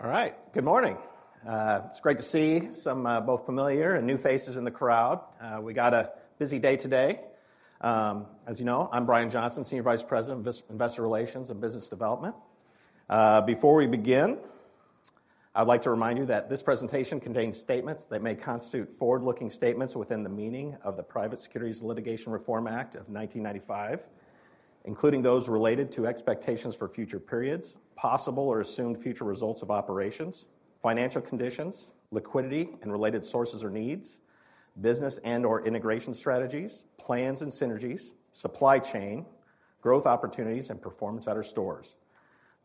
All right. Good morning. It's great to see some both familiar and new faces in the crowd. We got a busy day today. As you know, I'm Brian Johnson, Senior Vice President of investor relations and Business Development. Before we begin, I'd like to remind you that this presentation contains statements that may constitute forward-looking statements within the meaning of the Private Securities Litigation Reform Act of 1995, including those related to expectations for future periods, possible or assumed future results of operations, financial conditions, liquidity, and related sources or needs, business and/or integration strategies, plans and synergies, supply chain, growth opportunities, and performance at our stores.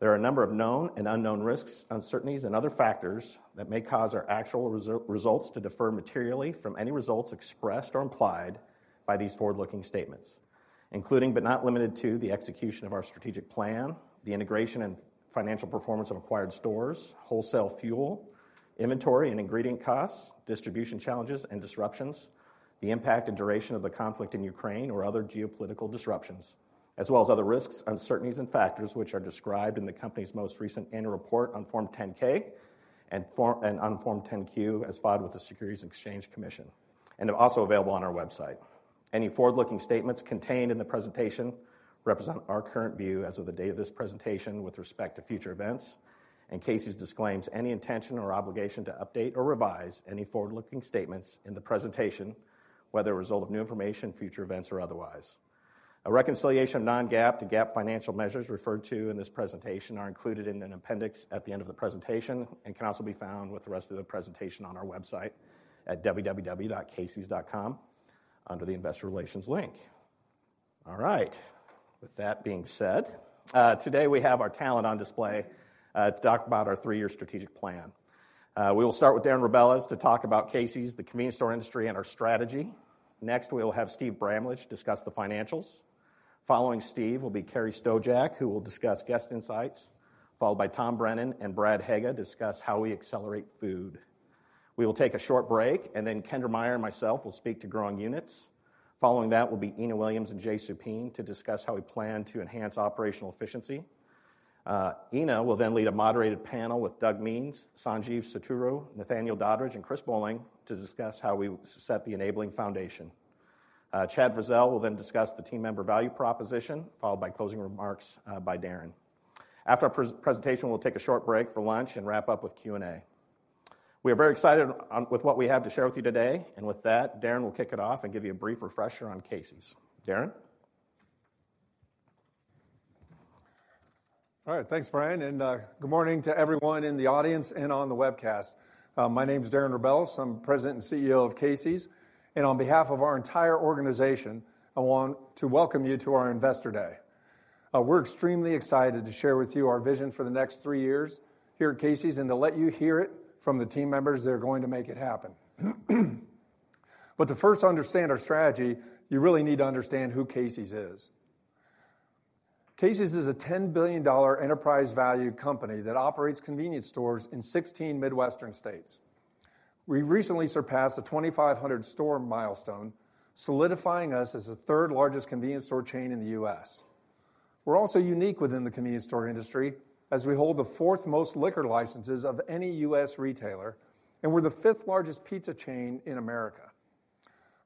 There are a number of known and unknown risks, uncertainties, and other factors that may cause our actual results to differ materially from any results expressed or implied by these forward-looking statements, including but not limited to, the execution of our strategic plan, the integration and financial performance of acquired stores, wholesale fuel, inventory and ingredient costs, distribution challenges and disruptions, the impact and duration of the conflict in Ukraine or other geopolitical disruptions, as well as other risks, uncertainties and factors which are described in the company's most recent annual report on Form 10-K and on Form 10-Q, as filed with the Securities and Exchange Commission, and are also available on our website. Any forward-looking statements contained in the presentation represent our current view as of the date of this presentation with respect to future events, and Casey's disclaims any intention or obligation to update or revise any forward-looking statements in the presentation, whether a result of new information, future events, or otherwise. A reconciliation of non-GAAP to GAAP financial measures referred to in this presentation are included in an appendix at the end of the presentation and can also be found with the rest of the presentation on our website at www.caseys.com under the Investor Relations link. All right. With that being said, today we have our talent on display to talk about our three-year strategic plan. We will start with Darren Rebelez to talk about Casey's, the convenience store industry, and our strategy. Next, we will have Steve Bramlage discuss the financials. Following Steve will be Carrie Stojack, who will discuss guest insights, followed by Tom Brennan and Brad Haga, discuss how we accelerate food. We will take a short break, and then Kendra Meyer and myself will speak to growing units. Following that will be Ena Williams and Jay Soupene to discuss how we plan to enhance operational efficiency. Ena will then lead a moderated panel with Doug Means, Sanjeev Satturu, Nathaniel Doddridge, and Chris Boling, to discuss how we set the enabling foundation. Chad Frazell will then discuss the team member value proposition, followed by closing remarks by Darren. After our presentation, we'll take a short break for lunch and wrap up with Q&A. We are very excited with what we have to share with you today, With that, Darren will kick it off and give you a brief refresher on Casey's. Darren? All right, thanks, Brian, good morning to everyone in the audience and on the webcast. My name is Darren Rebelez. I'm President and CEO of Casey's, on behalf of our entire organization, I want to welcome you to our Investor Day. We're extremely excited to share with you our vision for the next three years here at Casey's, to let you hear it from the team members that are going to make it happen. To first understand our strategy, you really need to understand who Casey's is. Casey's is a $10 billion enterprise value company that operates convenience stores in 16 Midwestern states. We recently surpassed the 2,500 store milestone, solidifying us as the third-largest convenience store chain in the U.S. We're also unique within the convenience store industry, as we hold the fourth-most liquor licenses of any U.S. retailer, and we're the fifth-largest pizza chain in America.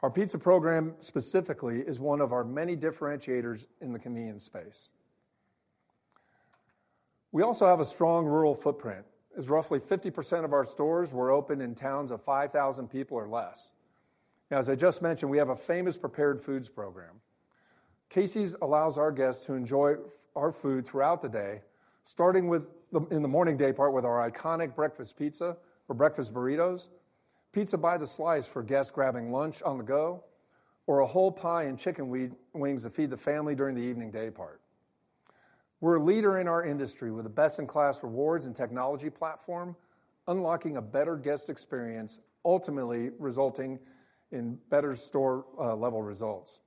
Our pizza program, specifically, is one of our many differentiators in the convenience space. We also have a strong rural footprint, as roughly 50% of our stores were opened in towns of 5,000 people or less. As I just mentioned, we have a famous prepared foods program. Casey's allows our guests to enjoy our food throughout the day, starting in the morning day part with our iconic breakfast pizza or breakfast burritos, pizza by the slice for guests grabbing lunch on the go, or a whole pie and chicken wings to feed the family during the evening day part. We're a leader in our industry with a best-in-class rewards and technology platform, unlocking a better guest experience, ultimately resulting in better store level results.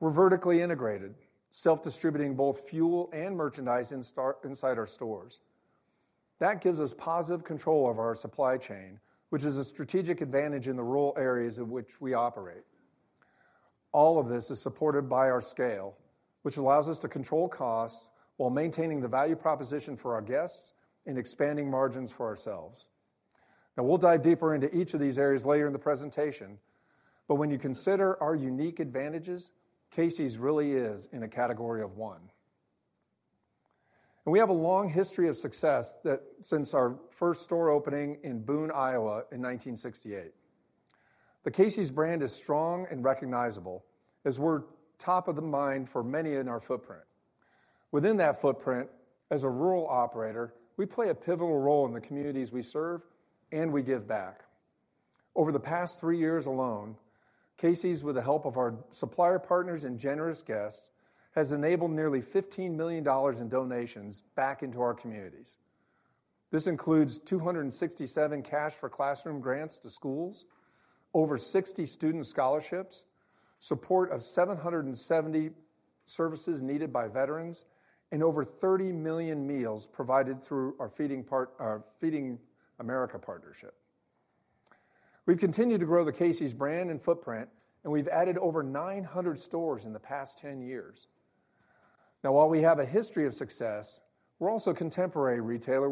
We're vertically integrated, self-distributing both fuel and merchandise inside our stores. That gives us positive control of our supply chain, which is a strategic advantage in the rural areas in which we operate. All of this is supported by our scale, which allows us to control costs while maintaining the value proposition for our guests and expanding margins for ourselves. We'll dive deeper into each of these areas later in the presentation, but when you consider our unique advantages, Casey's really is in a category of one. We have a long history of success that since our first store opening in Boone, Iowa, in 1968. The Casey's brand is strong and recognizable, as we're top of the mind for many in our footprint. Within that footprint, as a rural operator, we play a pivotal role in the communities we serve, and we give back. Over the past three years alone, Casey's, with the help of our supplier partners and generous guests, has enabled nearly $15 million in donations back into our communities. This includes 267 Cash for Classrooms grants to schools, over 60 student scholarships, support of seven hundred and seventy-... services needed by veterans, and over 30 million meals provided through our Feeding America partnership. We've continued to grow the Casey's brand and footprint, and we've added over 900 stores in the past 10 years. Now, while we have a history of success, we're also a contemporary retailer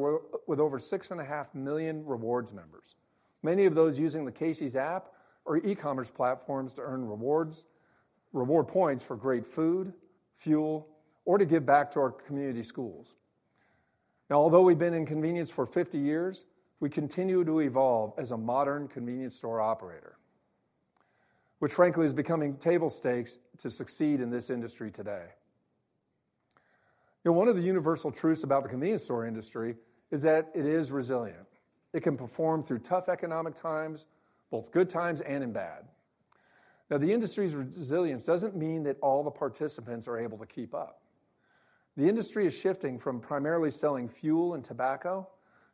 with over 6.5 million Rewards members, many of those using the Casey's app or e-commerce platforms to earn rewards, reward points for great food, fuel, or to give back to our community schools. Now, although we've been in convenience for 50 years, we continue to evolve as a modern convenience store operator, which frankly, is becoming table stakes to succeed in this industry today. Now, one of the universal truths about the convenience store industry is that it is resilient. It can perform through tough economic times, both good times and in bad. Now, the industry's resilience doesn't mean that all the participants are able to keep up. The industry is shifting from primarily selling fuel and tobacco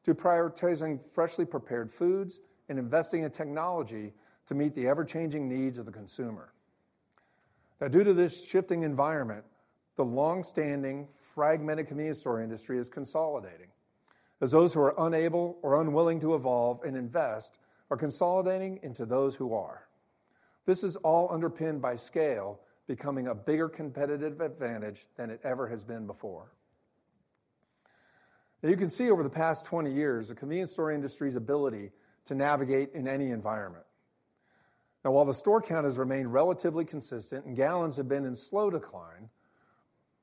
to prioritizing freshly prepared foods and investing in technology to meet the ever-changing needs of the consumer. Due to this shifting environment, the long-standing fragmented convenience store industry is consolidating, as those who are unable or unwilling to evolve and invest are consolidating into those who are. This is all underpinned by scale, becoming a bigger competitive advantage than it ever has been before. You can see over the past 20 years, the convenience store industry's ability to navigate in any environment. While the store count has remained relatively consistent and gallons have been in slow decline,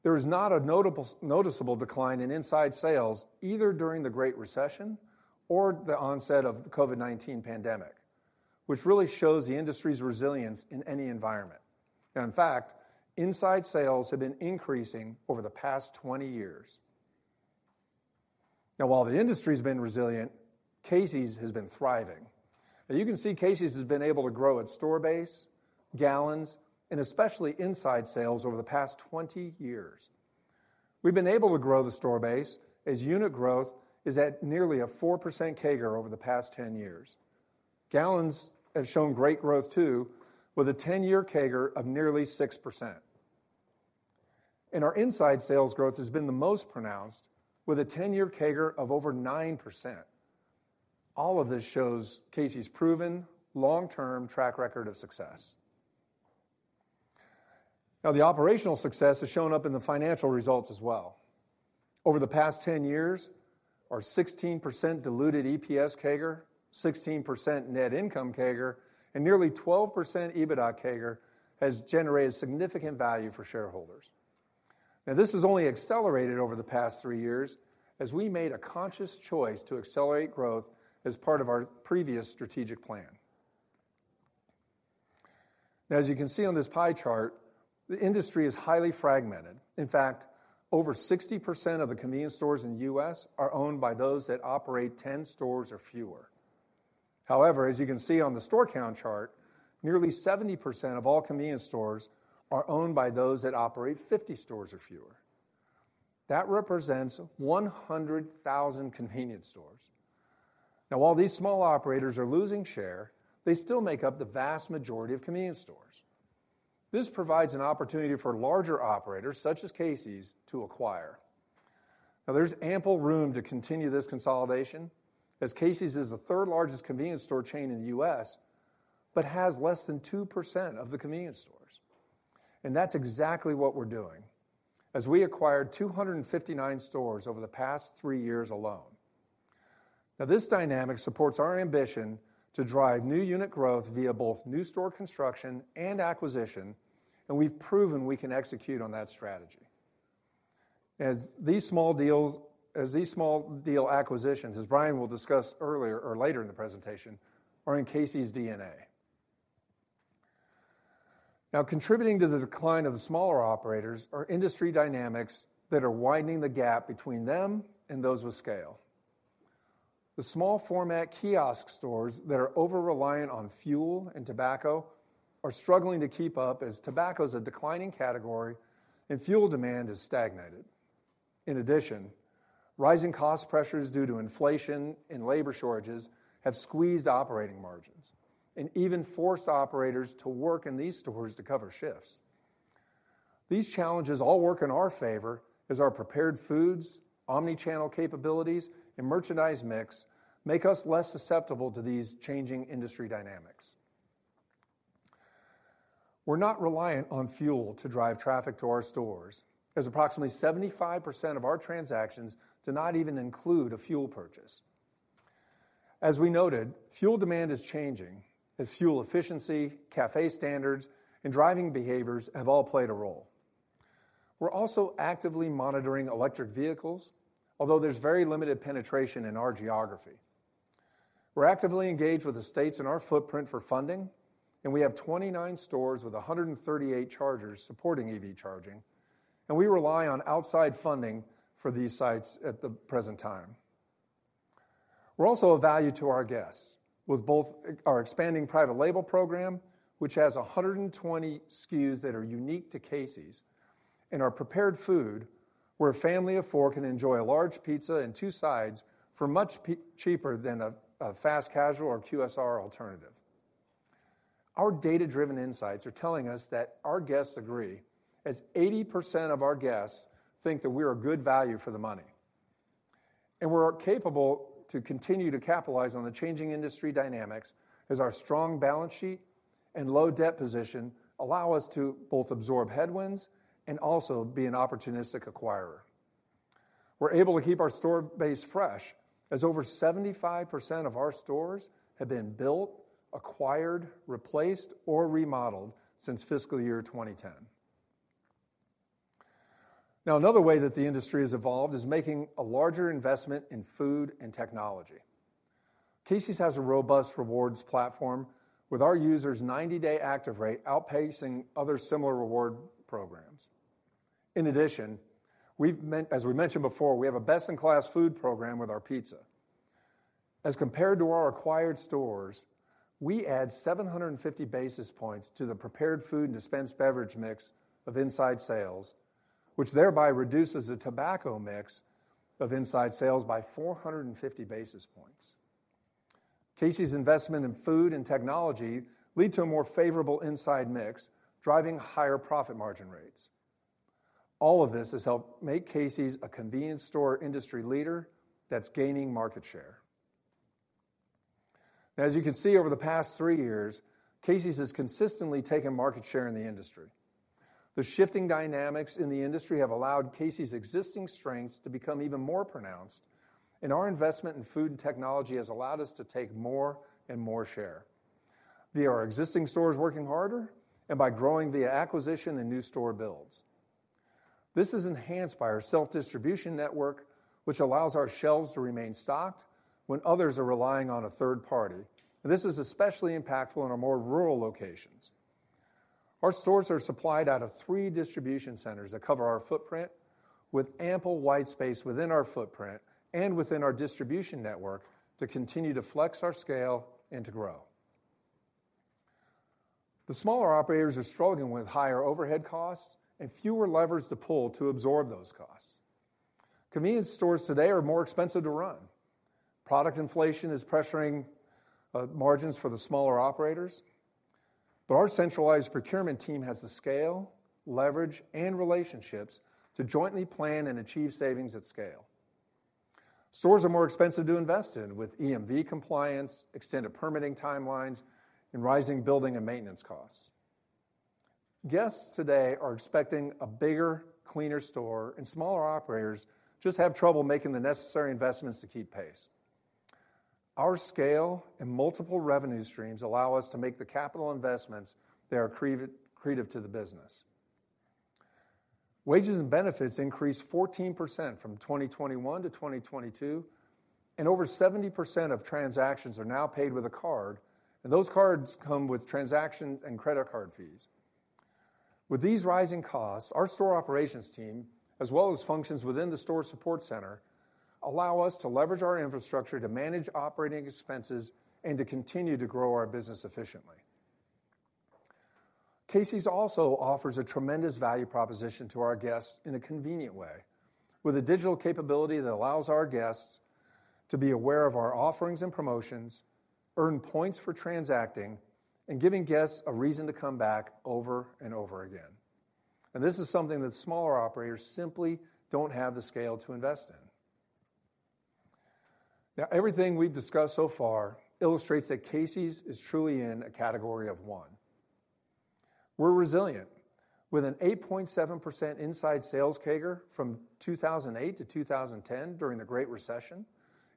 there is not a notable, noticeable decline in inside sales, either during the Great Recession or the onset of the COVID-19 pandemic, which really shows the industry's resilience in any environment. In fact, inside sales have been increasing over the past 20 years. While the industry's been resilient, Casey's has been thriving. You can see Casey's has been able to grow its store base, gallons, and especially inside sales over the past 20 years. We've been able to grow the store base as unit growth is at nearly a 4% CAGR over the past 10 years. Gallons have shown great growth, too, with a 10-year CAGR of nearly 6%. Our inside sales growth has been the most pronounced, with a 10-year CAGR of over 9%. All of this shows Casey's proven long-term track record of success. The operational success has shown up in the financial results as well. Over the past 10 years, our 16% diluted EPS CAGR, 16% net income CAGR, and nearly 12% EBITDA CAGR has generated significant value for shareholders. This has only accelerated over the past three years as we made a conscious choice to accelerate growth as part of our previous strategic plan. As you can see on this pie chart, the industry is highly fragmented. In fact, over 60% of the convenience stores in the U.S. are owned by those that operate 10 stores or fewer. However, as you can see on the store count chart, nearly 70% of all convenience stores are owned by those that operate 50 stores or fewer. That represents 100,000 convenience stores. While these small operators are losing share, they still make up the vast majority of convenience stores. This provides an opportunity for larger operators, such as Casey's, to acquire. There's ample room to continue this consolidation, as Casey's is the third-largest convenience store chain in the U.S., but has less than 2% of the convenience stores. That's exactly what we're doing, as we acquired 259 stores over the past three years alone. This dynamic supports our ambition to drive new unit growth via both new store construction and acquisition, and we've proven we can execute on that strategy. As these small deal acquisitions, as Brian will discuss earlier or later in the presentation, are in Casey's DNA. Contributing to the decline of the smaller operators are industry dynamics that are widening the gap between them and those with scale. The small format kiosk stores that are over-reliant on fuel and tobacco are struggling to keep up as tobacco is a declining category and fuel demand has stagnated. Rising cost pressures due to inflation and labor shortages have squeezed operating margins and even forced operators to work in these stores to cover shifts. These challenges all work in our favor as our prepared foods, omnichannel capabilities, and merchandise mix make us less susceptible to these changing industry dynamics. We're not reliant on fuel to drive traffic to our stores, as approximately 75% of our transactions do not even include a fuel purchase. As we noted, fuel demand is changing as fuel efficiency, CAFE standards, and driving behaviors have all played a role. We're also actively monitoring electric vehicles, although there's very limited penetration in our geography. We're actively engaged with the states in our footprint for funding, and we have 29 stores with 138 chargers supporting EV charging, and we rely on outside funding for these sites at the present time. We're also of value to our guests, with both our expanding private label program, which has 120 SKUs that are unique to Casey's, and our prepared food, where a family of four can enjoy a large pizza and two sides for much cheaper than a fast casual or QSR alternative. Our data-driven insights are telling us that our guests agree, as 80% of our guests think that we are a good value for the money. We're capable to continue to capitalize on the changing industry dynamics, as our strong balance sheet and low debt position allow us to both absorb headwinds and also be an opportunistic acquirer. We're able to keep our store base fresh, as over 75% of our stores have been built, acquired, replaced, or remodeled since fiscal year 2010. Another way that the industry has evolved is making a larger investment in food and technology. Casey's has a robust rewards platform, with our users' 90-day active rate outpacing other similar reward programs. In addition, as we mentioned before, we have a best-in-class food program with our pizza. As compared to our acquired stores, we add 750 basis points to the Prepared Food & Dispensed Beverage mix of inside sales, which thereby reduces the tobacco mix of inside sales by 450 basis points. Casey's investment in food and technology led to a more favorable inside mix, driving higher profit margin rates. All of this has helped make Casey's a convenience store industry leader that's gaining market share. As you can see, over the past three years, Casey's has consistently taken market share in the industry. The shifting dynamics in the industry have allowed Casey's existing strengths to become even more pronounced, our investment in food and technology has allowed us to take more and more share, via our existing stores working harder and by growing via acquisition and new store builds. This is enhanced by our self-distribution network, which allows our shelves to remain stocked when others are relying on a third party. This is especially impactful in our more rural locations. Our stores are supplied out of three distribution centers that cover our footprint, with ample wide space within our footprint and within our distribution network to continue to flex our scale and to grow. The smaller operators are struggling with higher overhead costs and fewer levers to pull to absorb those costs. Convenience stores today are more expensive to run. Product inflation is pressuring margins for the smaller operators, but our centralized procurement team has the scale, leverage, and relationships to jointly plan and achieve savings at scale. Stores are more expensive to invest in, with EMV compliance, extended permitting timelines, and rising building and maintenance costs. Guests today are expecting a bigger, cleaner store. Smaller operators just have trouble making the necessary investments to keep pace. Our scale and multiple revenue streams allow us to make the capital investments that are creative to the business. Wages and benefits increased 14% from 2021 to 2022, and over 70% of transactions are now paid with a card, and those cards come with transaction and credit card fees. With these rising costs, our store operations team, as well as functions within the store support center, allow us to leverage our infrastructure to manage operating expenses and to continue to grow our business efficiently. Casey's also offers a tremendous value proposition to our guests in a convenient way, with a digital capability that allows our guests to be aware of our offerings and promotions, earn points for transacting, and giving guests a reason to come back over and over again. This is something that smaller operators simply don't have the scale to invest in. Everything we've discussed so far illustrates that Casey's is truly in a category of one. We're resilient, with an 8.7% inside sales CAGR from 2008 to 2010 during the Great Recession,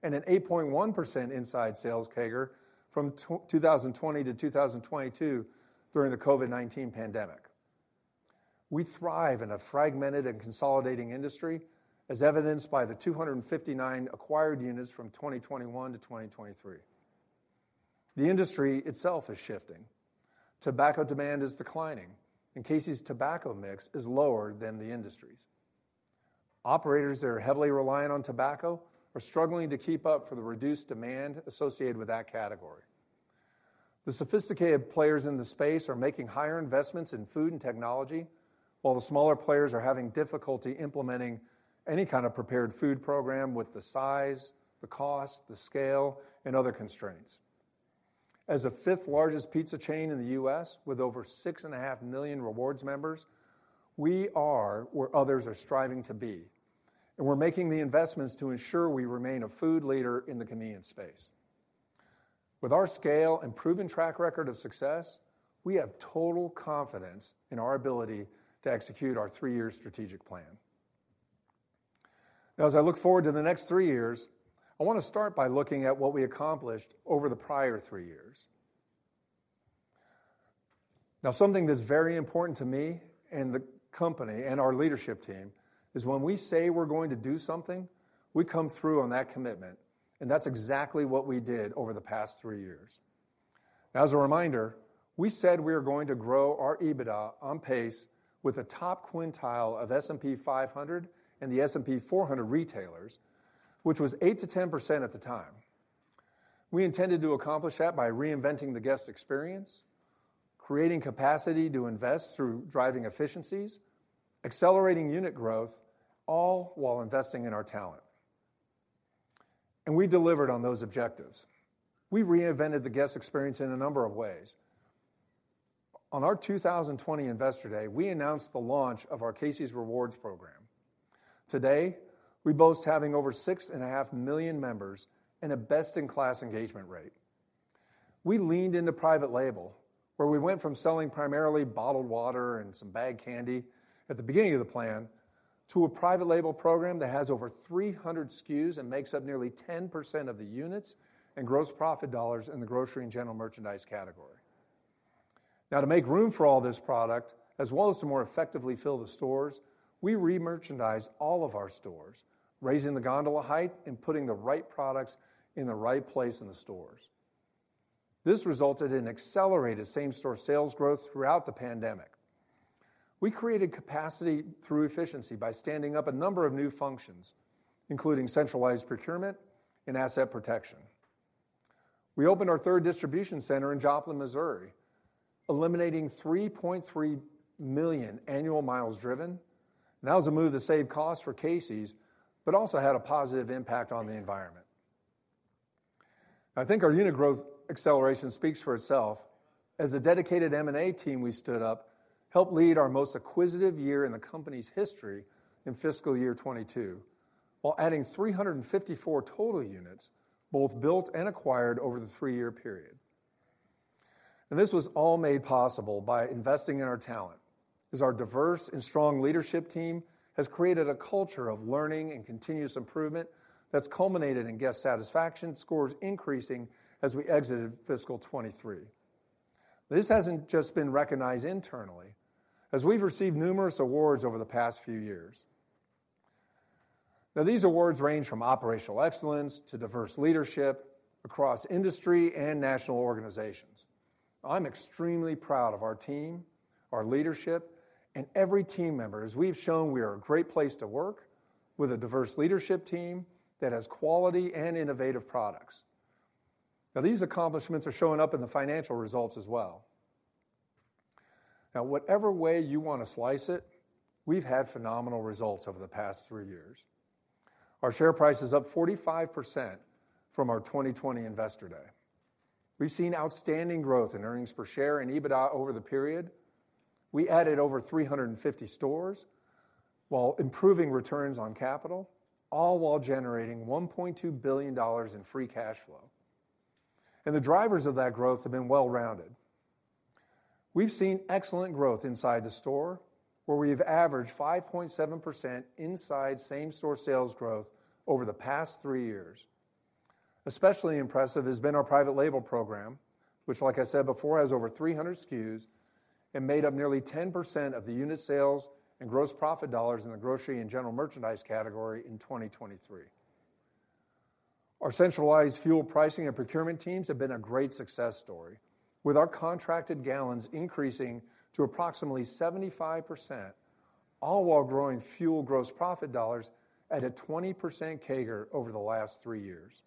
and an 8.1% inside sales CAGR from 2020 to 2022 during the COVID-19 pandemic. We thrive in a fragmented and consolidating industry, as evidenced by the 259 acquired units from 2021 to 2023. The industry itself is shifting. Tobacco demand is declining, and Casey's tobacco mix is lower than the industry's. Operators that are heavily reliant on tobacco are struggling to keep up with the reduced demand associated with that category. The sophisticated players in the space are making higher investments in food and technology, while the smaller players are having difficulty implementing any kind of prepared food program with the size, the cost, the scale, and other constraints. As the fifth largest pizza chain in the U.S., with over 6.5 million rewards members, we are where others are striving to be, and we're making the investments to ensure we remain a food leader in the convenience space. With our scale and proven track record of success, we have total confidence in our ability to execute our three-year strategic plan. As I look forward to the next three years, I want to start by looking at what we accomplished over the prior three years. Something that's very important to me and the company and our leadership team is when we say we're going to do something, we come through on that commitment, and that's exactly what we did over the past three years. As a reminder, we said we are going to grow our EBITDA on pace with a top quintile of S&P 500 and the S&P 400 retailers, which was 8%-10% at the time. We intended to accomplish that by reinventing the guest experience, creating capacity to invest through driving efficiencies, accelerating unit growth, all while investing in our talent. We delivered on those objectives. We reinvented the guest experience in a number of ways. On our 2020 Investor Day, we announced the launch of our Casey's Rewards program. Today, we boast having over 6.5 million members and a best-in-class engagement rate. We leaned into private label, where we went from selling primarily bottled water and some bagged candy at the beginning of the plan, to a private label program that has over 300 SKUs and makes up nearly 10% of the units and gross profit dollars in the grocery and general merchandise category. Now, to make room for all this product, as well as to more effectively fill the stores, we re-merchandised all of our stores, raising the gondola height and putting the right products in the right place in the stores. This resulted in accelerated same-store sales growth throughout the pandemic. We created capacity through efficiency by standing up a number of new functions, including centralized procurement and asset protection. We opened our third distribution center in Joplin, Missouri, eliminating 3.3 million annual miles driven. That was a move that saved costs for Casey's but also had a positive impact on the environment. I think our unit growth acceleration speaks for itself, as the dedicated M&A team we stood up helped lead our most acquisitive year in the company's history in fiscal year 2022, while adding 354 total units, both built and acquired over the three-year period. This was all made possible by investing in our talent, as our diverse and strong leadership team has created a culture of learning and continuous improvement that's culminated in guest satisfaction scores increasing as we exited fiscal 2023. This hasn't just been recognized internally, as we've received numerous awards over the past few years. These awards range from operational excellence to diverse leadership across industry and national organizations. I'm extremely proud of our team, our leadership, and every team member, as we've shown we are a great place to work, with a diverse leadership team that has quality and innovative products. These accomplishments are showing up in the financial results as well. Whatever way you want to slice it, we've had phenomenal results over the past three years. Our share price is up 45% from our 2020 Investor Day. We've seen outstanding growth in earnings per share and EBITDA over the period. We added over 350 stores while improving returns on capital, all while generating $1.2 billion in free cash flow. The drivers of that growth have been well-rounded. We've seen excellent growth inside the store, where we've averaged 5.7% inside same-store sales growth over the past three years. Especially impressive has been our private label program, which, like I said before, has over 300 SKUs and made up nearly 10% of the unit sales and gross profit dollars in the grocery and general merchandise category in 2023. Our centralized fuel pricing and procurement teams have been a great success story, with our contracted gallons increasing to approximately 75%, all while growing fuel gross profit dollars at a 20% CAGR over the last three years.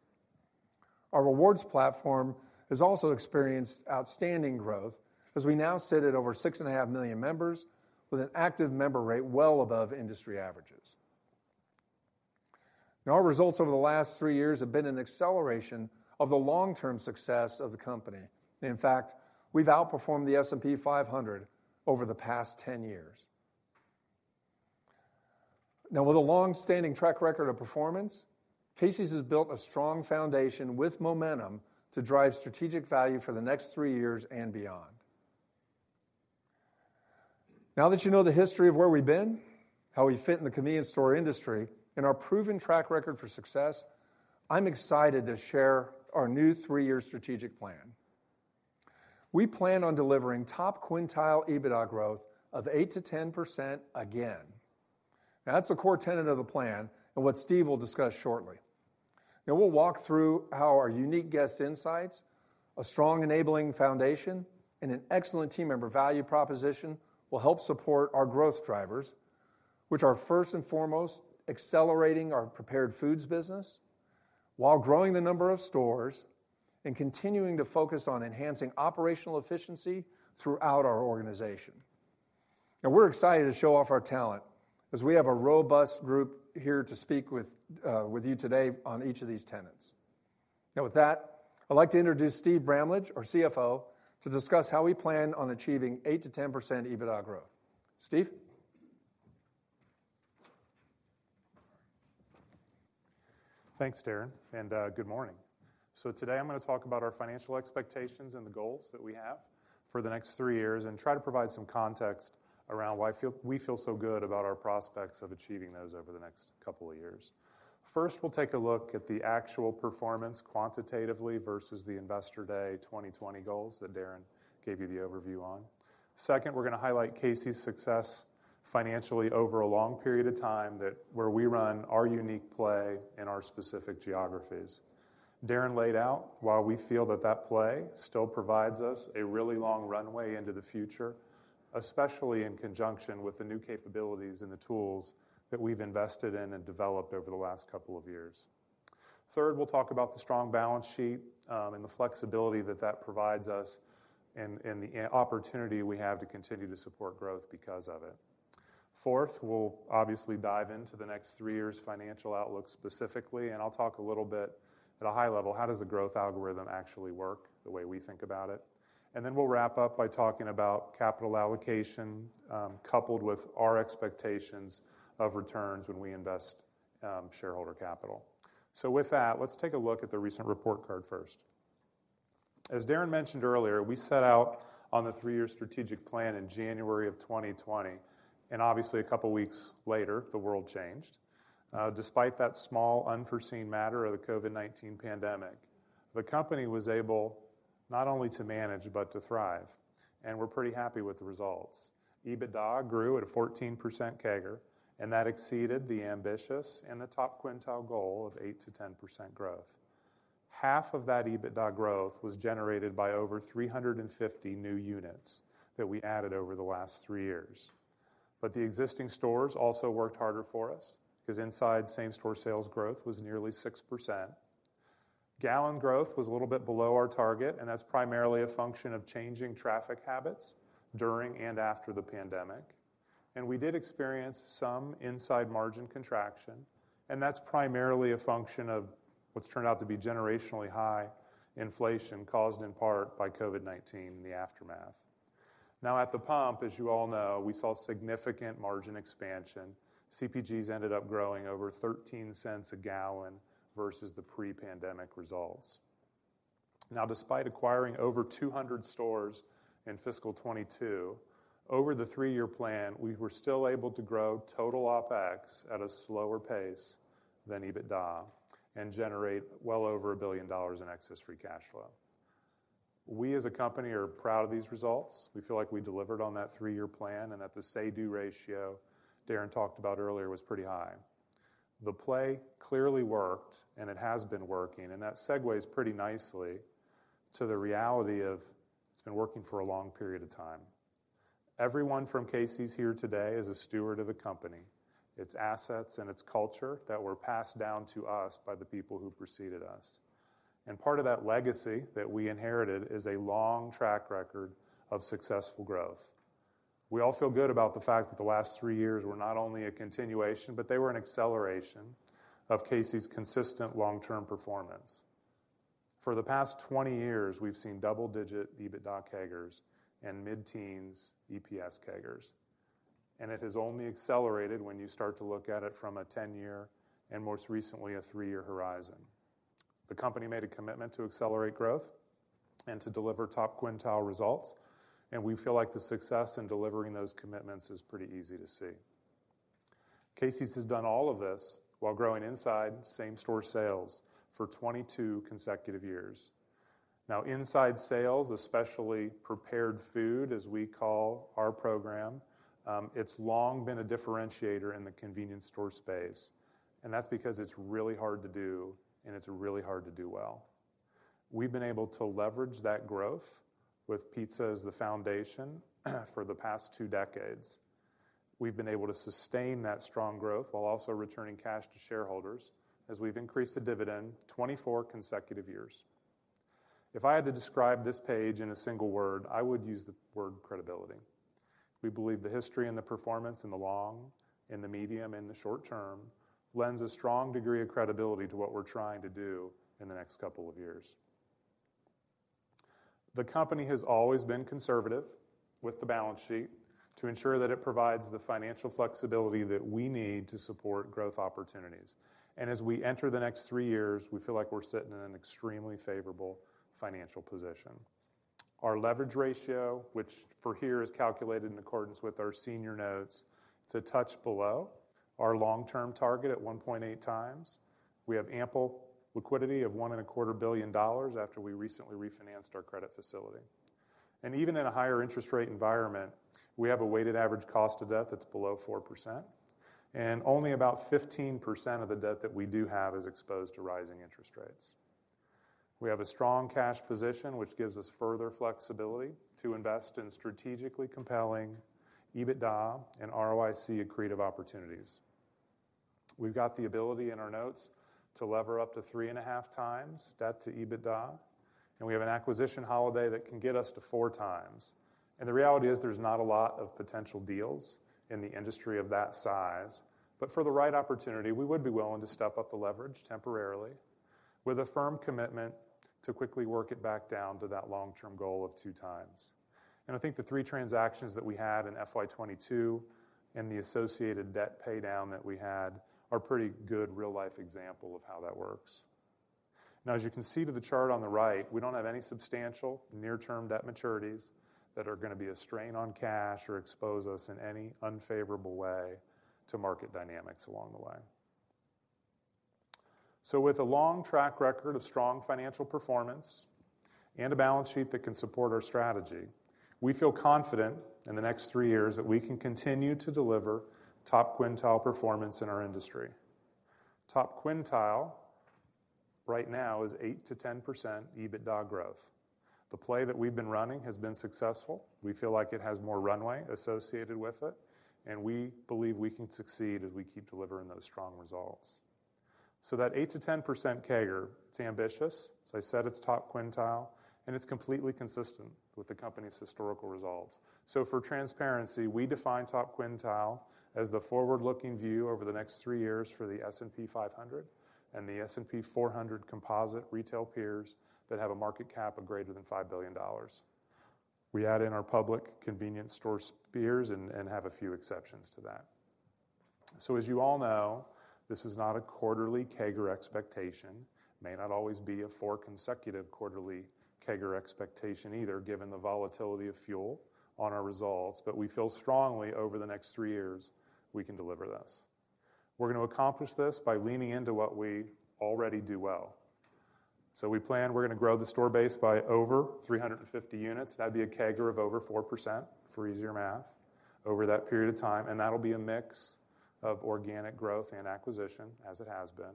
Our rewards platform has also experienced outstanding growth, as we now sit at over 6.5 million members, with an active member rate well above industry averages. Now, our results over the last three years have been an acceleration of the long-term success of the company. In fact, we've outperformed the S&P 500 over the past 10 years. Now, with a long-standing track record of performance, Casey's has built a strong foundation with momentum to drive strategic value for the next three years and beyond. Now that you know the history of where we've been, how we fit in the convenience store industry, and our proven track record for success, I'm excited to share our new three-year strategic plan. We plan on delivering top quintile EBITDA growth of 8%-10% again. Now, that's a core tenet of the plan and what Steve will discuss shortly. We'll walk through how our unique guest insights, a strong enabling foundation, and an excellent team member value proposition will help support our growth drivers, which are first and foremost, accelerating our prepared foods business while growing the number of stores and continuing to focus on enhancing operational efficiency throughout our organization. We're excited to show off our talent, as we have a robust group here to speak with you today on each of these tenets. With that, I'd like to introduce Steve Bramlage, our CFO, to discuss how we plan on achieving 8%-10% EBITDA growth. Steve? Thanks, Darren, good morning. Today I'm gonna talk about our financial expectations and the goals that we have for the next three years, and try to provide some context around why we feel so good about our prospects of achieving those over the next couple of years. First, we'll take a look at the actual performance quantitatively versus the Investor Day 2020 goals that Darren gave you the overview on. Second, we're gonna highlight Casey's success financially over a long period of time where we run our unique play in our specific geographies. Darren laid out why we feel that that play still provides us a really long runway into the future, especially in conjunction with the new capabilities and the tools that we've invested in and developed over the last couple of years. Third, we'll talk about the strong balance sheet, and the flexibility that that provides us and the opportunity we have to continue to support growth because of it. Fourth, we'll obviously dive into the next three years' financial outlook specifically, and I'll talk a little bit at a high level, how does the growth algorithm actually work, the way we think about it. We'll wrap up by talking about capital allocation, coupled with our expectations of returns when we invest shareholder capital. With that, let's take a look at the recent report card first. As Darren mentioned earlier, we set out on the three-year strategic plan in January of 2020, and obviously, a couple of weeks later, the world changed. Despite that small, unforeseen matter of the COVID-19 pandemic, the company was able not only to manage but to thrive, we're pretty happy with the results. EBITDA grew at a 14% CAGR, that exceeded the ambitious and the top quintile goal of 8%-10% growth. Half of that EBITDA growth was generated by over 350 new units that we added over the last three years. The existing stores also worked harder for us, 'cause inside same-store sales growth was nearly 6%. Gallon growth was a little bit below our target, that's primarily a function of changing traffic habits during and after the pandemic. We did experience some inside margin contraction, and that's primarily a function of what's turned out to be generationally high inflation, caused in part by COVID-19 and the aftermath. At the pump, as you all know, we saw significant margin expansion. CPGs ended up growing over $0.13 a gallon versus the pre-pandemic results. Despite acquiring over 200 stores in fiscal 2022, over the three-year plan, we were still able to grow total OpEx at a slower pace than EBITDA and generate well over $1 billion in excess free cash flow. We, as a company, are proud of these results. We feel like we delivered on that three-year plan, and that the say-do ratio Darren talked about earlier was pretty high. The play clearly worked, and it has been working, and that segues pretty nicely to the reality of it's been working for a long period of time. Everyone from Casey's here today is a steward of the company, its assets, and its culture that were passed down to us by the people who preceded us. Part of that legacy that we inherited is a long track record of successful growth. We all feel good about the fact that the last three years were not only a continuation, but they were an acceleration of Casey's consistent long-term performance. For the past 20 years, we've seen double-digit EBITDA CAGRs and mid-teens EPS CAGRs, it has only accelerated when you start to look at it from a 10-year, most recently, a three-year horizon. The company made a commitment to accelerate growth and to deliver top quintile results, we feel like the success in delivering those commitments is pretty easy to see. Casey's has done all of this while growing inside same-store sales for 22 consecutive years. Inside sales, especially prepared food, as we call our program, it's long been a differentiator in the convenience store space, and that's because it's really hard to do, and it's really hard to do well. We've been able to leverage that growth with pizza as the foundation for the past two decades. We've been able to sustain that strong growth while also returning cash to shareholders as we've increased the dividend 24 consecutive years. If I had to describe this page in a single word, I would use the word credibility. We believe the history and the performance in the long, in the medium, and the short term lends a strong degree of credibility to what we're trying to do in the next couple of years. The company has always been conservative with the balance sheet to ensure that it provides the financial flexibility that we need to support growth opportunities. As we enter the next three years, we feel like we're sitting in an extremely favorable financial position. Our leverage ratio, which for here is calculated in accordance with our senior notes, it's a touch below our long-term target at 1.8x. We have ample liquidity of one and a quarter billion dollars after we recently refinanced our credit facility. Even in a higher interest rate environment, we have a weighted average cost of debt that's below 4%, and only about 15% of the debt that we do have is exposed to rising interest rates. We have a strong cash position, which gives us further flexibility to invest in strategically compelling EBITDA and ROIC accretive opportunities. We've got the ability in our notes to lever up to 3.5x debt to EBITDA, and we have an acquisition holiday that can get us to 4x. The reality is there's not a lot of potential deals in the industry of that size, but for the right opportunity, we would be willing to step up the leverage temporarily with a firm commitment to quickly work it back down to that long-term goal of 2x. I think the three transactions that we had in FY 2022 and the associated debt paydown that we had are pretty good real-life example of how that works. As you can see to the chart on the right, we don't have any substantial near-term debt maturities that are gonna be a strain on cash or expose us in any unfavorable way to market dynamics along the way. With a long track record of strong financial performance and a balance sheet that can support our strategy, we feel confident in the next three years that we can continue to deliver top quintile performance in our industry. Top quintile right now is 8%-10% EBITDA growth. The play that we've been running has been successful. We feel like it has more runway associated with it, and we believe we can succeed as we keep delivering those strong results. That 8%-10% CAGR, it's ambitious. As I said, it's top quintile, and it's completely consistent with the company's historical results. For transparency, we define top quintile as the forward-looking view over the next three years for the S&P 500 and the S&P 400 composite retail peers that have a market cap of greater than $5 billion. We add in our public convenience store peers and have a few exceptions to that. As you all know, this is not a quarterly CAGR expectation. May not always be a four consecutive quarterly CAGR expectation either, given the volatility of fuel on our results, but we feel strongly over the next three years, we can deliver this. We're going to accomplish this by leaning into what we already do well. We plan, we're going to grow the store base by over 350 units. That'd be a CAGR of over 4%, for easier math, over that period of time, and that'll be a mix of organic growth and acquisition, as it has been.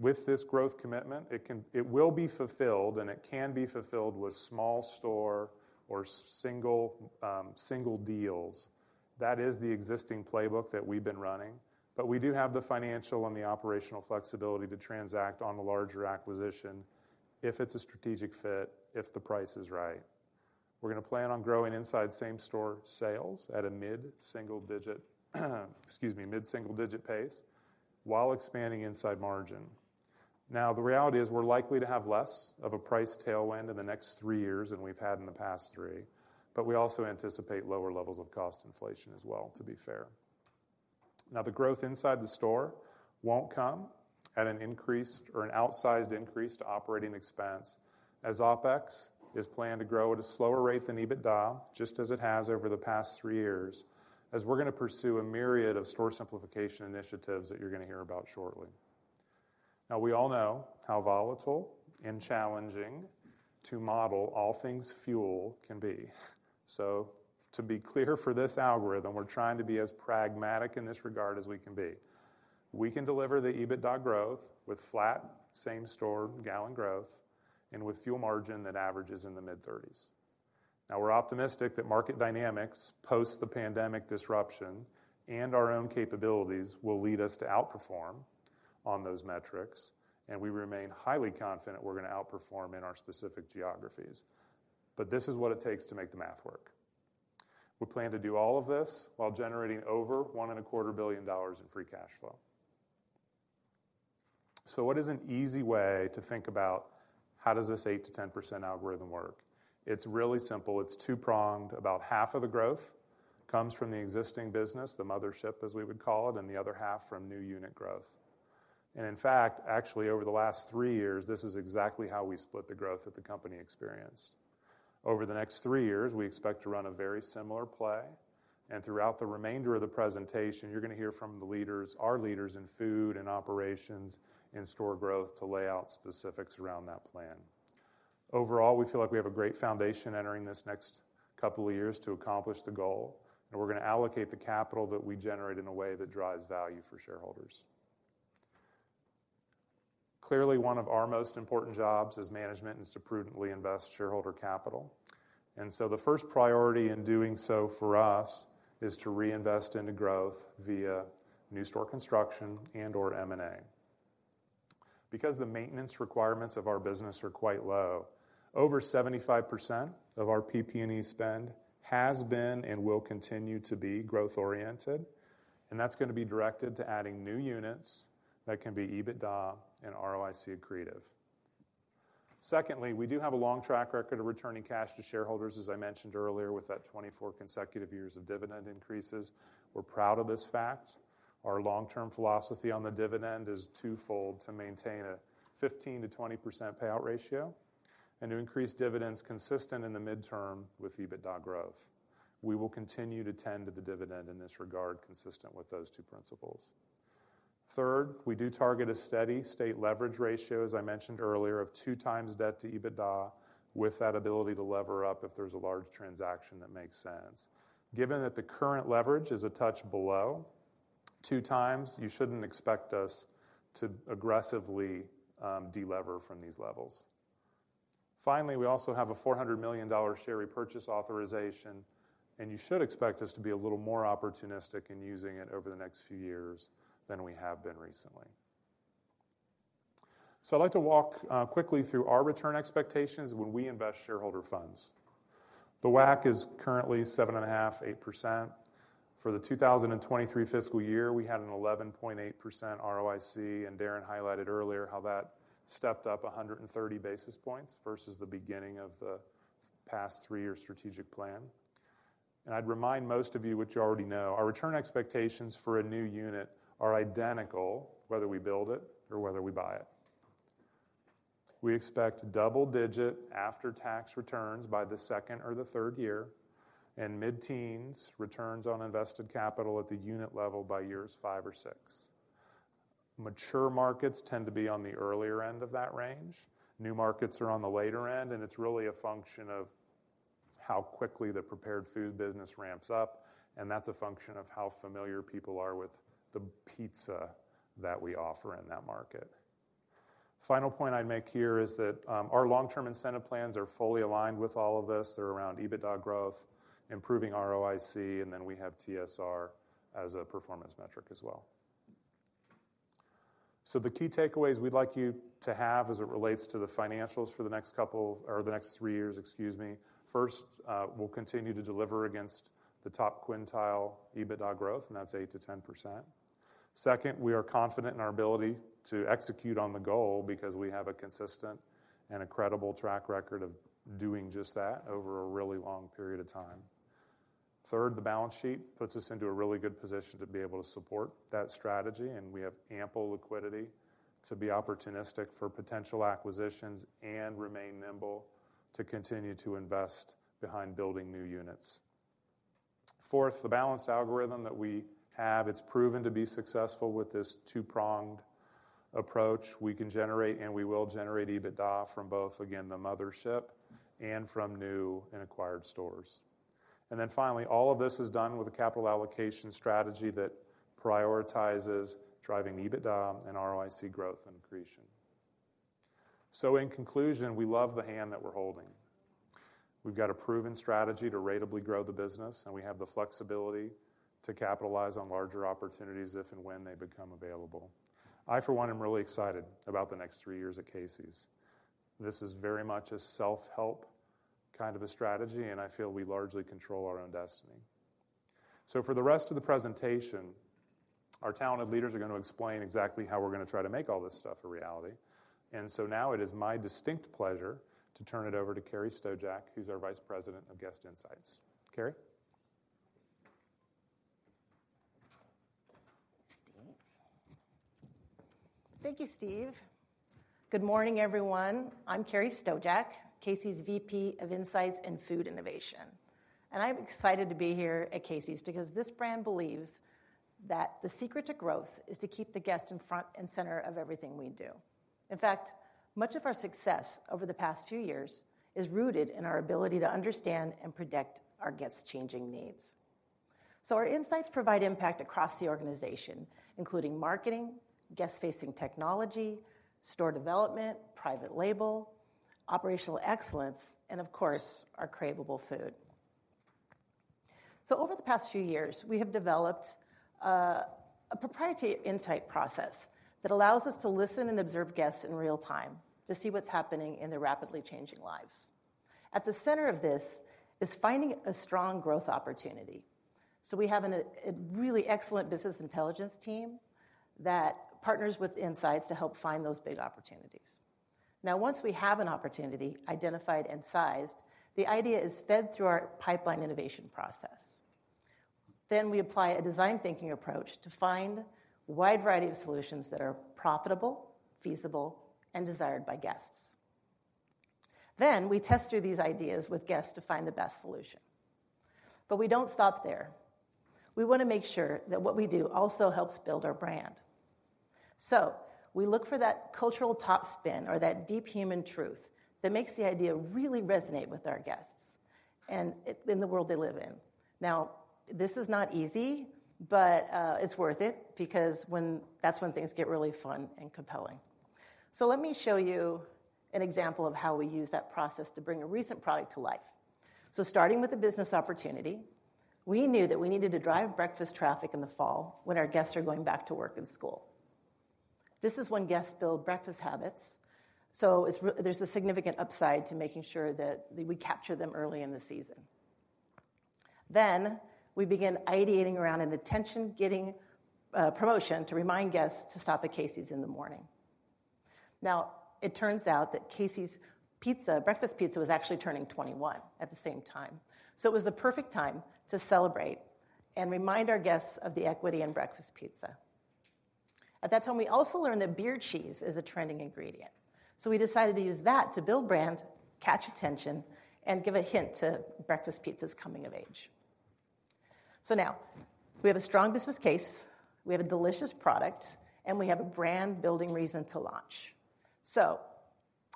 With this growth commitment, it will be fulfilled, and it can be fulfilled with small store or single deals. That is the existing playbook that we've been running, but we do have the financial and the operational flexibility to transact on a larger acquisition if it's a strategic fit, if the price is right. We're going to plan on growing inside same store sales at a mid-single digit pace, while expanding inside margin. The reality is we're likely to have less of a price tailwind in the next three years than we've had in the past three, but we also anticipate lower levels of cost inflation as well, to be fair. The growth inside the store won't come at an increased or an outsized increase to operating expense, as OpEx is planned to grow at a slower rate than EBITDA, just as it has over the past three years, as we're going to pursue a myriad of store simplification initiatives that you're going to hear about shortly. We all know how volatile and challenging to model all things fuel can be. To be clear for this algorithm, we're trying to be as pragmatic in this regard as we can be. We can deliver the EBITDA growth with flat same-store gallon growth and with fuel margin that averages in the mid-30s. We're optimistic that market dynamics, post the pandemic disruption, and our own capabilities will lead us to outperform on those metrics, and we remain highly confident we're going to outperform in our specific geographies. This is what it takes to make the math work. We plan to do all of this while generating over one and a quarter billion dollars in free cash flow. What is an easy way to think about how does this 8%-10% algorithm work? It's really simple. It's two-pronged. About half of the growth comes from the existing business, the mothership, as we would call it, and the other half from new unit growth. In fact, actually, over the last three years, this is exactly how we split the growth that the company experienced. Over the next three years, we expect to run a very similar play, and throughout the remainder of the presentation, you're going to hear from the leaders, our leaders in food and operations and store growth to lay out specifics around that plan. Overall, we feel like we have a great foundation entering this next couple of years to accomplish the goal, and we're going to allocate the capital that we generate in a way that drives value for shareholders. Clearly, one of our most important jobs as management is to prudently invest shareholder capital, and so the first priority in doing so for us is to reinvest into growth via new store construction and/or M&A. Because the maintenance requirements of our business are quite low, over 75% of our PP&E spend has been and will continue to be growth-oriented, and that's going to be directed to adding new units that can be EBITDA and ROIC accretive. Secondly, we do have a long track record of returning cash to shareholders, as I mentioned earlier, with that 24 consecutive years of dividend increases. We're proud of this fact. Our long-term philosophy on the dividend is twofold: to maintain a 15%-20% payout ratio and to increase dividends consistent in the midterm with EBITDA growth. We will continue to tend to the dividend in this regard, consistent with those two principles. Third, we do target a steady state leverage ratio, as I mentioned earlier, of 2x debt to EBITDA, with that ability to lever up if there's a large transaction that makes sense. Given that the current leverage is a touch below 2x, you shouldn't expect us to aggressively de-lever from these levels. Finally, we also have a $400 million share repurchase authorization, and you should expect us to be a little more opportunistic in using it over the next few years than we have been recently. I'd like to walk quickly through our return expectations when we invest shareholder funds. The WACC is currently 7.5-8%. For the 2023 fiscal year, we had an 11.8% ROIC. Darren highlighted earlier how that stepped up 130 basis points versus the beginning of the past three-year strategic plan. I'd remind most of you what you already know, our return expectations for a new unit are identical, whether we build it or whether we buy it. We expect double-digit after-tax returns by the second or the third year, and mid-teens returns on invested capital at the unit level by years five or six. Mature markets tend to be on the earlier end of that range. New markets are on the later end, and it's really a function of how quickly the prepared food business ramps up, and that's a function of how familiar people are with the pizza that we offer in that market. Final point I'd make here is that, our long-term incentive plans are fully aligned with all of this. They're around EBITDA growth, improving ROIC, and then we have TSR as a performance metric as well. The key takeaways we'd like you to have as it relates to the financials for the next couple, or the next three years, excuse me. First, we'll continue to deliver against the top quintile EBITDA growth, and that's 8%-10%. Second, we are confident in our ability to execute on the goal because we have a consistent and a credible track record of doing just that over a really long period of time. Third, the balance sheet puts us into a really good position to be able to support that strategy, and we have ample liquidity to be opportunistic for potential acquisitions and remain nimble to continue to invest behind building new units. Fourth, the balanced algorithm that we have, it's proven to be successful with this two-pronged approach. We can generate, and we will generate EBITDA from both, again, the mothership and from new and acquired stores. Finally, all of this is done with a capital allocation strategy that prioritizes driving EBITDA and ROIC growth and accretion. In conclusion, we love the hand that we're holding. We've got a proven strategy to ratably grow the business, and we have the flexibility to capitalize on larger opportunities if and when they become available. I, for one, am really excited about the next three years at Casey's. This is very much a self-help kind of a strategy, and I feel we largely control our own destiny. For the rest of the presentation, our talented leaders are going to explain exactly how we're going to try to make all this stuff a reality. Now it is my distinct pleasure to turn it over to Carrie Stojak, who's our Vice President of Guest Insights. Carrie? Steve. Thank you, Steve. Good morning, everyone. I'm Carrie Stojack, Casey's VP of Insights and Food Innovation. I'm excited to be here at Casey's because this brand believes that the secret to growth is to keep the guest in front and center of everything we do. In fact, much of our success over the past few years is rooted in our ability to understand and predict our guests' changing needs. Our insights provide impact across the organization, including marketing, guest-facing technology, store development, private label, Operational Excellence, and of course, our craveable food. Over the past few years, we have developed a proprietary insight process that allows us to listen and observe guests in real time to see what's happening in their rapidly changing lives. At the center of this is finding a strong growth opportunity. We have a really excellent business intelligence team that partners with insights to help find those big opportunities. Once we have an opportunity identified and sized, the idea is fed through our pipeline innovation process. We apply a design thinking approach to find a wide variety of solutions that are profitable, feasible, and desired by guests. We test through these ideas with guests to find the best solution. We don't stop there. We want to make sure that what we do also helps build our brand. We look for that cultural top spin or that deep human truth that makes the idea really resonate with our guests and in the world they live in. This is not easy, but it's worth it because that's when things get really fun and compelling. Let me show you an example of how we use that process to bring a recent product to life. Starting with the business opportunity, we knew that we needed to drive breakfast traffic in the fall when our guests are going back to work and school. This is when guests build breakfast habits, so there's a significant upside to making sure that we capture them early in the season. We begin ideating around an attention-getting promotion to remind guests to stop at Casey's in the morning. It turns out that Casey's pizza, breakfast pizza, was actually turning 21 at the same time. It was the perfect time to celebrate and remind our guests of the equity in breakfast pizza. At that time, we also learned that beer cheese is a trending ingredient. We decided to use that to build brand, catch attention, and give a hint to breakfast pizza's coming of age. Now, we have a strong business case, we have a delicious product, and we have a brand-building reason to launch.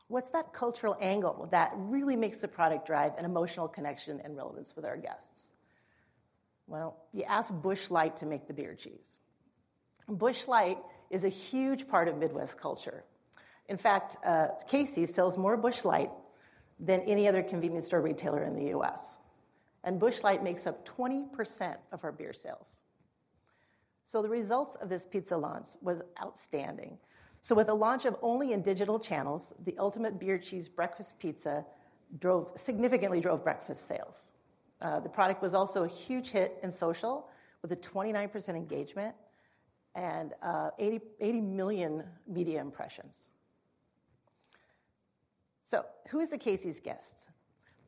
What's that cultural angle that really makes the product drive an emotional connection and relevance with our guests? Well, you ask Busch Light to make the beer cheese. Busch Light is a huge part of Midwest culture. In fact, Casey's sells more Busch Light than any other convenience store retailer in the U.S., and Busch Light makes up 20% of our beer sales. The results of this pizza launch was outstanding. With the launch of only in digital channels, the Ultimate Beer Cheese Breakfast Pizza significantly drove breakfast sales. The product was also a huge hit in social, with a 29% engagement and 80 million media impressions. Who is the Casey's guest?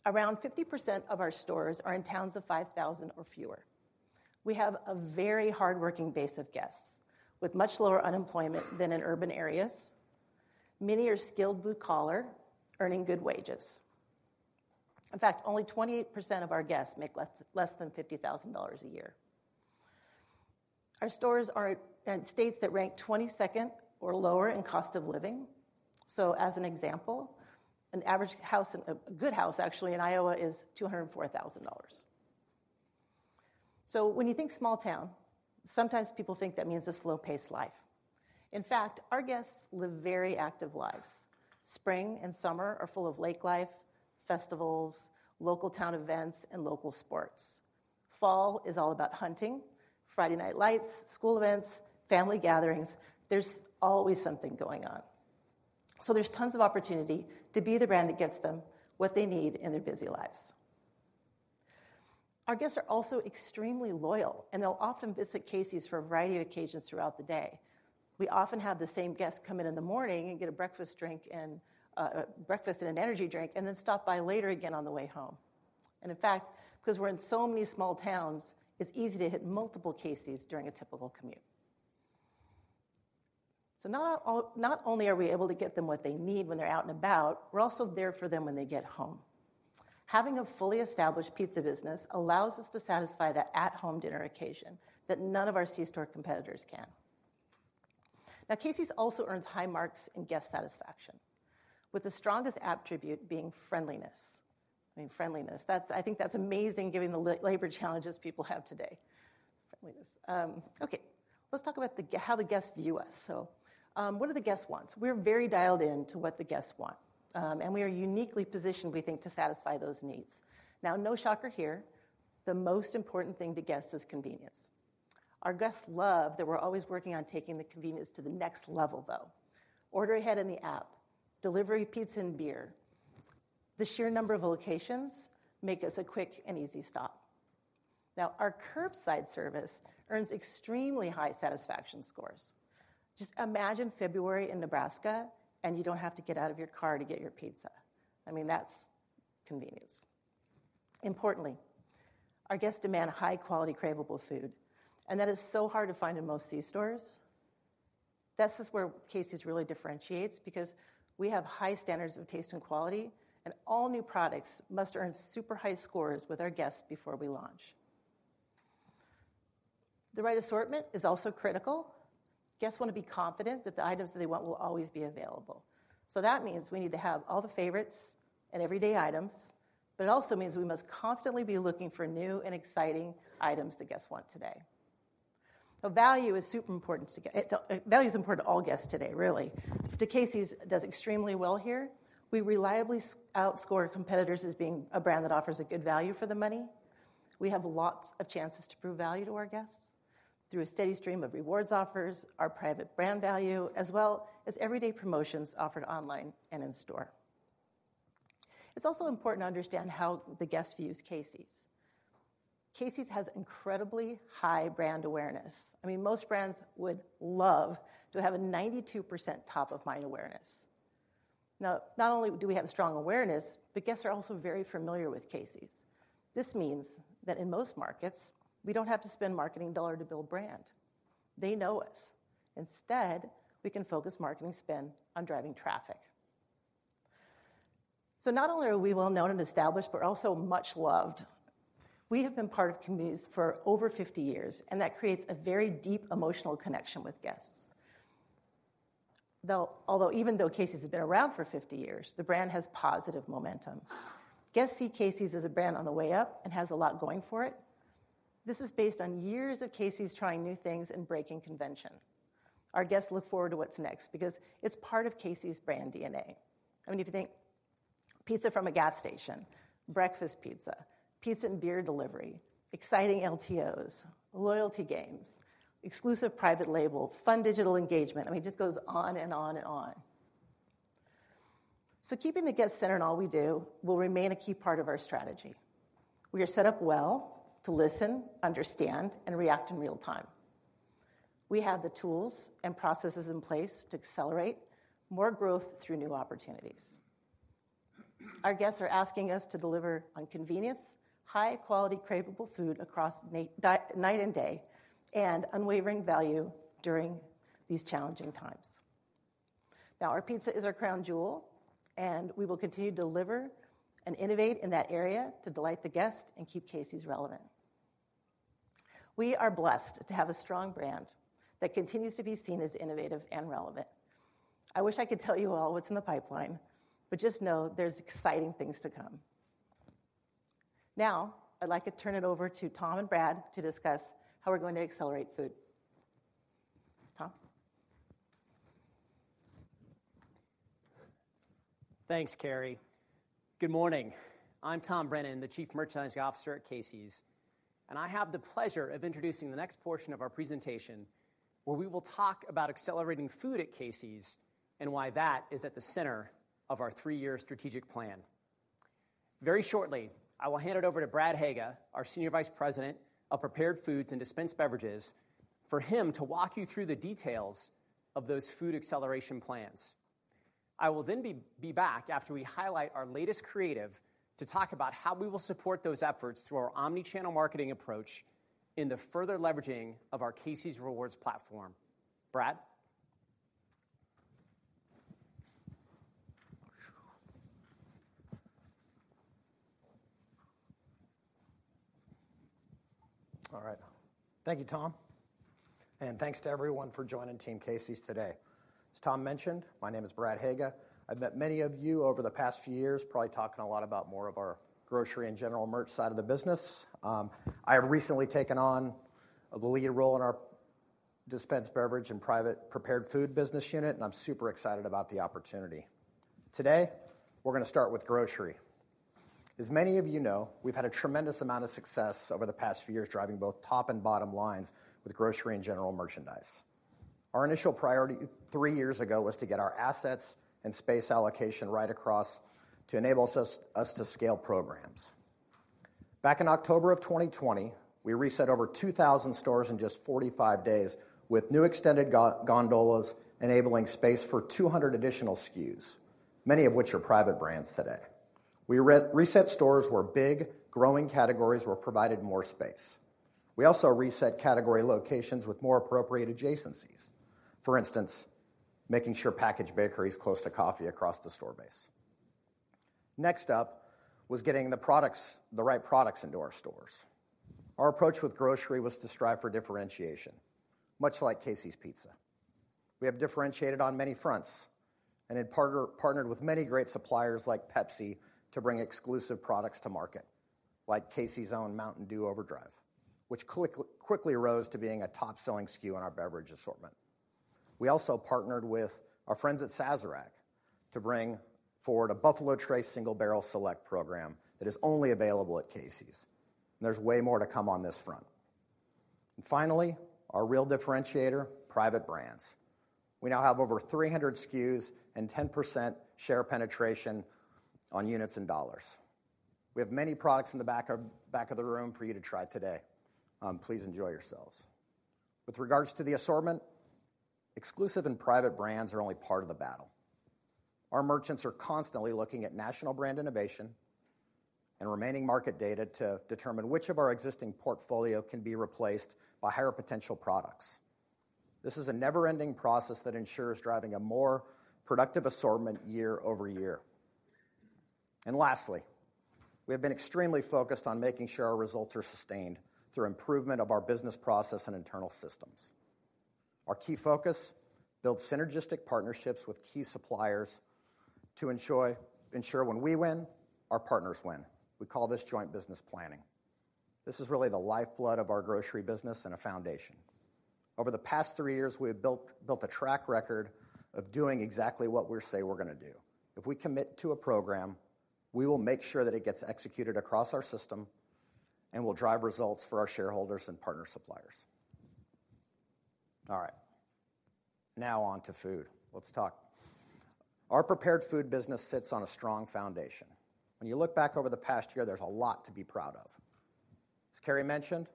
Around 50% of our stores are in towns of 5,000 or fewer. We have a very hardworking base of guests with much lower unemployment than in urban areas. Many are skilled blue-collar, earning good wages. In fact, only 28% of our guests make less than $50,000 a year. Our stores are in states that rank 22nd or lower in cost of living. As an example, an average house, a good house, actually, in Iowa is $204,000. When you think small town, sometimes people think that means a slow-paced life. In fact, our guests live very active lives. Spring and summer are full of lake life, festivals, local town events, and local sports. Fall is all about hunting, Friday night lights, school events, family gatherings. There's always something going on. There's tons of opportunity to be the brand that gets them what they need in their busy lives. Our guests are also extremely loyal, and they'll often visit Casey's for a variety of occasions throughout the day. We often have the same guests come in in the morning and get a breakfast drink and breakfast and an energy drink, and then stop by later again on the way home. In fact, because we're in so many small towns, it's easy to hit multiple Casey's during a typical commute. Not only are we able to get them what they need when they're out and about, we're also there for them when they get home. Having a fully established pizza business allows us to satisfy that at-home dinner occasion that none of our C-store competitors can. Casey's also earns high marks in guest satisfaction, with the strongest attribute being friendliness. I mean, friendliness, that's I think that's amazing giving the labor challenges people have today. Okay, let's talk about how the guests view us. What do the guest wants? We're very dialed in to what the guests want, and we are uniquely positioned, we think, to satisfy those needs. No shocker here, the most important thing to guests is convenience. Our guests love that we're always working on taking the convenience to the next level, though. Order ahead in the app, delivery pizza and beer. The sheer number of locations make us a quick and easy stop. Now, our curbside service earns extremely high satisfaction scores. Just imagine February in Nebraska, and you don't have to get out of your car to get your pizza. I mean, that's convenience. Importantly, our guests demand high-quality, cravable food, and that is so hard to find in most C-stores. This is where Casey's really differentiates because we have high standards of taste and quality, and all new products must earn super high scores with our guests before we launch. The right assortment is also critical. Guests want to be confident that the items that they want will always be available. That means we need to have all the favorites and everyday items, but it also means we must constantly be looking for new and exciting items that guests want today. Value is important to all guests today, really. Casey's does extremely well here. We reliably outscore competitors as being a brand that offers a good value for the money. We have lots of chances to prove value to our guests through a steady stream of rewards offers, our private brand value, as well as everyday promotions offered online and in store. It's also important to understand how the guest views Casey's. Casey's has incredibly high brand awareness. I mean, most brands would love to have a 92% top of mind awareness. Not only do we have strong awareness, but guests are also very familiar with Casey's. This means that in most markets, we don't have to spend marketing dollar to build brand. They know us. Instead, we can focus marketing spend on driving traffic. Not only are we well known and established, but also much loved. We have been part of communities for over 50 years, and that creates a very deep emotional connection with guests. Although even though Casey's has been around for 50 years, the brand has positive momentum. Guests see Casey's as a brand on the way up and has a lot going for it. This is based on years of Casey's trying new things and breaking convention. Our guests look forward to what's next because it's part of Casey's brand DNA. I mean, if you think pizza from a gas station, breakfast pizza and beer delivery, exciting LTOs, loyalty games, exclusive private label, fun digital engagement. I mean, it just goes on and on and on. Keeping the guest center in all we do will remain a key part of our strategy. We are set up well to listen, understand, and react in real time. We have the tools and processes in place to accelerate more growth through new opportunities. Our guests are asking us to deliver on convenience, high quality, cravable food across night and day, and unwavering value during these challenging times. Our pizza is our crown jewel, and we will continue to deliver and innovate in that area to delight the guest and keep Casey's relevant. We are blessed to have a strong brand that continues to be seen as innovative and relevant. I wish I could tell you all what's in the pipeline, just know there's exciting things to come. I'd like to turn it over to Tom and Brad to discuss how we're going to accelerate food. Tom? Thanks, Carrie. Good morning. I'm Tom Brennan, the Chief Merchandising Officer at Casey's. I have the pleasure of introducing the next portion of our presentation, where we will talk about accelerating food at Casey's and why that is at the center of our three-year strategic plan. Very shortly, I will hand it over to Brad Haga, our Senior Vice President of Prepared Foods and Dispensed Beverages, for him to walk you through the details of those food acceleration plans. I will then be back after we highlight our latest creative, to talk about how we will support those efforts through our omni-channel marketing approach in the further leveraging of our Casey's Rewards platform. Brad? All right. Thank you, Tom. Thanks to everyone for joining Team Casey's today. As Tom mentioned, my name is Brad Haga. I've met many of you over the past few years, probably talking a lot about more of our grocery and general merch side of the business. I have recently taken on the lead role in our dispensed beverage and prepared food business unit, and I'm super excited about the opportunity. Today, we're gonna start with grocery. As many of you know, we've had a tremendous amount of success over the past few years, driving both top and bottom lines with grocery and general merchandise. Our initial priority three years ago was to get our assets and space allocation right across to enable us to scale programs. Back in October of 2020, we reset over 2,000 stores in just 45 days with new extended gondola, enabling space for 200 additional SKUs, many of which are private brands today. We reset stores where big, growing categories were provided more space. We also reset category locations with more appropriate adjacencies. For instance, making sure packaged bakery is close to coffee across the store base. Next up, was getting the products, the right products into our stores. Our approach with grocery was to strive for differentiation, much like Casey's Pizza. We have differentiated on many fronts and had partnered with many great suppliers like Pepsi, to bring exclusive products to market, like Casey's own Mountain Dew Overdrive, which quickly arose to being a top-selling SKU in our beverage assortment. We also partnered with our friends at Sazerac to bring forward a Buffalo Trace Single Barrel Select program that is only available at Casey's. There's way more to come on this front. Finally, our real differentiator, private brands. We now have over 300 SKUs and 10% share penetration on units and dollars. We have many products in the back of the room for you to try today. Please enjoy yourselves. With regards to the assortment, exclusive and private brands are only part of the battle. Our merchants are constantly looking at national brand innovation and remaining market data to determine which of our existing portfolio can be replaced by higher potential products. This is a never-ending process that ensures driving a more productive assortment year-over-year. Lastly, we have been extremely focused on making sure our results are sustained through improvement of our business process and internal systems. Our key focus, build synergistic partnerships with key suppliers to ensure when we win, our partners win. We call this joint business planning. This is really the lifeblood of our grocery business and a foundation. Over the past three years, we have built a track record of doing exactly what we say we're gonna do. If we commit to a program, we will make sure that it gets executed across our system and will drive results for our shareholders and partner suppliers. All right, now on to food. Let's talk. Our prepared food business sits on a strong foundation. When you look back over the past year, there's a lot to be proud of. As Carrie mentioned,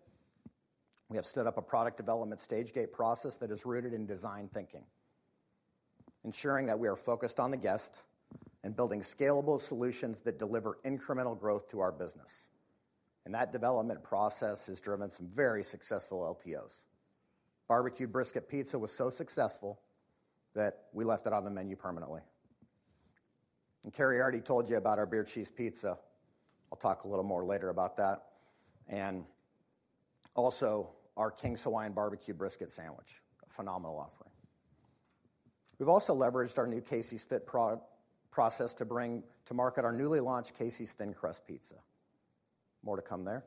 we have stood up a product development stage gate process that is rooted in design thinking, ensuring that we are focused on the guest and building scalable solutions that deliver incremental growth to our business. That development process has driven some very successful LTOs. BBQ Brisket Pizza was so successful that we left it on the menu permanently. Carrie already told you about our beer cheese pizza. I'll talk a little more later about that, also our King's Hawaiian BBQ Brisket Sandwich, a phenomenal offering. We've also leveraged our new Casey's Fit process to bring to market our newly launched Casey's thin crust pizza. More to come there.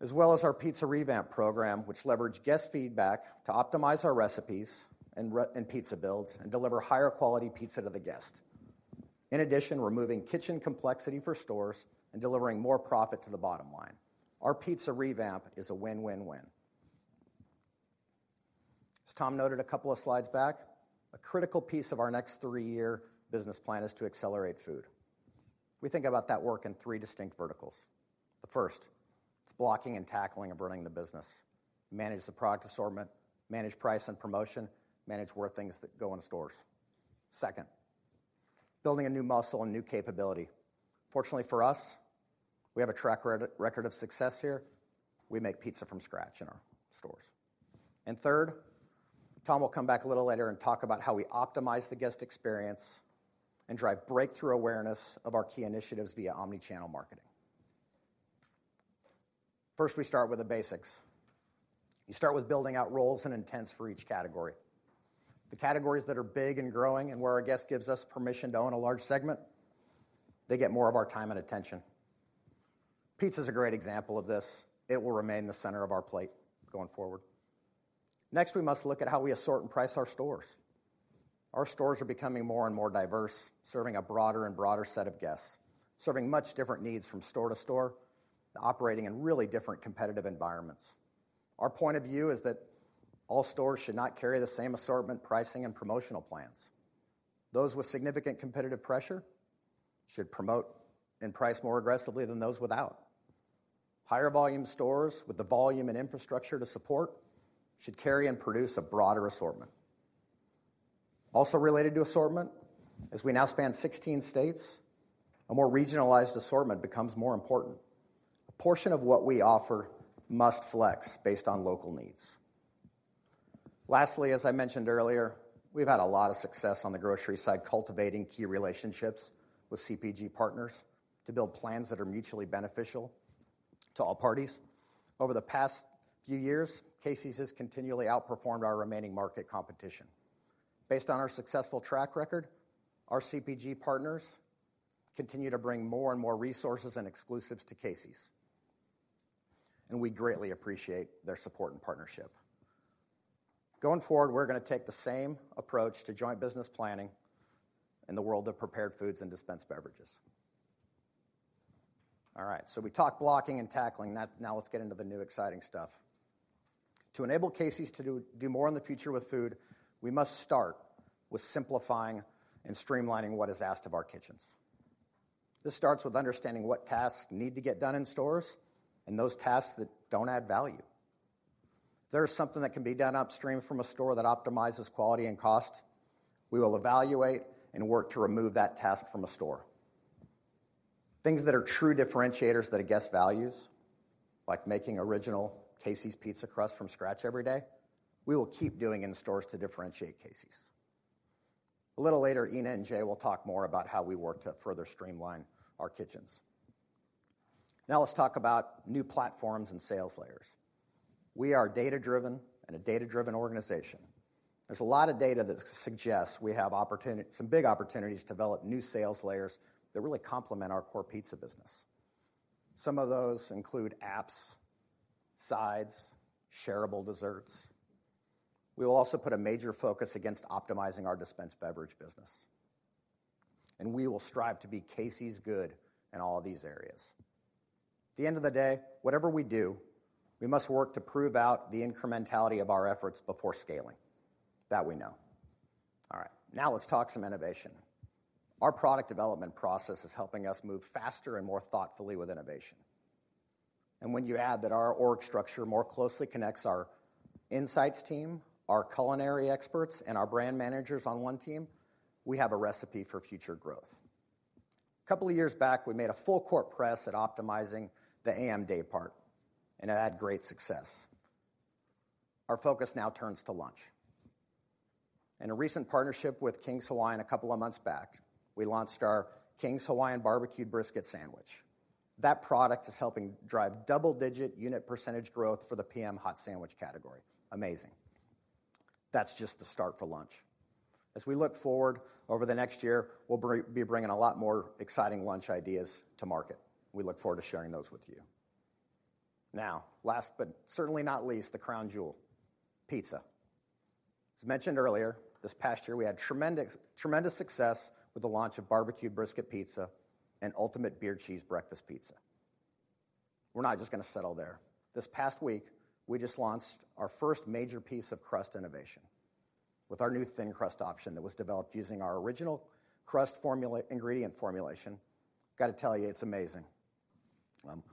As well as our pizza revamp program, which leveraged guest feedback to optimize our recipes and pizza builds, and deliver higher quality pizza to the guest. Removing kitchen complexity for stores and delivering more profit to the bottom line. Our pizza revamp is a win-win-win. As Tom noted a couple of slides back, a critical piece of our next three-year business plan is to accelerate food. We think about that work in three distinct verticals. The first, is blocking and tackling and running the business. Manage the product assortment, manage price and promotion, manage where things go in the stores. Second, building a new muscle and new capability. Fortunately for us, we have a track record of success here. We make pizza from scratch in our stores. Third, Tom will come back a little later and talk about how we optimize the guest experience and drive breakthrough awareness of our key initiatives via omni-channel marketing. First, we start with the basics. You start with building out roles and intents for each category. The categories that are big and growing, and where our guest gives us permission to own a large segment, they get more of our time and attention. Pizza is a great example of this. It will remain the center of our plate going forward. We must look at how we assort and price our stores. Our stores are becoming more and more diverse, serving a broader and broader set of guests, serving much different needs from store to store, and operating in really different competitive environments. Our point of view is that all stores should not carry the same assortment, pricing, and promotional plans. Those with significant competitive pressure should promote and price more aggressively than those without. Higher volume stores, with the volume and infrastructure to support, should carry and produce a broader assortment. Also related to assortment, as we now span 16 states, a more regionalized assortment becomes more important. A portion of what we offer must flex based on local needs. Lastly, as I mentioned earlier, we've had a lot of success on the grocery side, cultivating key relationships with CPG partners to build plans that are mutually beneficial to all parties. Over the past few years, Casey's has continually outperformed our remaining market competition. Based on our successful track record, our CPG partners continue to bring more and more resources and exclusives to Casey's, and we greatly appreciate their support and partnership. Going forward, we're gonna take the same approach to joint business planning in the world of prepared foods and dispensed beverages. All right, we talked blocking and tackling. Now let's get into the new exciting stuff. To enable Casey's to do more in the future with food, we must start with simplifying and streamlining what is asked of our kitchens. This starts with understanding what tasks need to get done in stores, and those tasks that don't add value. If there is something that can be done upstream from a store that optimizes quality and cost, we will evaluate and work to remove that task from a store. Things that are true differentiators that a guest values, like making original Casey's pizza crust from scratch every day, we will keep doing in stores to differentiate Casey's. A little later, Ena and Jay will talk more about how we work to further streamline our kitchens. Let's talk about new platforms and sales layers. We are data-driven and a data-driven organization. There's a lot of data that suggests we have some big opportunities to develop new sales layers that really complement our core pizza business. Some of those include apps, sides, shareable desserts. We will also put a major focus against optimizing our dispensed beverage business. We will strive to be Casey's good in all of these areas. At the end of the day, whatever we do, we must work to prove out the incrementality of our efforts before scaling. That we know. All right, now let's talk some innovation. Our product development process is helping us move faster and more thoughtfully with innovation. When you add that our org structure more closely connects our insights team, our culinary experts, and our brand managers on 1 team, we have a recipe for future growth. Two years back, we made a full court press at optimizing the A.M. day part. It had great success. Our focus now turns to lunch. In a recent partnership with King's Hawaiian two months back, we launched our King's Hawaiian Barbecue Brisket Sandwich. That product is helping drive double-digit unit % growth for the P.M. hot sandwich category. Amazing! That's just the start for lunch. As we look forward over the next year, we'll be bringing a lot more exciting lunch ideas to market. We look forward to sharing those with you. Last but certainly not least, the crown jewel, pizza. As mentioned earlier, this past year, we had tremendous success with the launch of BBQ Brisket Pizza and Ultimate Beer Cheese Breakfast Pizza. We're not just gonna settle there. This past week, we just launched our first major piece of crust innovation with our new thin crust option that was developed using our original crust formula, ingredient formulation. Got to tell you, it's amazing.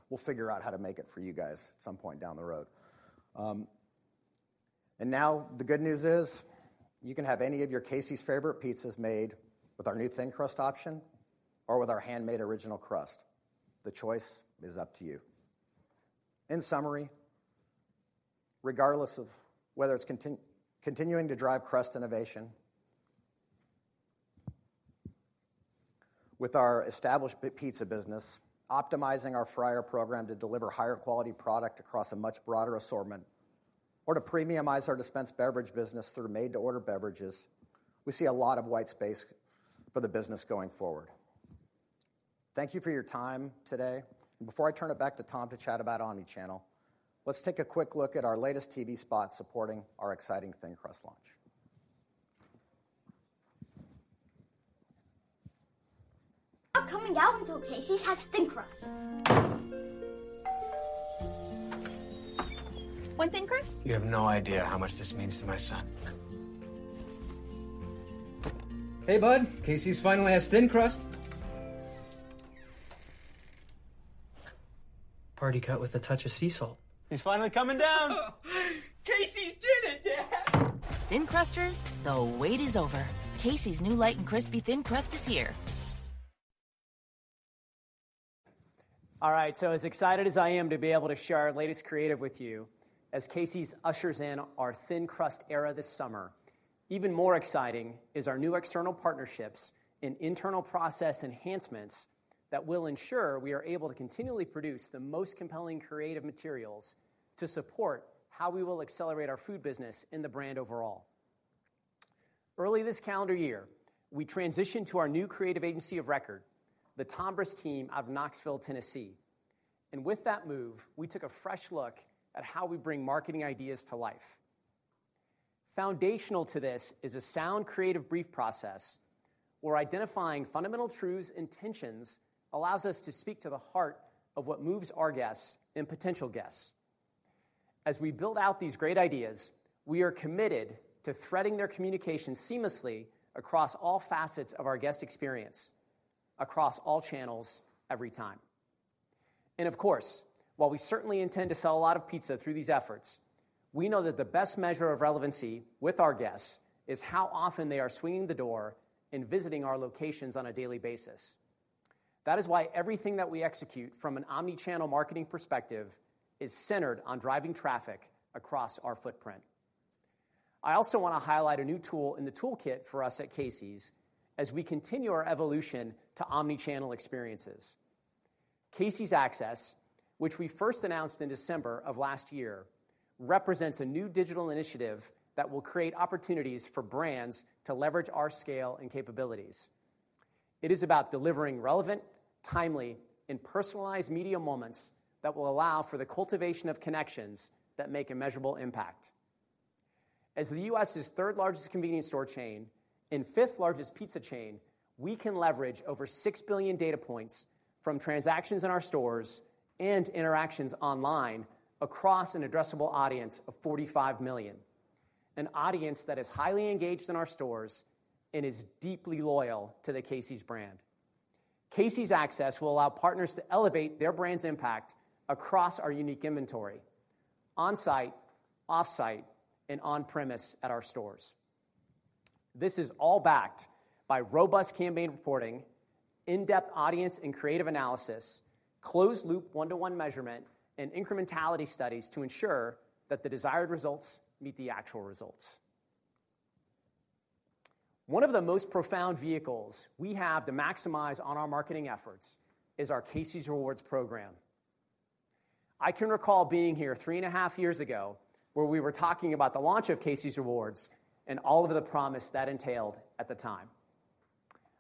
We'll figure out how to make it for you guys at some point down the road. Now the good news is, you can have any of your Casey's favorite pizzas made with our new thin crust option or with our handmade original crust. The choice is up to you. In summary, regardless of whether it's continuing to drive crust innovation with our established pizza business, optimizing our fryer program to deliver higher quality product across a much broader assortment, or to premiumize our dispense beverage business through made-to-order beverages, we see a lot of white space for the business going forward. Thank you for your time today, before I turn it back to Tom to chat about omnichannel, let's take a quick look at our latest TV spot supporting our exciting thin crust launch. Not coming out until Casey's has thin crust. One thin crust? You have no idea how much this means to my son. Hey, bud, Casey's finally has thin crust. Party cut with a touch of sea salt. He's finally coming down. Casey's did it, Dad! Thin crusters, the wait is over. Casey's new light and crispy thin crust is here. All right, as excited as I am to be able to share our latest creative with you, as Casey's ushers in our thin crust era this summer, even more exciting is our new external partnerships and internal process enhancements that will ensure we are able to continually produce the most compelling creative materials to support how we will accelerate our food business and the brand overall. Early this calendar year, we transitioned to our new creative agency of record, the Tombras team out of Knoxville, Tennessee. With that move, we took a fresh look at how we bring marketing ideas to life. Foundational to this is a sound creative brief process, where identifying fundamental truths, intentions, allows us to speak to the heart of what moves our guests and potential guests. As we build out these great ideas, we are committed to threading their communication seamlessly across all facets of our guest experience, across all channels, every time. Of course, while we certainly intend to sell a lot of pizza through these efforts, we know that the best measure of relevancy with our guests is how often they are swinging the door and visiting our locations on a daily basis. That is why everything that we execute from an omni-channel marketing perspective is centered on driving traffic across our footprint. I also want to highlight a new tool in the toolkit for us at Casey's, as we continue our evolution to omni-channel experiences. Casey's Access, which we first announced in December of last year, represents a new digital initiative that will create opportunities for brands to leverage our scale and capabilities. It is about delivering relevant, timely, and personalized media moments that will allow for the cultivation of connections that make a measurable impact. As the U.S.'s third-largest convenience store chain and fifth-largest pizza chain, we can leverage over 6 billion data points from transactions in our stores and interactions online across an addressable audience of 45 million. An audience that is highly engaged in our stores and is deeply loyal to the Casey's brand. Casey's Access will allow partners to elevate their brand's impact across our unique inventory, on-site, off-site, and on-premise at our stores. This is all backed by robust campaign reporting, in-depth audience and creative analysis, closed-loop 1-to-1 measurement, and incrementality studies to ensure that the desired results meet the actual results. One of the most profound vehicles we have to maximize on our marketing efforts is our Casey's Rewards program. I can recall being here 3 and a half years ago, where we were talking about the launch of Casey's Rewards and all of the promise that entailed at the time.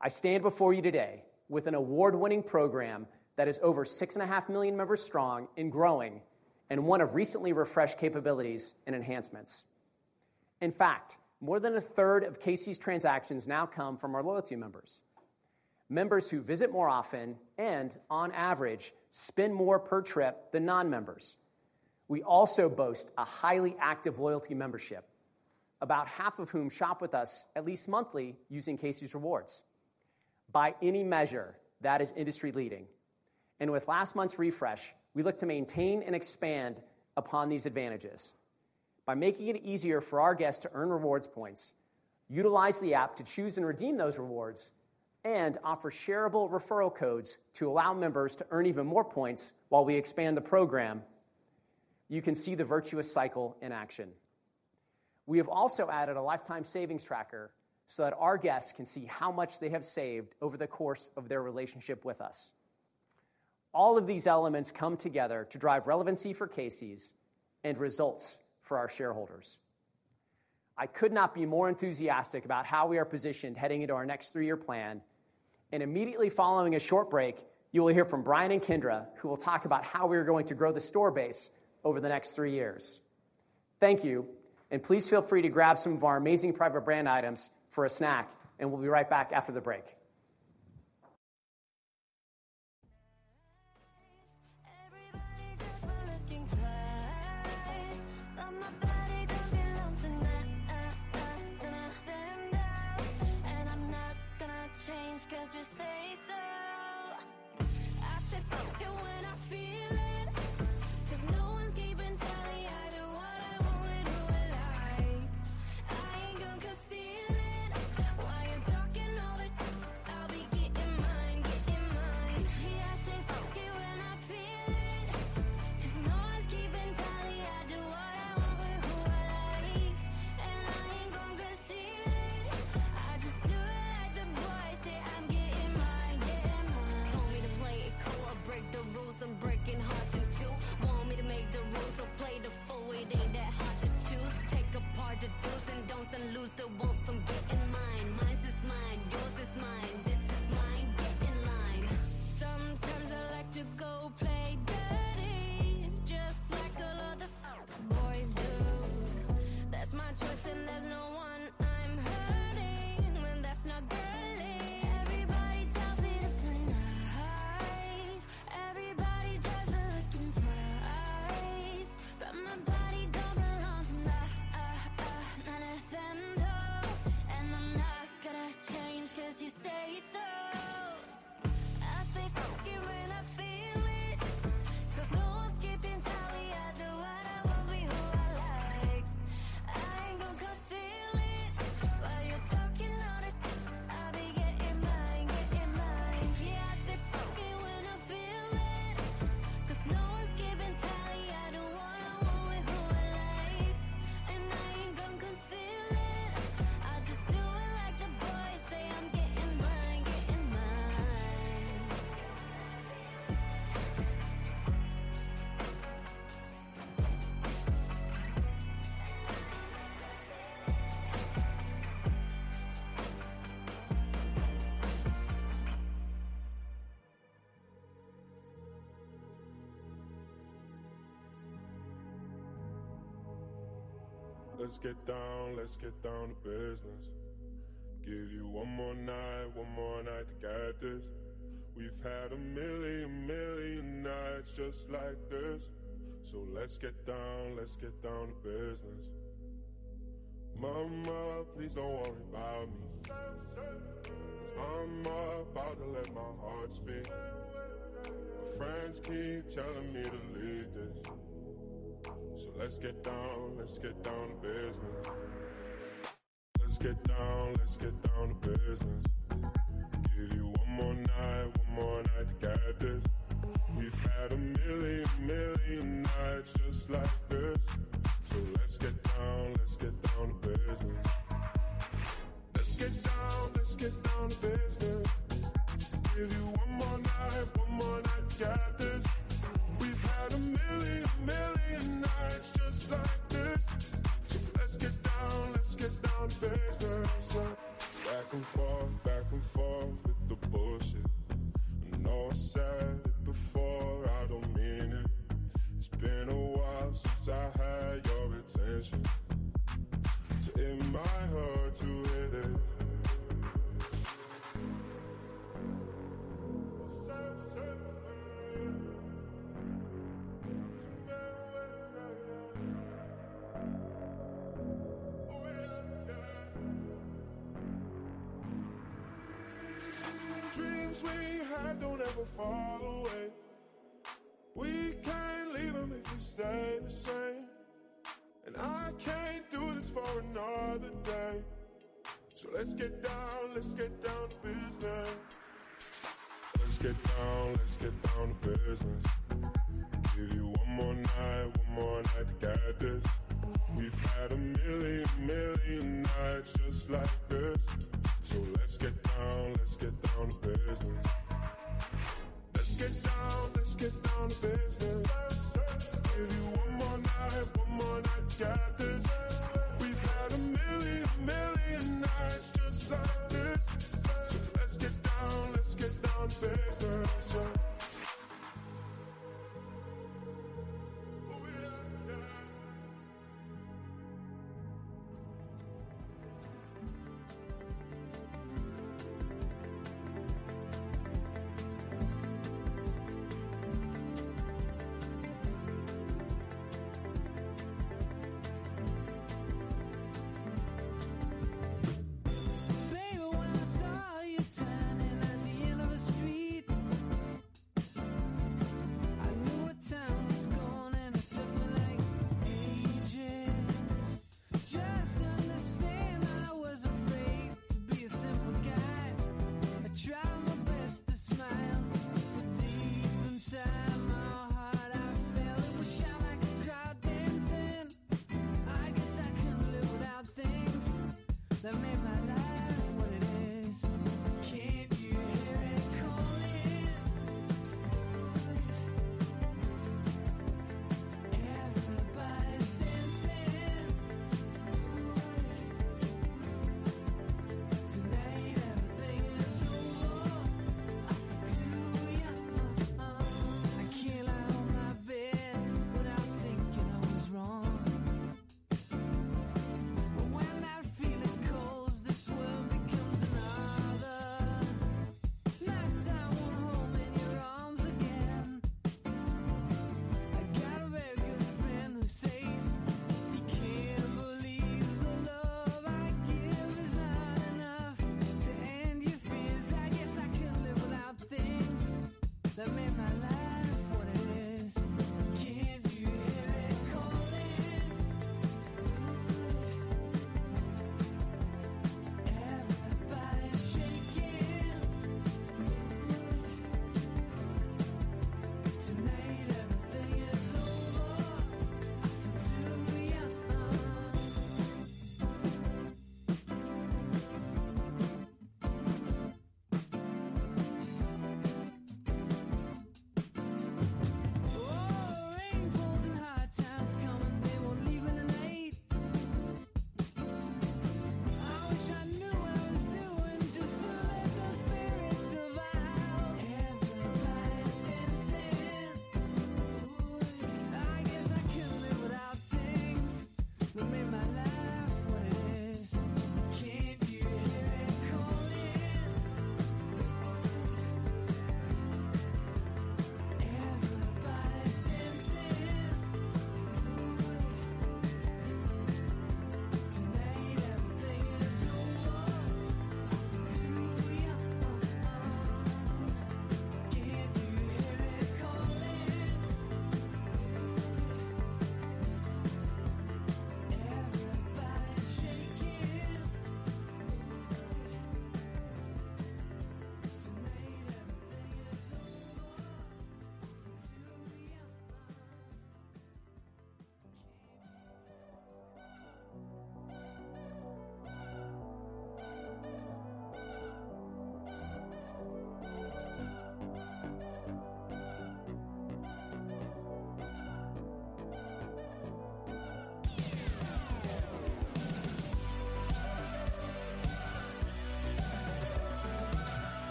I stand before you today with an award-winning program that is over 6 and a half million members strong and growing, and one of recently refreshed capabilities and enhancements. More than a third of Casey's transactions now come from our loyalty members. Members who visit more often and, on average, spend more per trip than non-members. We also boast a highly active loyalty membership, about half of whom shop with us at least monthly using Casey's Rewards. By any measure, that is industry-leading, and with last month's refresh, we look to maintain and expand upon these advantages. By making it easier for our guests to earn rewards points, utilize the app to choose and redeem those rewards, and offer shareable referral codes to allow members to earn even more points while we expand the program, you can see the virtuous cycle in action. We have also added a lifetime savings tracker so that our guests can see how much they have saved over the course of their relationship with us. All of these elements come together to drive relevancy for Casey's and results for our shareholders. I could not be more enthusiastic about how we are positioned heading into our next three-year plan. Immediately following a short break, you will hear from Brian and Kendra, who will talk about how we are going to grow the store base over the next three years. Thank you, and please feel free to grab some of our amazing private brand items for a snack, and we'll be right back after the break.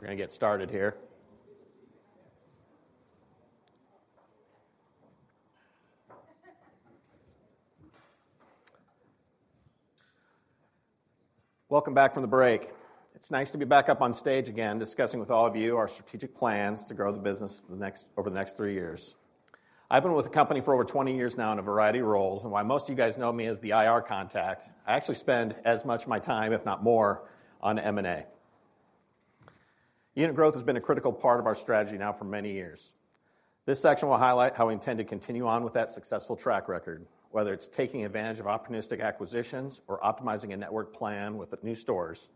We're gonna get started here. Welcome back from the break. It's nice to be back up on stage again, discussing with all of you our strategic plans to grow the business over the next three years. I've been with the company for over 20 years now in a variety of roles, and while most of you guys know me as the IR contact, I actually spend as much of my time, if not more, on M&A. Unit growth has been a critical part of our strategy now for many years. This section will highlight how we intend to continue on with that successful track record, whether it's taking advantage of opportunistic acquisitions or optimizing a network plan with the new stores.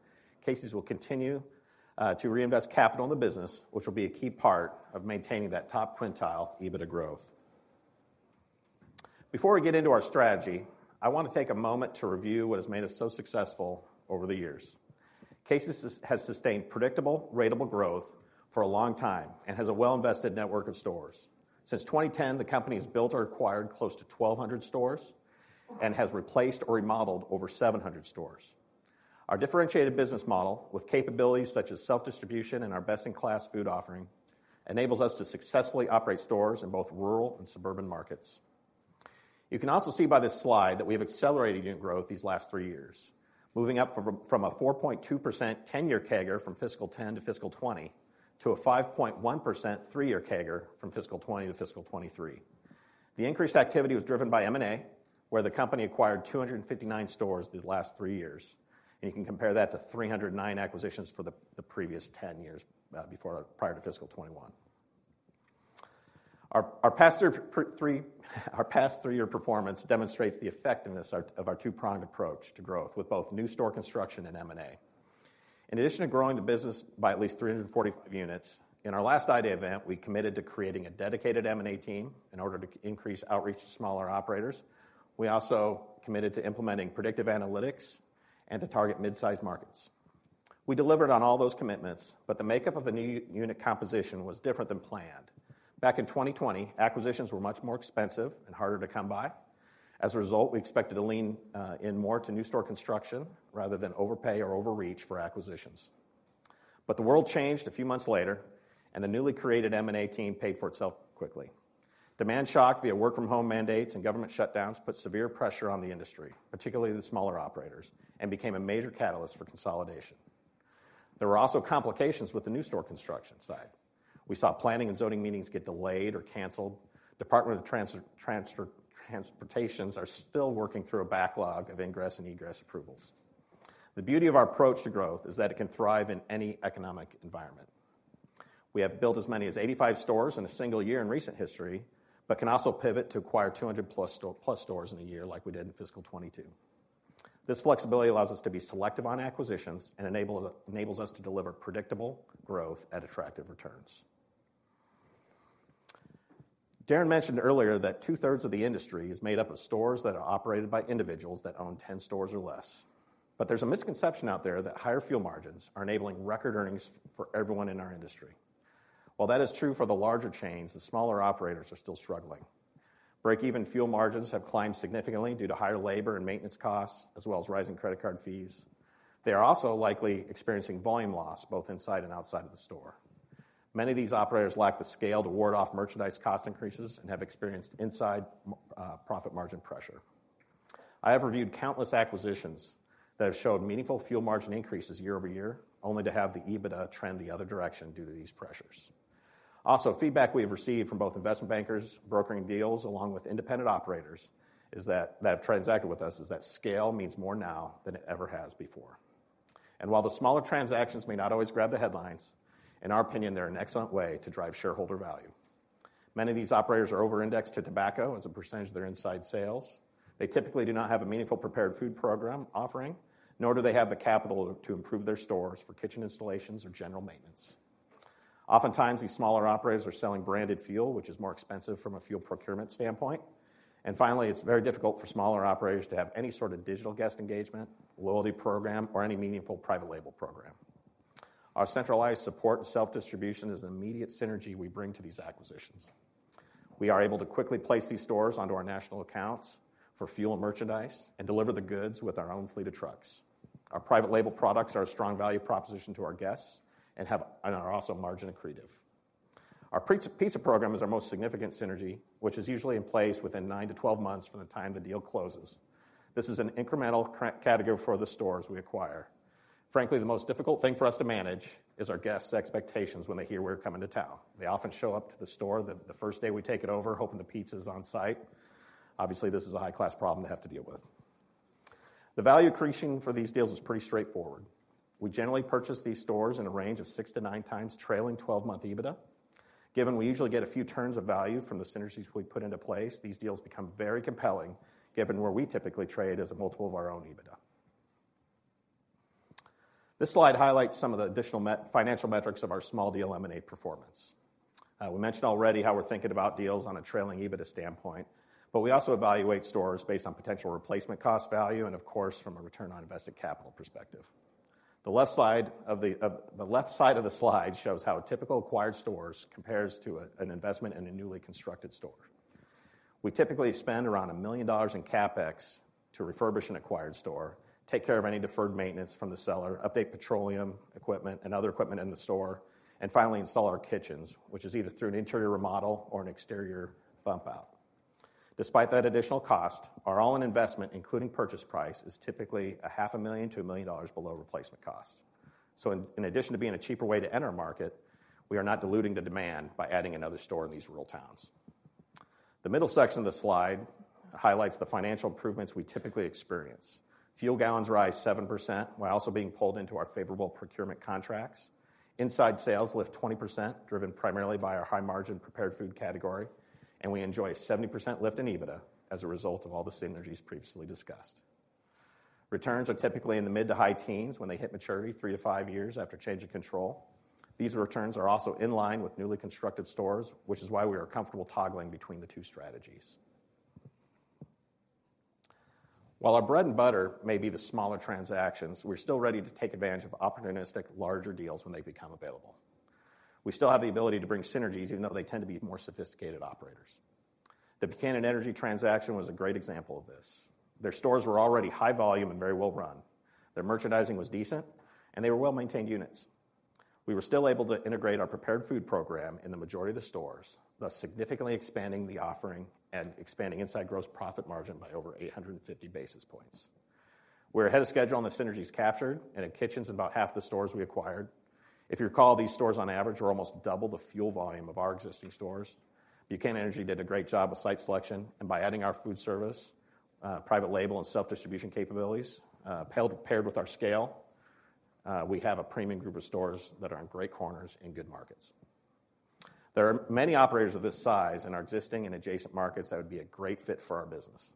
Casey's will continue to reinvest capital in the business, which will be a key part of maintaining that top quintile EBITDA growth. Before we get into our strategy, I want to take a moment to review what has made us so successful over the years. Casey's has sustained predictable, ratable growth for a long time and has a well-invested network of stores. Since 2010, the company has built or acquired close to 1,200 stores and has replaced or remodeled over 700 stores. Our differentiated business model, with capabilities such as self-distribution and our best-in-class food offering, enables us to successfully operate stores in both rural and suburban markets. You can also see by this slide that we have accelerated unit growth these last three years, moving up from a 4.2% 10-year CAGR from fiscal 2010 to fiscal 2020, to a 5.1% three-year CAGR from fiscal 2020 to fiscal 2023. The increased activity was driven by M&A, where the company acquired 259 stores these last three years, and you can compare that to 309 acquisitions for the previous 10 years, prior to fiscal 2021. Our past three-year performance demonstrates the effectiveness of our two-pronged approach to growth with both new store construction and M&A. In addition to growing the business by at least 345 units, in our last Idea Event, we committed to creating a dedicated M&A team in order to increase outreach to smaller operators. We also committed to implementing predictive analytics and to target mid-size markets. We delivered on all those commitments. The makeup of the new unit composition was different than planned. Back in 2020, acquisitions were much more expensive and harder to come by. As a result, we expected to lean in more to new store construction rather than overpay or overreach for acquisitions. The world changed a few months later, and the newly created M&A team paid for itself quickly. Demand shock via work-from-home mandates and government shutdowns put severe pressure on the industry, particularly the smaller operators, and became a major catalyst for consolidation. There were also complications with the new store construction side. We saw planning and zoning meetings get delayed or canceled. Department of Transportations are still working through a backlog of ingress and egress approvals. The beauty of our approach to growth is that it can thrive in any economic environment. We have built as many as 85 stores in a single year in recent history, but can also pivot to acquire 200+ stores in a year, like we did in FY22. This flexibility allows us to be selective on acquisitions and enables us to deliver predictable growth at attractive returns. Darren mentioned earlier that two-thirds of the industry is made up of stores that are operated by individuals that own 10 stores or less. There's a misconception out there that higher fuel margins are enabling record earnings for everyone in our industry. While that is true for the larger chains, the smaller operators are still struggling. Break-even fuel margins have climbed significantly due to higher labor and maintenance costs, as well as rising credit card fees. They are also likely experiencing volume loss both inside and outside of the store. Many of these operators lack the scale to ward off merchandise cost increases and have experienced inside profit margin pressure. I have reviewed countless acquisitions that have showed meaningful fuel margin increases year-over-year, only to have the EBITDA trend the other direction due to these pressures. Feedback we have received from both investment bankers, brokering deals, along with independent operators, is that scale means more now than it ever has before. While the smaller transactions may not always grab the headlines, in our opinion, they're an excellent way to drive shareholder value. Many of these operators are over-indexed to tobacco as a percentage of their inside sales. They typically do not have a meaningful prepared food program offering, nor do they have the capital to improve their stores for kitchen installations or general maintenance. Oftentimes, these smaller operators are selling branded fuel, which is more expensive from a fuel procurement standpoint. Finally, it's very difficult for smaller operators to have any sort of digital guest engagement, loyalty program, or any meaningful private label program. Our centralized support and self-distribution is an immediate synergy we bring to these acquisitions. We are able to quickly place these stores onto our national accounts for fuel and merchandise and deliver the goods with our own fleet of trucks. Our private label products are a strong value proposition to our guests and are also margin accretive. Our pizza program is our most significant synergy, which is usually in place within 9-12 months from the time the deal closes. This is an incremental category for the stores we acquire. Frankly, the most difficult thing for us to manage is our guests' expectations when they hear we're coming to town. They often show up to the store the first day we take it over, hoping the pizza's on site. Obviously, this is a high-class problem to have to deal with. The value accretion for these deals is pretty straightforward. We generally purchase these stores in a range of six to 9x trailing 12-month EBITDA. Given we usually get a few turns of value from the synergies we put into place, these deals become very compelling, given where we typically trade as a multiple of our own EBITDA. This slide highlights some of the additional financial metrics of our small deal M&A performance. We mentioned already how we're thinking about deals on a trailing EBITDA standpoint, we also evaluate stores based on potential replacement cost value and, of course, from a return on invested capital perspective. The left side of the slide shows how typical acquired stores compares to an investment in a newly constructed store. We typically spend around $1 million in CapEx to refurbish an acquired store, take care of any deferred maintenance from the seller, update petroleum equipment and other equipment in the store, and finally, install our kitchens, which is either through an interior remodel or an exterior bump out. Despite that additional cost, our all-in investment, including purchase price, is typically a half a million to $1 million below replacement cost. In addition to being a cheaper way to enter a market, we are not diluting the demand by adding another store in these rural towns. The middle section of the slide highlights the financial improvements we typically experience. Fuel gallons rise 7%, while also being pulled into our favorable procurement contracts. Inside sales lift 20%, driven primarily by our high-margin prepared food category, we enjoy a 70% lift in EBITDA as a result of all the synergies previously discussed. Returns are typically in the mid to high teens when they hit maturity, 3 to 5 years after change of control. These returns are also in line with newly constructed stores, which is why we are comfortable toggling between the two strategies. While our bread and butter may be the smaller transactions, we're still ready to take advantage of opportunistic larger deals when they become available. We still have the ability to bring synergies, even though they tend to be more sophisticated operators. The Buchanan Energy transaction was a great example of this. Their stores were already high volume and very well run. Their merchandising was decent, and they were well-maintained units. We were still able to integrate our prepared food program in the majority of the stores, thus significantly expanding the offering and expanding inside gross profit margin by over 850 basis points. We're ahead of schedule on the synergies captured and in kitchens in about half the stores we acquired. If you recall, these stores on average, were almost double the fuel volume of our existing stores. Buchanan Energy did a great job with site selection, and by adding our food service, private label, and self-distribution capabilities, paired with our scale, we have a premium group of stores that are in great corners and good markets. There are many operators of this size in our existing and adjacent markets that would be a great fit for our business.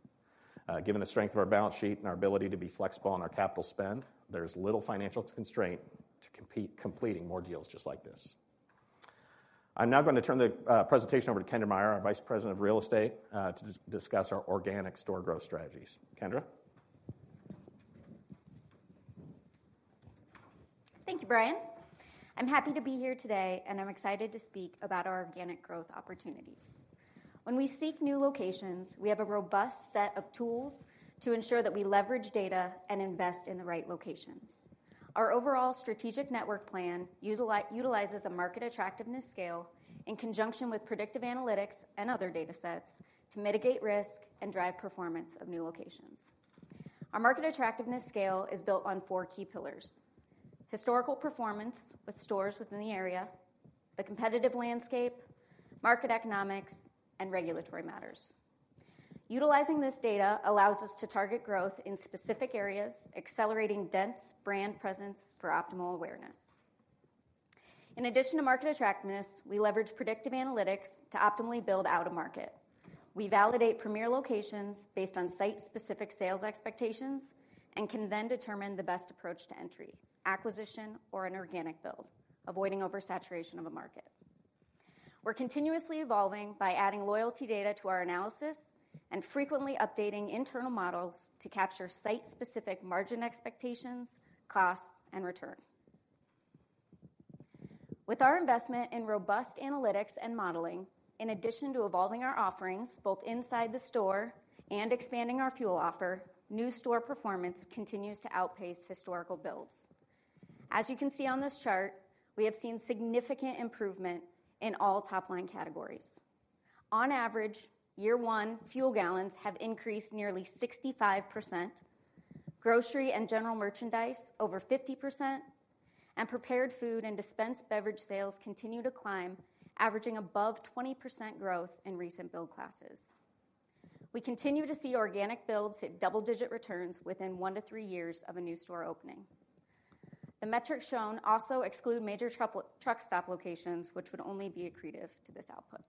Given the strength of our balance sheet and our ability to be flexible on our capital spend, there's little financial constraint to completing more deals just like this. I'm now gonna turn the presentation over to Kendra Meyer, our Vice President of Real Estate, to discuss our organic store growth strategies. Kendra? Thank you, Brian. I'm happy to be here today. I'm excited to speak about our organic growth opportunities. When we seek new locations, we have a robust set of tools to ensure that we leverage data and invest in the right locations. Our overall strategic network plan utilizes a market attractiveness scale in conjunction with predictive analytics and other data sets to mitigate risk and drive performance of new locations. Our market attractiveness scale is built on four key pillars: historical performance with stores within the area, the competitive landscape, market economics, and regulatory matters. Utilizing this data allows us to target growth in specific areas, accelerating dense brand presence for optimal awareness. In addition to market attractiveness, we leverage predictive analytics to optimally build out a market. We validate premier locations based on site-specific sales expectations and can then determine the best approach to entry, acquisition, or an organic build, avoiding oversaturation of a market. We're continuously evolving by adding loyalty data to our analysis and frequently updating internal models to capture site-specific margin expectations, costs, and return. With our investment in robust analytics and modeling, in addition to evolving our offerings both inside the store and expanding our fuel offer, new store performance continues to outpace historical builds. As you can see on this chart, we have seen significant improvement in all top-line categories. On average, year 1 fuel gallons have increased nearly 65%, grocery and general merchandise over 50%, and prepared food and dispensed beverage sales continue to climb, averaging above 20% growth in recent build classes. We continue to see organic builds hit double-digit returns within one to three years of a new store opening. The metrics shown also exclude major truck stop locations, which would only be accretive to this output.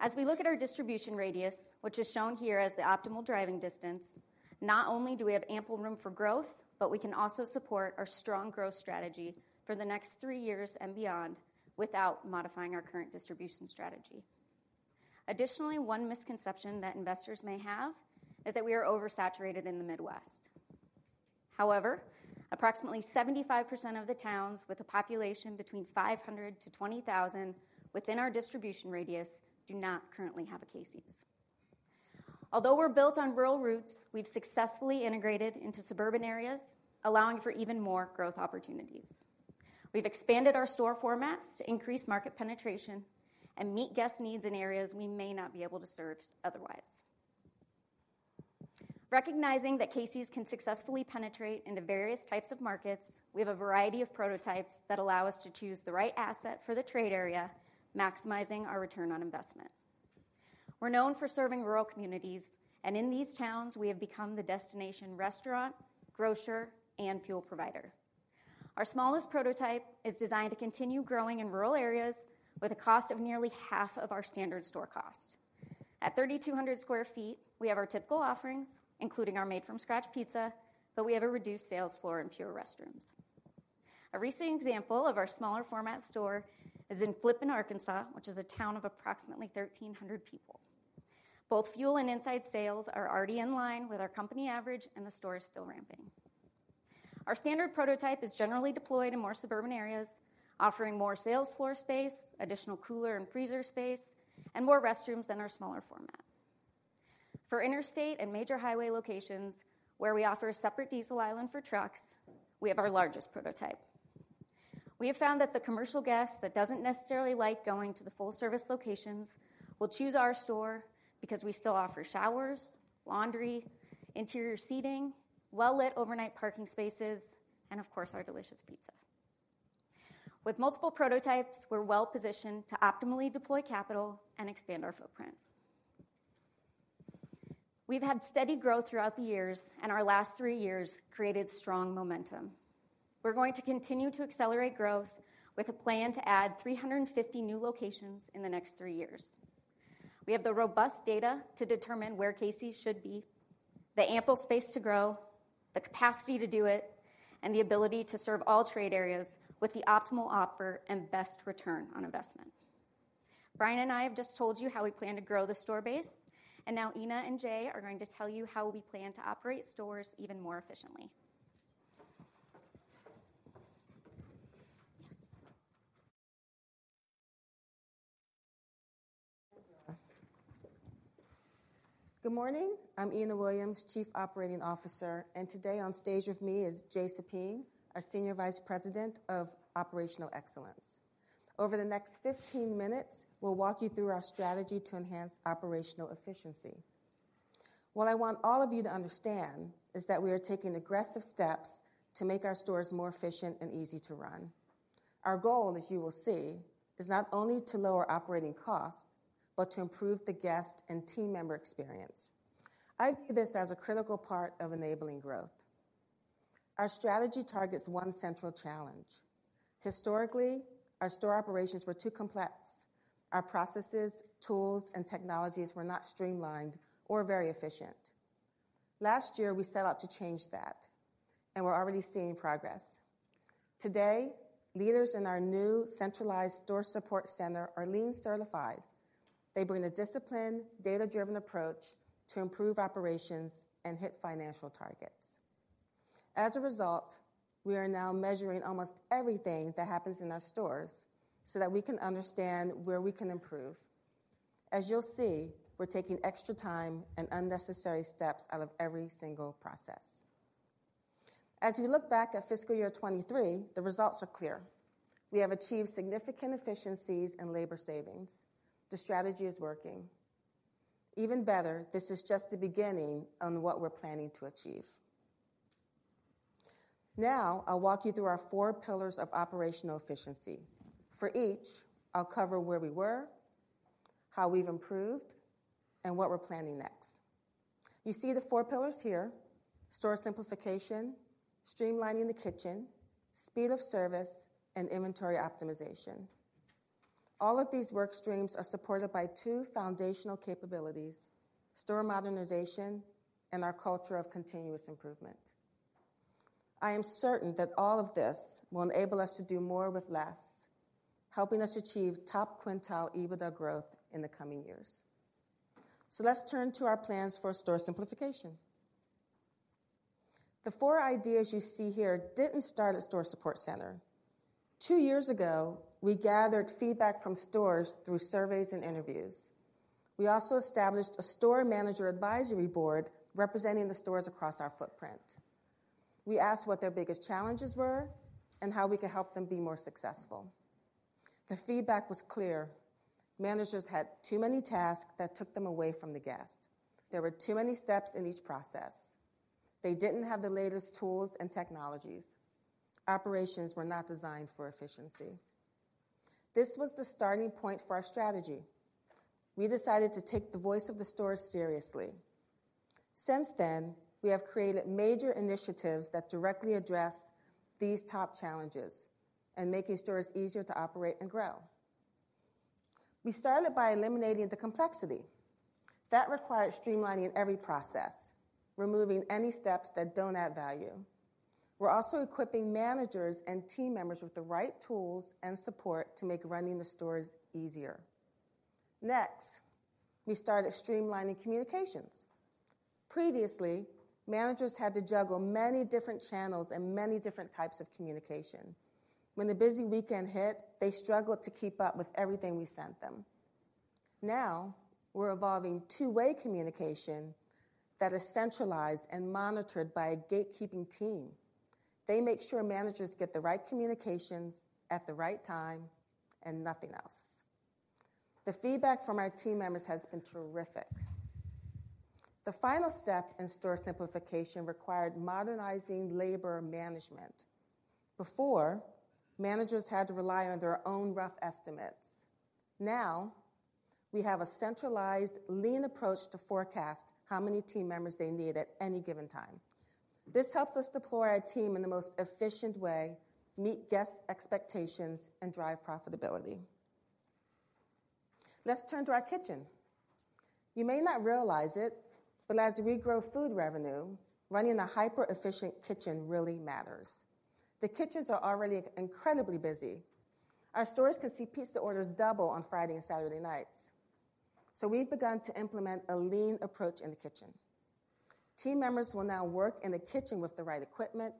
As we look at our distribution radius, which is shown here as the optimal driving distance, not only do we have ample room for growth, but we can also support our strong growth strategy for the next three years and beyond without modifying our current distribution strategy. Additionally, one misconception that investors may have is that we are oversaturated in the Midwest. However, approximately 75% of the towns with a population between 500 to 20,000 within our distribution radius do not currently have a Casey's. Although we're built on rural routes, we've successfully integrated into suburban areas, allowing for even more growth opportunities. We've expanded our store formats to increase market penetration and meet guest needs in areas we may not be able to serve otherwise. Recognizing that Casey's can successfully penetrate into various types of markets, we have a variety of prototypes that allow us to choose the right asset for the trade area, maximizing our return on investment. We're known for serving rural communities. In these towns, we have become the destination restaurant, grocer, and fuel provider. Our smallest prototype is designed to continue growing in rural areas with a cost of nearly half of our standard store cost. At 3,200 sq ft, we have our typical offerings, including our made-from-scratch pizza, but we have a reduced sales floor and fewer restrooms. A recent example of our smaller format store is in Flippin, Arkansas, which is a town of approximately 1,300 people.... Both fuel and inside sales are already in line with our company average, and the store is still ramping. Our standard prototype is generally deployed in more suburban areas, offering more sales floor space, additional cooler and freezer space, and more restrooms than our smaller format. For interstate and major highway locations, where we offer a separate diesel island for trucks, we have our largest prototype. We have found that the commercial guest that doesn't necessarily like going to the full-service locations will choose our store because we still offer showers, laundry, interior seating, well-lit overnight parking spaces, and of course, our delicious pizza. With multiple prototypes, we're well-positioned to optimally deploy capital and expand our footprint. We've had steady growth throughout the years, and our last three years created strong momentum. We're going to continue to accelerate growth with a plan to add 350 new locations in the next three years. We have the robust data to determine where Casey's should be, the ample space to grow, the capacity to do it, and the ability to serve all trade areas with the optimal offer and best return on investment. Brian and I have just told you how we plan to grow the store base, now Ena and Jay are going to tell you how we plan to operate stores even more efficiently. Yes. Good morning. I'm Ena Williams, Chief Operating Officer. Today on stage with me is Jay Soupene, our Senior Vice President of Operational Excellence. Over the next 15 minutes, we'll walk you through our strategy to enhance operational efficiency. I want all of you to understand that we are taking aggressive steps to make our stores more efficient and easy to run. Our goal, as you will see, is not only to lower operating costs, but to improve the guest and team member experience. I view this as a critical part of enabling growth. Our strategy targets one central challenge. Historically, our store operations were too complex. Our processes, tools, and technologies were not streamlined or very efficient. Last year, we set out to change that. We're already seeing progress. Today, leaders in our new centralized store support center are Lean certified. They bring a disciplined, data-driven approach to improve operations and hit financial targets. As a result, we are now measuring almost everything that happens in our stores so that we can understand where we can improve. As you'll see, we're taking extra time and unnecessary steps out of every single process. As we look back at fiscal year 23, the results are clear: we have achieved significant efficiencies and labor savings. The strategy is working. Even better, this is just the beginning on what we're planning to achieve. I'll walk you through our four pillars of operational efficiency. For each, I'll cover where we were, how we've improved, and what we're planning next. You see the four pillars here: store simplification, streamlining the kitchen, speed of service, and inventory optimization. All of these work streams are supported by two foundational capabilities: store modernization and our culture of continuous improvement. I am certain that all of this will enable us to do more with less, helping us achieve top quintile EBITDA growth in the coming years. Let's turn to our plans for store simplification. The four ideas you see here didn't start at store support center. Two years ago, we gathered feedback from stores through surveys and interviews. We also established a store manager advisory board representing the stores across our footprint. We asked what their biggest challenges were and how we could help them be more successful. The feedback was clear: managers had too many tasks that took them away from the guest. There were too many steps in each process. They didn't have the latest tools and technologies. Operations were not designed for efficiency. This was the starting point for our strategy. We decided to take the voice of the stores seriously. Since then, we have created major initiatives that directly address these top challenges and making stores easier to operate and grow. We started by eliminating the complexity. That required streamlining every process, removing any steps that don't add value. We're also equipping managers and team members with the right tools and support to make running the stores easier. We started streamlining communications. Previously, managers had to juggle many different channels and many different types of communication. When the busy weekend hit, they struggled to keep up with everything we sent them. We're evolving two-way communication that is centralized and monitored by a gatekeeping team. They make sure managers get the right communications at the right time and nothing else. The feedback from our team members has been terrific. The final step in store simplification required modernizing labor management. Managers had to rely on their own rough estimates. We have a centralized, Lean approach to forecast how many team members they need at any given time. This helps us deploy our team in the most efficient way, meet guest expectations, and drive profitability. Let's turn to our kitchen. You may not realize it, but as we grow food revenue, running a hyper-efficient kitchen really matters. The kitchens are already incredibly busy. Our stores can see pizza orders double on Friday and Saturday nights. We've begun to implement a Lean approach in the kitchen. Team members will now work in the kitchen with the right equipment,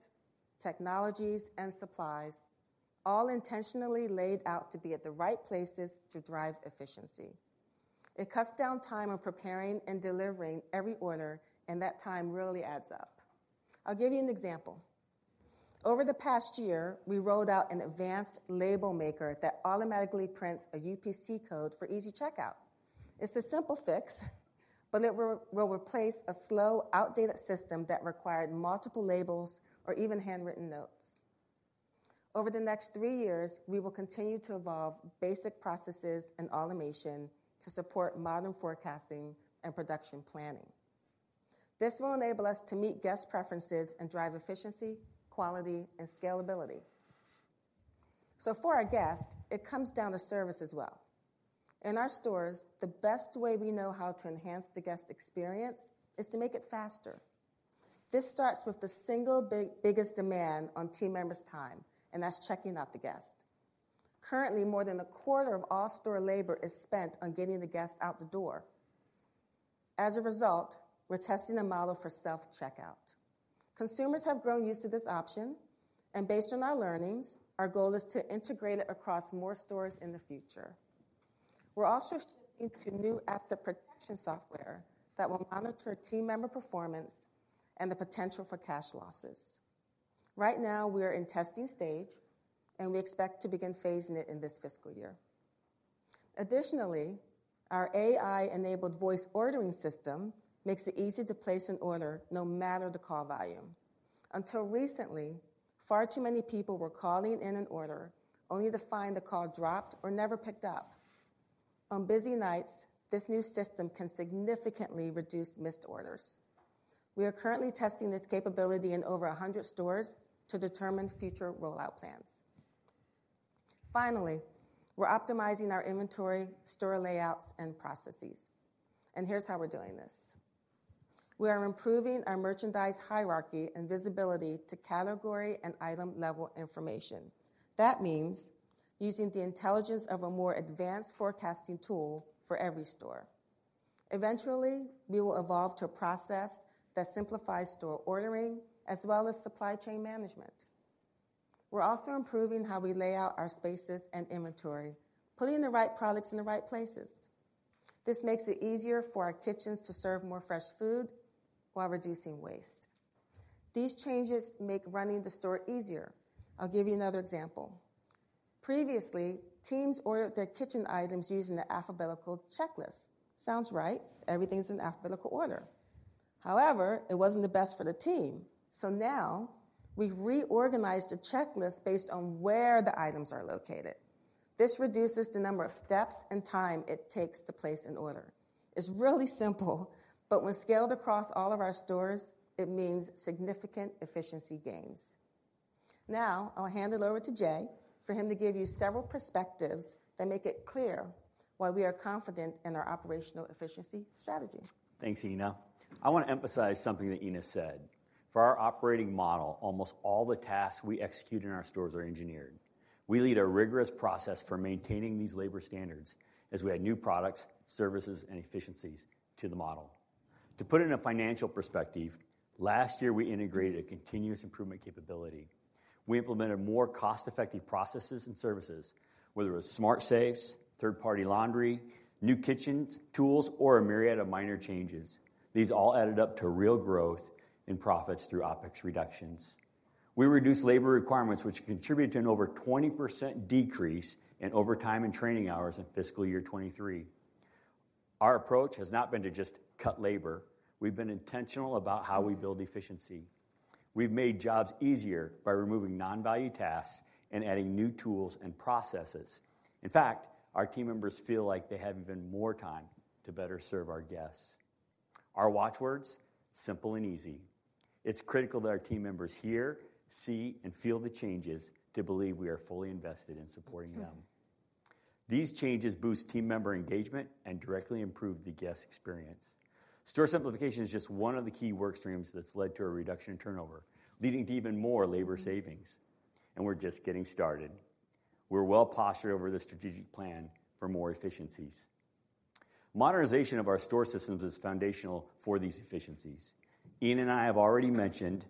technologies, and supplies, all intentionally laid out to be at the right places to drive efficiency. It cuts down time on preparing and delivering every order, and that time really adds up. I'll give you an example. Over the past year, we rolled out an advanced label maker that automatically prints a UPC code for easy checkout. It's a simple fix, but it will replace a slow, outdated system that required multiple labels or even handwritten notes. Over the next three years, we will continue to evolve basic processes and automation to support modern forecasting and production planning. This will enable us to meet guest preferences and drive efficiency, quality, and scalability. For our guests, it comes down to service as well. In our stores, the best way we know how to enhance the guest experience is to make it faster. This starts with the single biggest demand on team members' time, and that's checking out the guest. Currently, more than a quarter of all store labor is spent on getting the guest out the door. As a result, we're testing a model for self-checkout. Consumers have grown used to this option, and based on our learnings, our goal is to integrate it across more stores in the future. We're also shifting to new asset protection software that will monitor team member performance and the potential for cash losses. Right now, we are in testing stage, and we expect to begin phasing it in this fiscal year. Additionally, our AI-enabled voice ordering system makes it easy to place an order, no matter the call volume. Until recently, far too many people were calling in an order, only to find the call dropped or never picked up. On busy nights, this new system can significantly reduce missed orders. We are currently testing this capability in over 100 stores to determine future rollout plans. We're optimizing our inventory, store layouts, and processes. Here's how we're doing this. We are improving our merchandise hierarchy and visibility to category and item-level information. That means using the intelligence of a more advanced forecasting tool for every store. Eventually, we will evolve to a process that simplifies store ordering as well as supply chain management. We're also improving how we lay out our spaces and inventory, putting the right products in the right places. This makes it easier for our kitchens to serve more fresh food while reducing waste. These changes make running the store easier. I'll give you another example. Previously, teams ordered their kitchen items using the alphabetical checklist. Sounds right. Everything's in alphabetical order. However, it wasn't the best for the team. Now, we've reorganized the checklist based on where the items are located. This reduces the number of steps and time it takes to place an order. It's really simple, but when scaled across all of our stores, it means significant efficiency gains. I'll hand it over to Jay for him to give you several perspectives that make it clear why we are confident in our operational efficiency strategy. Thanks, Ena. I want to emphasize something that Ena said. For our operating model, almost all the tasks we execute in our stores are engineered. We lead a rigorous process for maintaining these labor standards as we add new products, services, and efficiencies to the model. To put it in a financial perspective, last year, we integrated a continuous improvement capability. We implemented more cost-effective processes and services, whether it was smart safes, third-party laundry, new kitchen tools, or a myriad of minor changes. These all added up to real growth in profits through OpEx reductions. We reduced labor requirements, which contributed to an over 20% decrease in overtime and training hours in fiscal year 23. Our approach has not been to just cut labor, we've been intentional about how we build efficiency. We've made jobs easier by removing non-value tasks and adding new tools and processes. In fact, our team members feel like they have even more time to better serve our guests. Our watchwords? Simple and easy. It's critical that our team members hear, see, and feel the changes to believe we are fully invested in supporting them. These changes boost team member engagement and directly improve the guest experience. Store simplification is just one of the key work streams that's led to a reduction in turnover, leading to even more labor savings. We're just getting started. We're well-postured over the strategic plan for more efficiencies. Modernization of our store systems is foundational for these efficiencies. Ena and I have already mentioned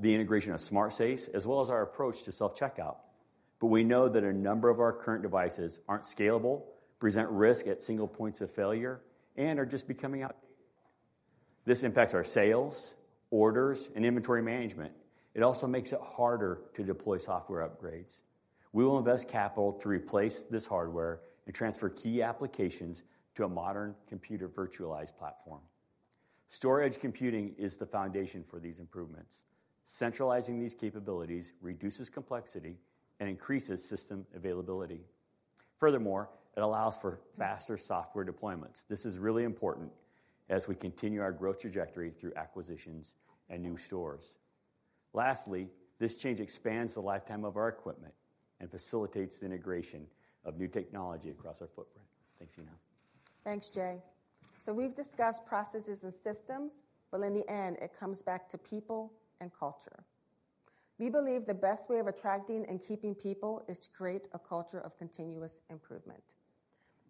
the integration of smart safes, as well as our approach to self-checkout. We know that a number of our current devices aren't scalable, present risk at single points of failure, and are just becoming outdated. This impacts our sales, orders, and inventory management. It also makes it harder to deploy software upgrades. We will invest capital to replace this hardware and transfer key applications to a modern computer virtualized platform. Storage computing is the foundation for these improvements. Centralizing these capabilities reduces complexity and increases system availability. It allows for faster software deployments. This is really important as we continue our growth trajectory through acquisitions and new stores. Lastly, this change expands the lifetime of our equipment and facilitates the integration of new technology across our footprint. Thanks, Ena. Thanks, Jay. We've discussed processes and systems, but in the end, it comes back to people and culture. We believe the best way of attracting and keeping people is to create a culture of continuous improvement.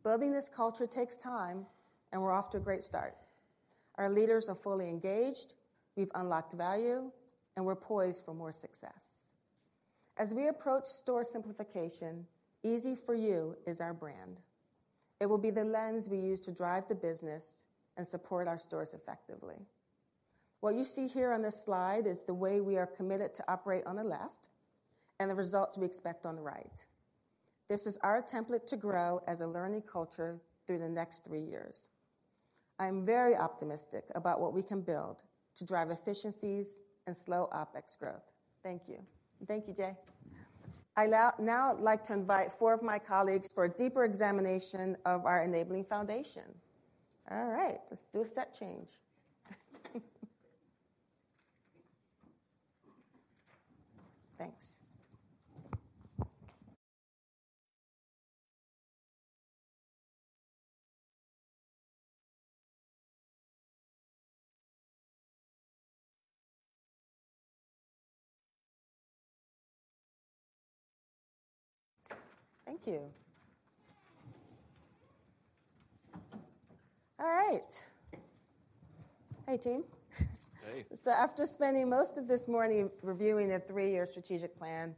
Building this culture takes time. We're off to a great start. Our leaders are fully engaged, we've unlocked value. We're poised for more success. As we approach store simplification, easy for you is our brand. It will be the lens we use to drive the business and support our stores effectively. What you see here on this slide is the way we are committed to operate on the left and the results we expect on the right. This is our template to grow as a learning culture through the next three years. I am very optimistic about what we can build to drive efficiencies and slow OpEx growth. Thank you. Thank you, Jay. I now like to invite 4 of my colleagues for a deeper examination of our enabling foundation. All right, let's do a set change. Thanks. Thank you. All right. Hey, team. Hey. After spending most of this morning reviewing the three-year strategic plan,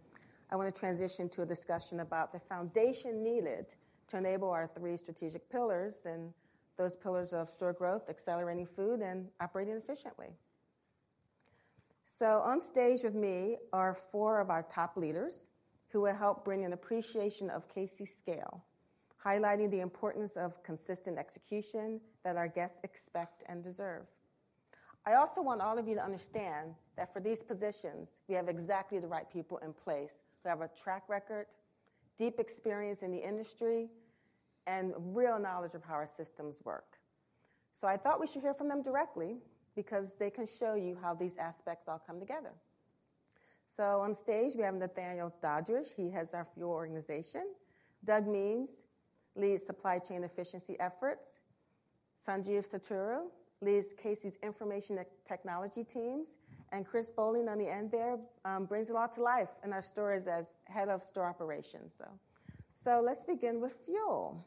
I want to transition to a discussion about the foundation needed to enable our three strategic pillars, and those pillars of store growth, accelerating food, and operating efficiently. On stage with me are four of our top leaders who will help bring an appreciation of Casey's scale, highlighting the importance of consistent execution that our guests expect and deserve. I also want all of you to understand that for these positions, we have exactly the right people in place, who have a track record, deep experience in the industry, and real knowledge of how our systems work. I thought we should hear from them directly because they can show you how these aspects all come together. On stage, we have Nathaniel Doddridge. He heads our fuel organization. Doug Means leads supply chain efficiency efforts. Sanjeev Satturu leads Casey's information and technology teams, Chris Boling, on the end there, brings a lot to life in our stores as head of store operations. Let's begin with fuel.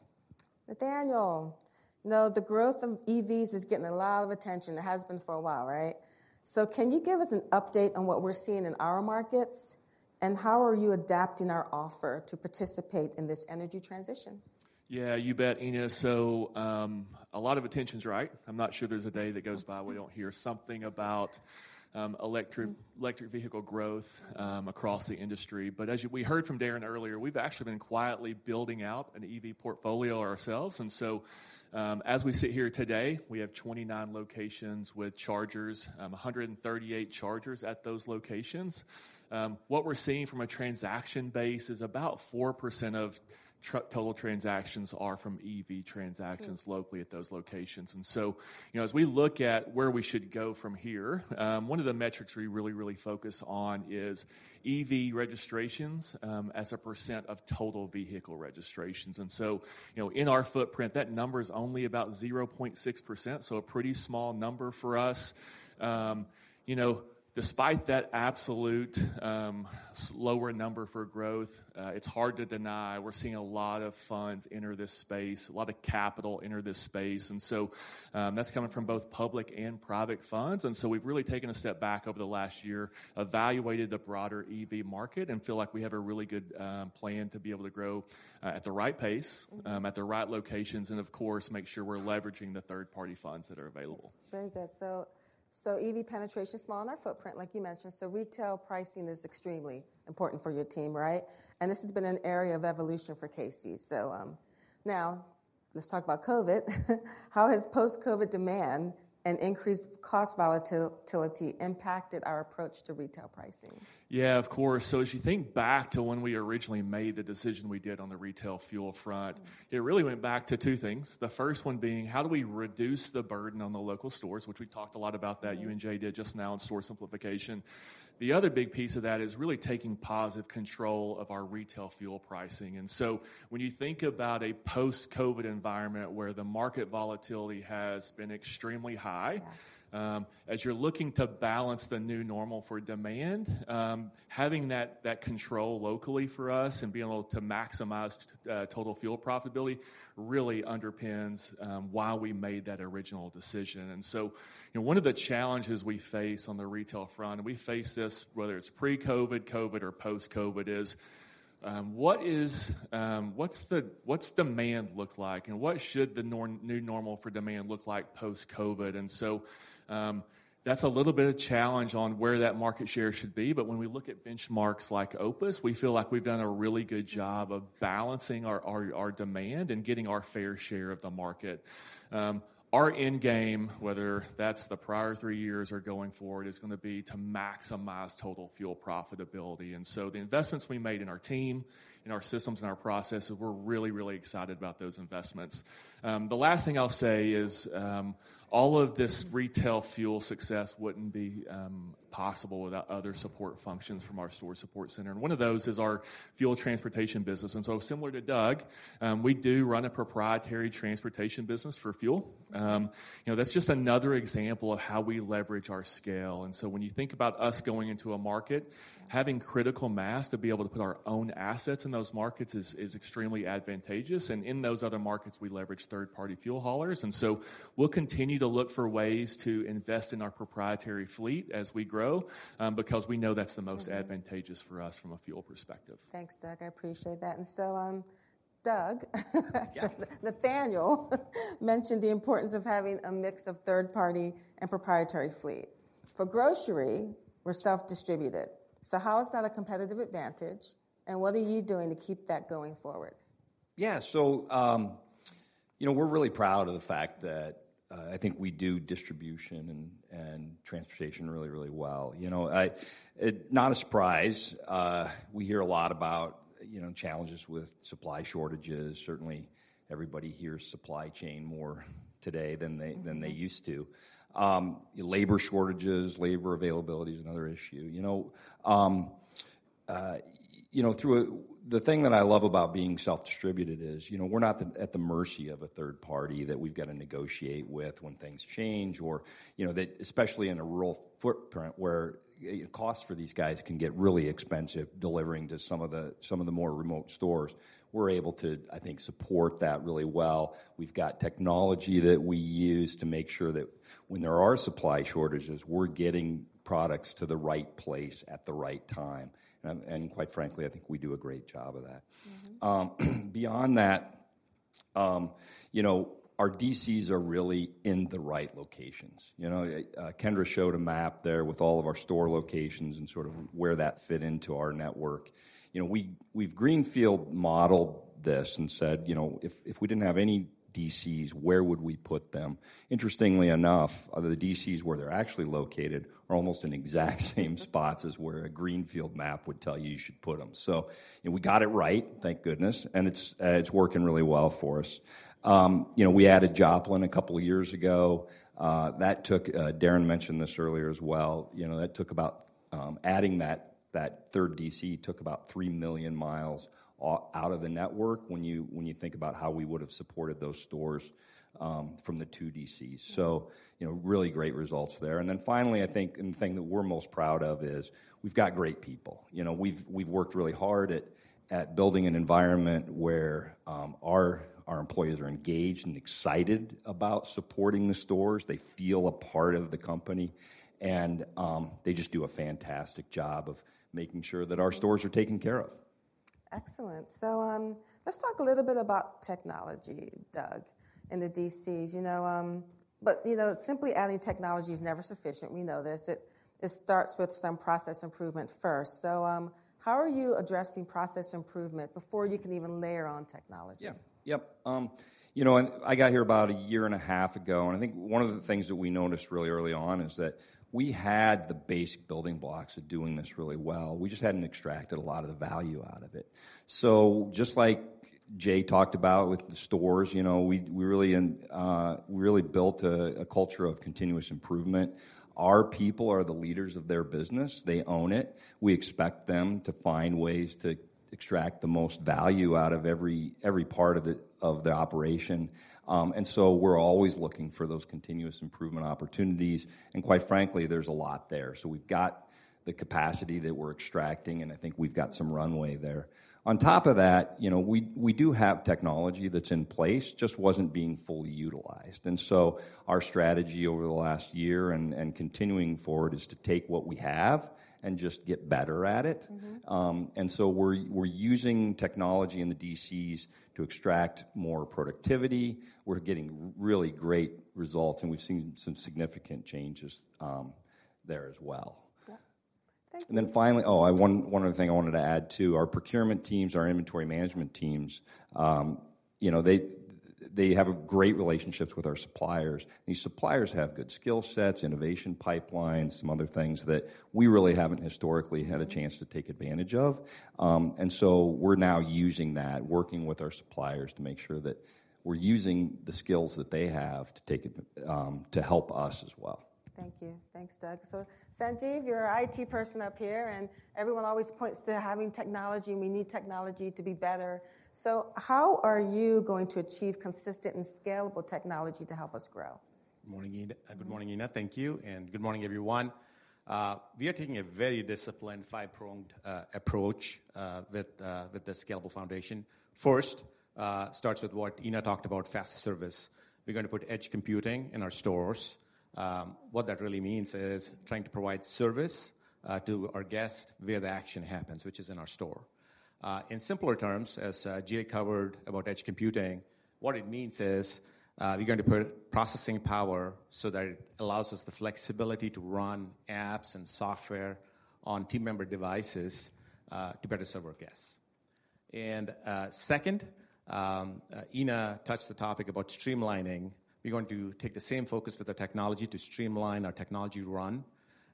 Nathaniel, you know, the growth of EVs is getting a lot of attention. It has been for a while, right? Can you give us an update on what we're seeing in our markets, and how are you adapting our offer to participate in this energy transition? Yeah, you bet, Ina. A lot of attention's right. I'm not sure there's a day that goes by we don't hear something about electric vehicle growth across the industry. As we heard from Darren earlier, we've actually been quietly building out an EV portfolio ourselves. As we sit here today, we have 29 locations with chargers, 138 chargers at those locations. What we're seeing from a transaction base is about 4% of total transactions are from EV transactions. Mm. locally at those locations. You know, as we look at where we should go from here, one of the metrics we really focus on is EV registrations as a percent of total vehicle registrations. You know, in our footprint, that number is only about 0.6%, so a pretty small number for us. You know, despite that absolute slower number for growth, it's hard to deny we're seeing a lot of funds enter this space, a lot of capital enter this space, that's coming from both public and private funds. We've really taken a step back over the last year, evaluated the broader EV market, and feel like we have a really good plan to be able to grow at the right pace. Mm-hmm. at the right locations, and of course, make sure we're leveraging the third-party funds that are available. Very good. EV penetration is small in our footprint, like you mentioned, so retail pricing is extremely important for your team, right? This has been an area of evolution for Casey. Now let's talk about COVID. How has post-COVID demand and increased cost volatility impacted our approach to retail pricing? Yeah, of course. As you think back to when we originally made the decision we did on the retail fuel front. Mm. it really went back to two things. The first one being: how do we reduce the burden on the local stores? Which we talked a lot about that, you and Jay did just now on store simplification. The other big piece of that is really taking positive control of our retail fuel pricing. When you think about a post-COVID environment where the market volatility has been extremely high- Yeah... as you're looking to balance the new normal for demand, having that control locally for us and being able to maximize total fuel profitability, really underpins why we made that original decision. You know, one of the challenges we face on the retail front, and we face this whether it's pre-COVID, COVID, or post-COVID, is: What is, what's demand look like, and what should the new normal for demand look like post-COVID? That's a little bit of challenge on where that market share should be, but when we look at benchmarks like Opus, we feel like we've done a really good job of balancing our, our demand and getting our fair share of the market. Our end game, whether that's the prior three years or going forward, is gonna be to maximize total fuel profitability. The investments we made in our team, in our systems, and our processes, we're really excited about those investments. The last thing I'll say is, all of this retail fuel success wouldn't be possible without other support functions from our store support center, and one of those is our fuel transportation business. Similar to Doug, we do run a proprietary transportation business for fuel. You know, that's just another example of how we leverage our scale. When you think about us going into a market- Mm. having critical mass to be able to put our own assets in those markets is extremely advantageous, and in those other markets, we leverage third-party fuel haulers. We'll continue to look for ways to invest in our proprietary fleet as we grow, because we know that's the most- Mm-hmm. advantageous for us from a fuel perspective. Thanks, Doug. I appreciate that. Doug, Yeah. Nathaniel mentioned the importance of having a mix of third-party and proprietary fleet. For grocery, we're self-distributed. How is that a competitive advantage, and what are you doing to keep that going forward? You know, we're really proud of the fact that I think we do distribution and transportation really, really well. You know, I not a surprise, we hear a lot about, you know, challenges with supply shortages. Certainly, everybody hears supply chain more today than they. Mm-hmm. -than they used to. Labor shortages, labor availability is another issue. You know, you know, the thing that I love about being self-distributed is, you know, we're not the, at the mercy of a third party that we've got to negotiate with when things change or, you know, that especially in a rural footprint, where costs for these guys can get really expensive delivering to some of the more remote stores. We're able to, I think, support that really well. We've got technology that we use to make sure that when there are supply shortages, we're getting products to the right place at the right time. Quite frankly, I think we do a great job of that. Mm-hmm. Beyond that, you know, our DCs are really in the right locations. You know, Kendra showed a map there with all of our store locations and sort of where that fit into our network. You know, we've greenfield modeled this and said, "You know, if we didn't have any DCs, where would we put them?" Interestingly enough, the DCs where they're actually located are almost in exact same spots as where a greenfield map would tell you you should put them. You know, we got it right, thank goodness, and it's working really well for us. You know, we added Joplin a couple of years ago. That took... Darren mentioned this earlier as well, you know, that took about adding that 3rd DC took about 3 million miles out of the network when you think about how we would have supported those stores, from the 2 DCs. Mm-hmm. You know, really great results there. Finally, I think, and the thing that we're most proud of is we've got great people. You know, we've worked really hard at building an environment where our employees are engaged and excited about supporting the stores. They feel a part of the company, and they just do a fantastic job of making sure that our stores are taken care of. Excellent. Let's talk a little bit about technology, Doug, in the DCs. You know, you know, simply adding technology is never sufficient. We know this. It starts with some process improvement first. How are you addressing process improvement before you can even layer on technology? Yeah. Yep, you know, I got here about a year and a half ago, and I think one of the things that we noticed really early on is that we had the basic building blocks of doing this really well. We just hadn't extracted a lot of the value out of it. Just like Jay talked about with the stores, you know, we really built a culture of continuous improvement. Our people are the leaders of their business. They own it. We expect them to find ways to extract the most value out of every part of the operation. We're always looking for those continuous improvement opportunities, and quite frankly, there's a lot there. We've got the capacity that we're extracting, and I think we've got some runway there. On top of that, you know, we do have technology that's in place, just wasn't being fully utilized. Our strategy over the last year and continuing forward is to take what we have and just get better at it. Mm-hmm. We're using technology in the DCs to extract more productivity. We're getting really great results, and we've seen some significant changes there as well. Yeah. Thank you. Finally. One other thing I wanted to add, too. Our procurement teams, our inventory management teams, you know, they have great relationships with our suppliers. These suppliers have good skill sets, innovation pipelines, some other things that we really haven't historically had a chance to take advantage of. So we're now using that, working with our suppliers to make sure that we're using the skills that they have to help us as well. Thank you. Thanks, Doug. Sanjeev, you're our IT person up here, and everyone always points to having technology, and we need technology to be better. How are you going to achieve consistent and scalable technology to help us grow? Good morning, Ena. Thank you. Good morning, everyone. We are taking a very disciplined, five-pronged approach with the scalable foundation. First, starts with what Ena talked about, fast service. We're gonna put edge computing in our stores. What that really means is trying to provide service to our guests where the action happens, which is in our store. In simpler terms, as Jay covered about edge computing, what it means is, we're going to put processing power so that it allows us the flexibility to run apps and software on team member devices to better serve our guests. Second, Ena touched the topic about streamlining. We're going to take the same focus with the technology to streamline our technology run,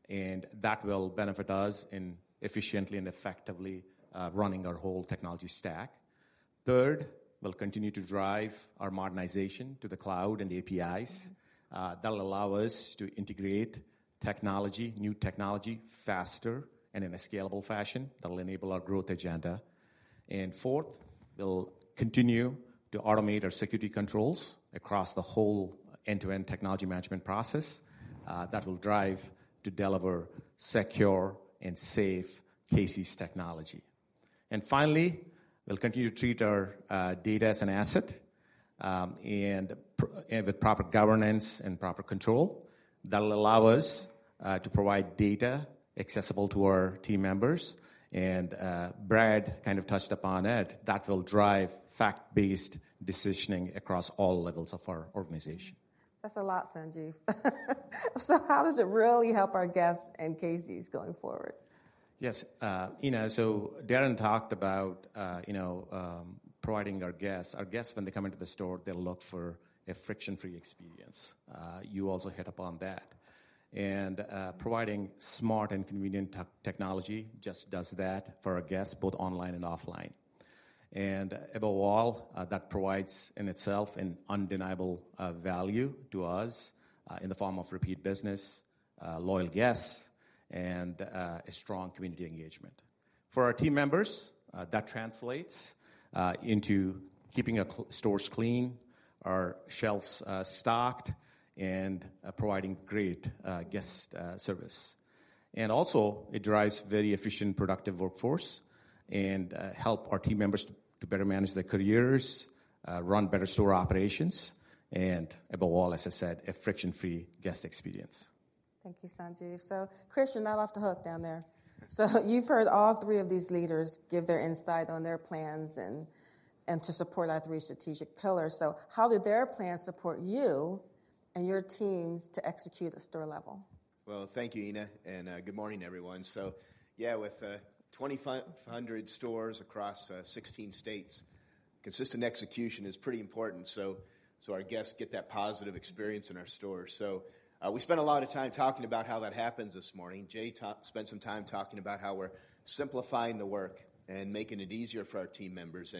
and that will benefit us in efficiently and effectively running our whole technology stack. Third, we'll continue to drive our modernization to the cloud and the APIs. That'll allow us to integrate technology, new technology, faster and in a scalable fashion that will enable our growth agenda. Fourth, we'll continue to automate our security controls across the whole end-to-end technology management process. That will drive to deliver secure and safe Casey's technology. Finally, we'll continue to treat our data as an asset, and with proper governance and proper control. That will allow us to provide data accessible to our team members, and Brad kind of touched upon it. That will drive fact-based decisioning across all levels of our organization. That's a lot, Sanjeev. How does it really help our guests and Casey's going forward? Yes, you know, Darren talked about, you know, providing our guests. Our guests, when they come into the store, they'll look for a friction-free experience. You also hit upon that. Providing smart and convenient technology just does that for our guests, both online and offline. Above all, that provides in itself an undeniable value to us in the form of repeat business, loyal guests, and a strong community engagement. For our team members, that translates into keeping our stores clean, our shelves stocked, and providing great guest service. Also, it drives very efficient, productive workforce and help our team members to better manage their careers, run better store operations, and above all, as I said, a friction-free guest experience. Thank you, Sanjeev. Chris, you're not off the hook down there. You've heard all three of these leaders give their insight on their plans and to support our three strategic pillars. How do their plans support you and your teams to execute at store level? Thank you, Ena, good morning, everyone. Yeah, with 2,500 stores across 16 states, consistent execution is pretty important, so our guests get that positive experience in our stores. We spent a lot of time talking about how that happens this morning. Jay spent some time talking about how we're simplifying the work and making it easier for our team members.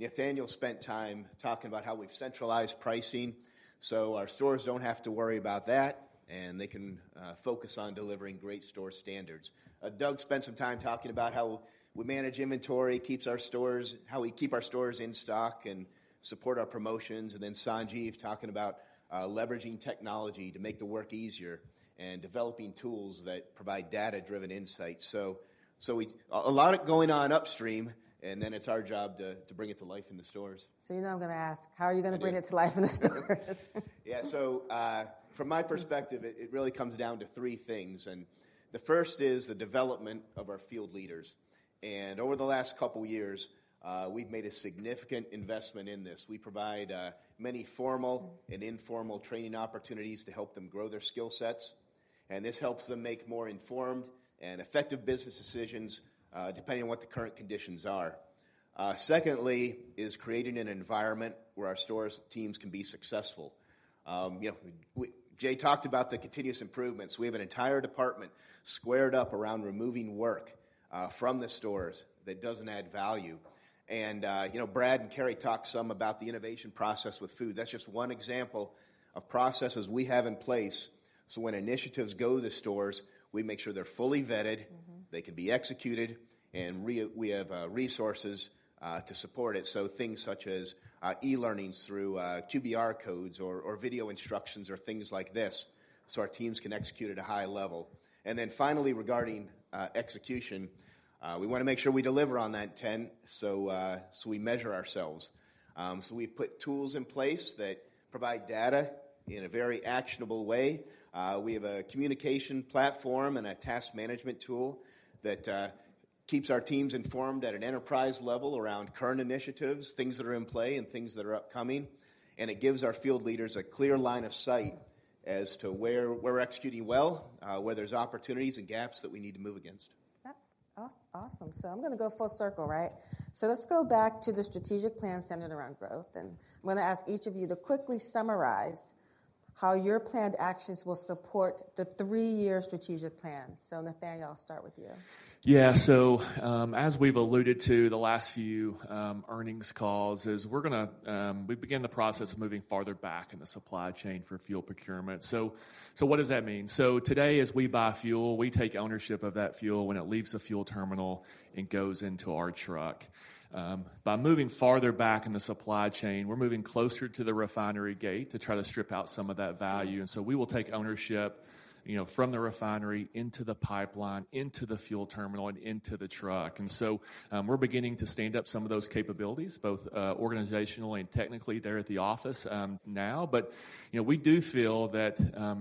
Nathaniel spent time talking about how we've centralized pricing, so our stores don't have to worry about that, and they can focus on delivering great store standards. Doug spent some time talking about how we manage inventory, how we keep our stores in stock and support our promotions. Sanjeev talking about leveraging technology to make the work easier and developing tools that provide data-driven insights. A lot going on upstream, and then it's our job to bring it to life in the stores. You know I'm gonna ask: How are you gonna bring it to life in the stores? Yeah. From my perspective, it really comes down to three things, the first is the development of our field leaders. Over the last two years, we've made a significant investment in this. We provide many formal and informal training opportunities to help them grow their skill sets, this helps them make more informed and effective business decisions, depending on what the current conditions are. Secondly, is creating an environment where our stores' teams can be successful. You know, Jay talked about the continuous improvements. We have an entire department squared up around removing work from the stores that doesn't add value. You know, Brad and Carrie talked some about the innovation process with food. That's just one example of processes we have in place, so when initiatives go to the stores, we make sure they're fully vetted. Mm-hmm. they can be executed, we have resources to support it. Things such as e-learnings through QR codes or video instructions or things like this, so our teams can execute at a high level. Finally, regarding execution, we wanna make sure we deliver on that intent, so we measure ourselves. We've put tools in place that provide data in a very actionable way. We have a communication platform and a task management tool that keeps our teams informed at an enterprise level around current initiatives, things that are in play, and things that are upcoming. It gives our field leaders a clear line of sight as to where we're executing well, where there's opportunities and gaps that we need to move against. Yep. Awesome. I'm gonna go full circle, right? Let's go back to the strategic plan centered around growth, and I'm gonna ask each of you to quickly summarize how your planned actions will support the three-year strategic plan. Nathaniel, I'll start with you. As we've alluded to the last few earnings calls, we began the process of moving farther back in the supply chain for fuel procurement. What does that mean? Today, as we buy fuel, we take ownership of that fuel when it leaves the fuel terminal and goes into our truck. By moving farther back in the supply chain, we're moving closer to the refinery gate to try to strip out some of that value. We will take ownership, you know, from the refinery into the pipeline, into the fuel terminal, and into the truck. We're beginning to stand up some of those capabilities, both organizationally and technically there at the office, now. You know, we do feel that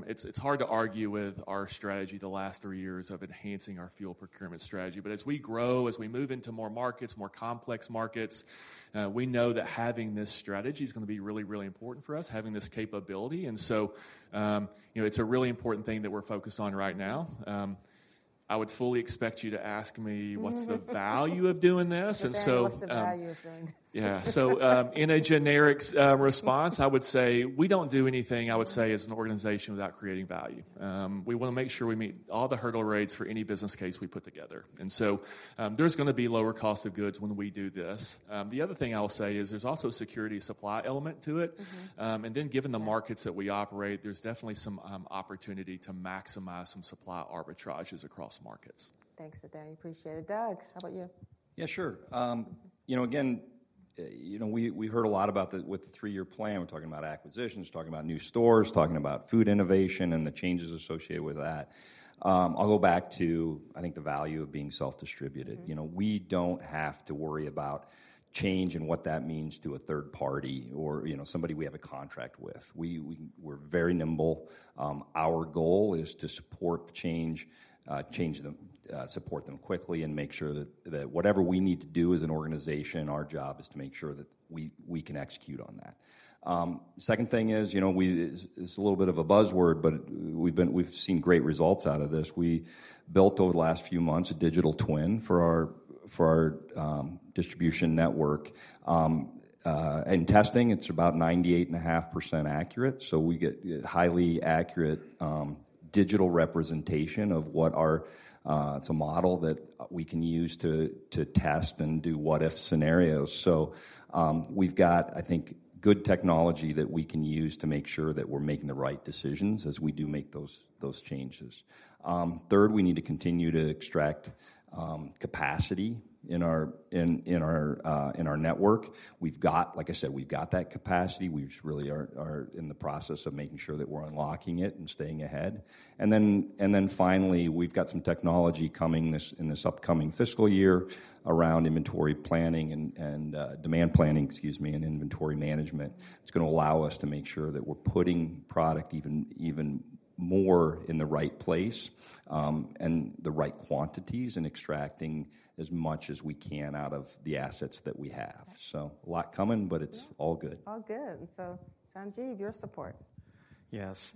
it's hard to argue with our strategy the last three years of enhancing our fuel procurement strategy. As we grow, as we move into more markets, more complex markets, we know that having this strategy is gonna be really, really important for us, having this capability. You know, it's a really important thing that we're focused on right now. I would fully expect you to ask me what's the value of doing this? Nathaniel, what's the value of doing this? Yeah. In a generic's response, I would say we don't do anything, I would say, as an organization, without creating value. We wanna make sure we meet all the hurdle rates for any business case we put together. There's gonna be lower cost of goods when we do this. The other thing I'll say is there's also a security supply element to it. Mm-hmm. Given the markets. Yeah That we operate, there's definitely some opportunity to maximize some supply arbitrages across markets. Thanks, Nathaniel. Appreciate it. Doug, how about you? Yeah, sure. You know, again, you know, we heard a lot about the, with the three-year plan, we're talking about acquisitions, talking about new stores, talking about food innovation and the changes associated with that. I'll go back to, I think, the value of being self-distributed. Mm-hmm. You know, we don't have to worry about change and what that means to a third party or, you know, somebody we have a contract with. We're very nimble. Our goal is to support change, support them quickly and make sure that whatever we need to do as an organization, our job is to make sure that we can execute on that. Second thing is, you know, we, it's a little bit of a buzzword, but we've seen great results out of this. We built, over the last few months, a digital twin for our distribution network.... in testing, it's about 98.5% accurate, we get highly accurate digital representation of what our, it's a model that we can use to test and do what-if scenarios. We've got, I think, good technology that we can use to make sure that we're making the right decisions as we do make those changes. Third, we need to continue to extract capacity in our network. Like I said, we've got that capacity. We just really are in the process of making sure that we're unlocking it and staying ahead. Finally, we've got some technology coming in this upcoming fiscal year around inventory planning and demand planning, excuse me, and inventory management. It's gonna allow us to make sure that we're putting product even more in the right place, and the right quantities, and extracting as much as we can out of the assets that we have. A lot coming, but it's all good. All good. Sanjeev, your support. Yes.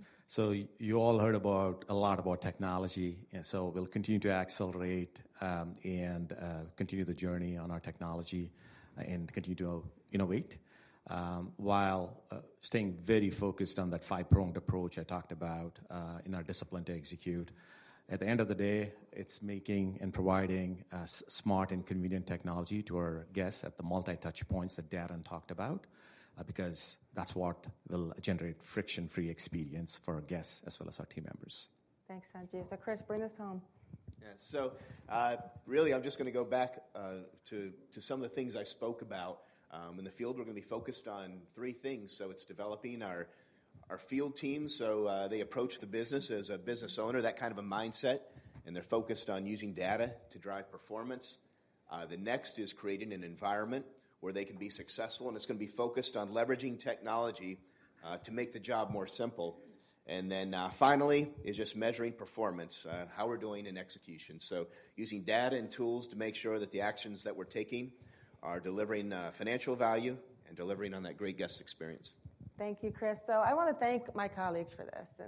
You all heard about, a lot about technology, we'll continue to accelerate and continue the journey on our technology and continue to innovate while staying very focused on that 5-pronged approach I talked about in our discipline to execute. At the end of the day, it's making and providing a smart and convenient technology to our guests at the multi-touch points that Darren talked about, that's what will generate friction-free experience for our guests as well as our team members. Thanks, Sanjeev. Chris, bring us home. Yeah. Really, I'm just gonna go back to some of the things I spoke about. In the field, we're gonna be focused on three things, so it's developing our field team, so they approach the business as a business owner, that kind of a mindset, and they're focused on using data to drive performance. The next is creating an environment where they can be successful, and it's gonna be focused on leveraging technology to make the job simpler. Finally, is just measuring performance, how we're doing in execution. Using data and tools to make sure that the actions that we're taking are delivering financial value and delivering on that great guest experience. Thank you, Chris. I wanna thank my colleagues for this.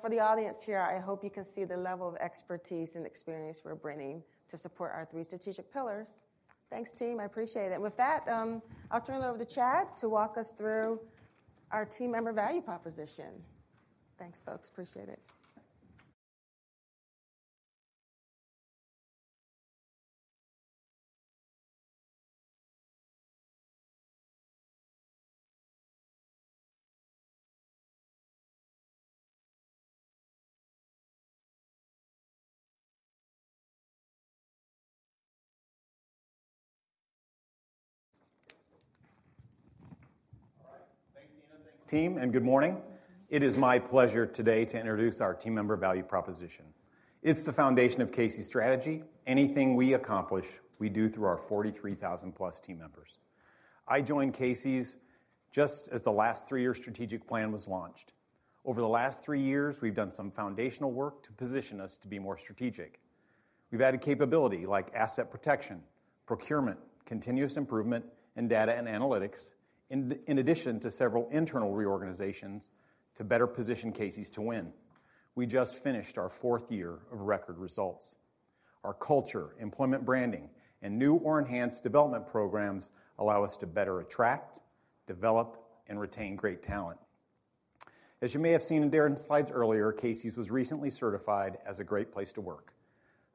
For the audience here, I hope you can see the level of expertise and experience we're bringing to support our three strategic pillars. Thanks, team. I appreciate it. With that, I'll turn it over to Chad to walk us through our team member value proposition. Thanks, folks. Appreciate it. All right. Thanks, Nina. Thank you, team. Good morning. It is my pleasure today to introduce our team member value proposition. It's the foundation of Casey's strategy. Anything we accomplish, we do through our 43,000 plus team members. I joined Casey's just as the last three-year strategic plan was launched. Over the last three years, we've done some foundational work to position us to be more strategic. We've added capability like asset protection, procurement, continuous improvement, and data and analytics, in addition to several internal reorganizations to better position Casey's to win. We just finished our fourth year of record results. Our culture, employment branding, and new or enhanced development programs allow us to better attract, develop, and retain great talent. As you may have seen in Darren's slides earlier, Casey's was recently certified as a great place to work,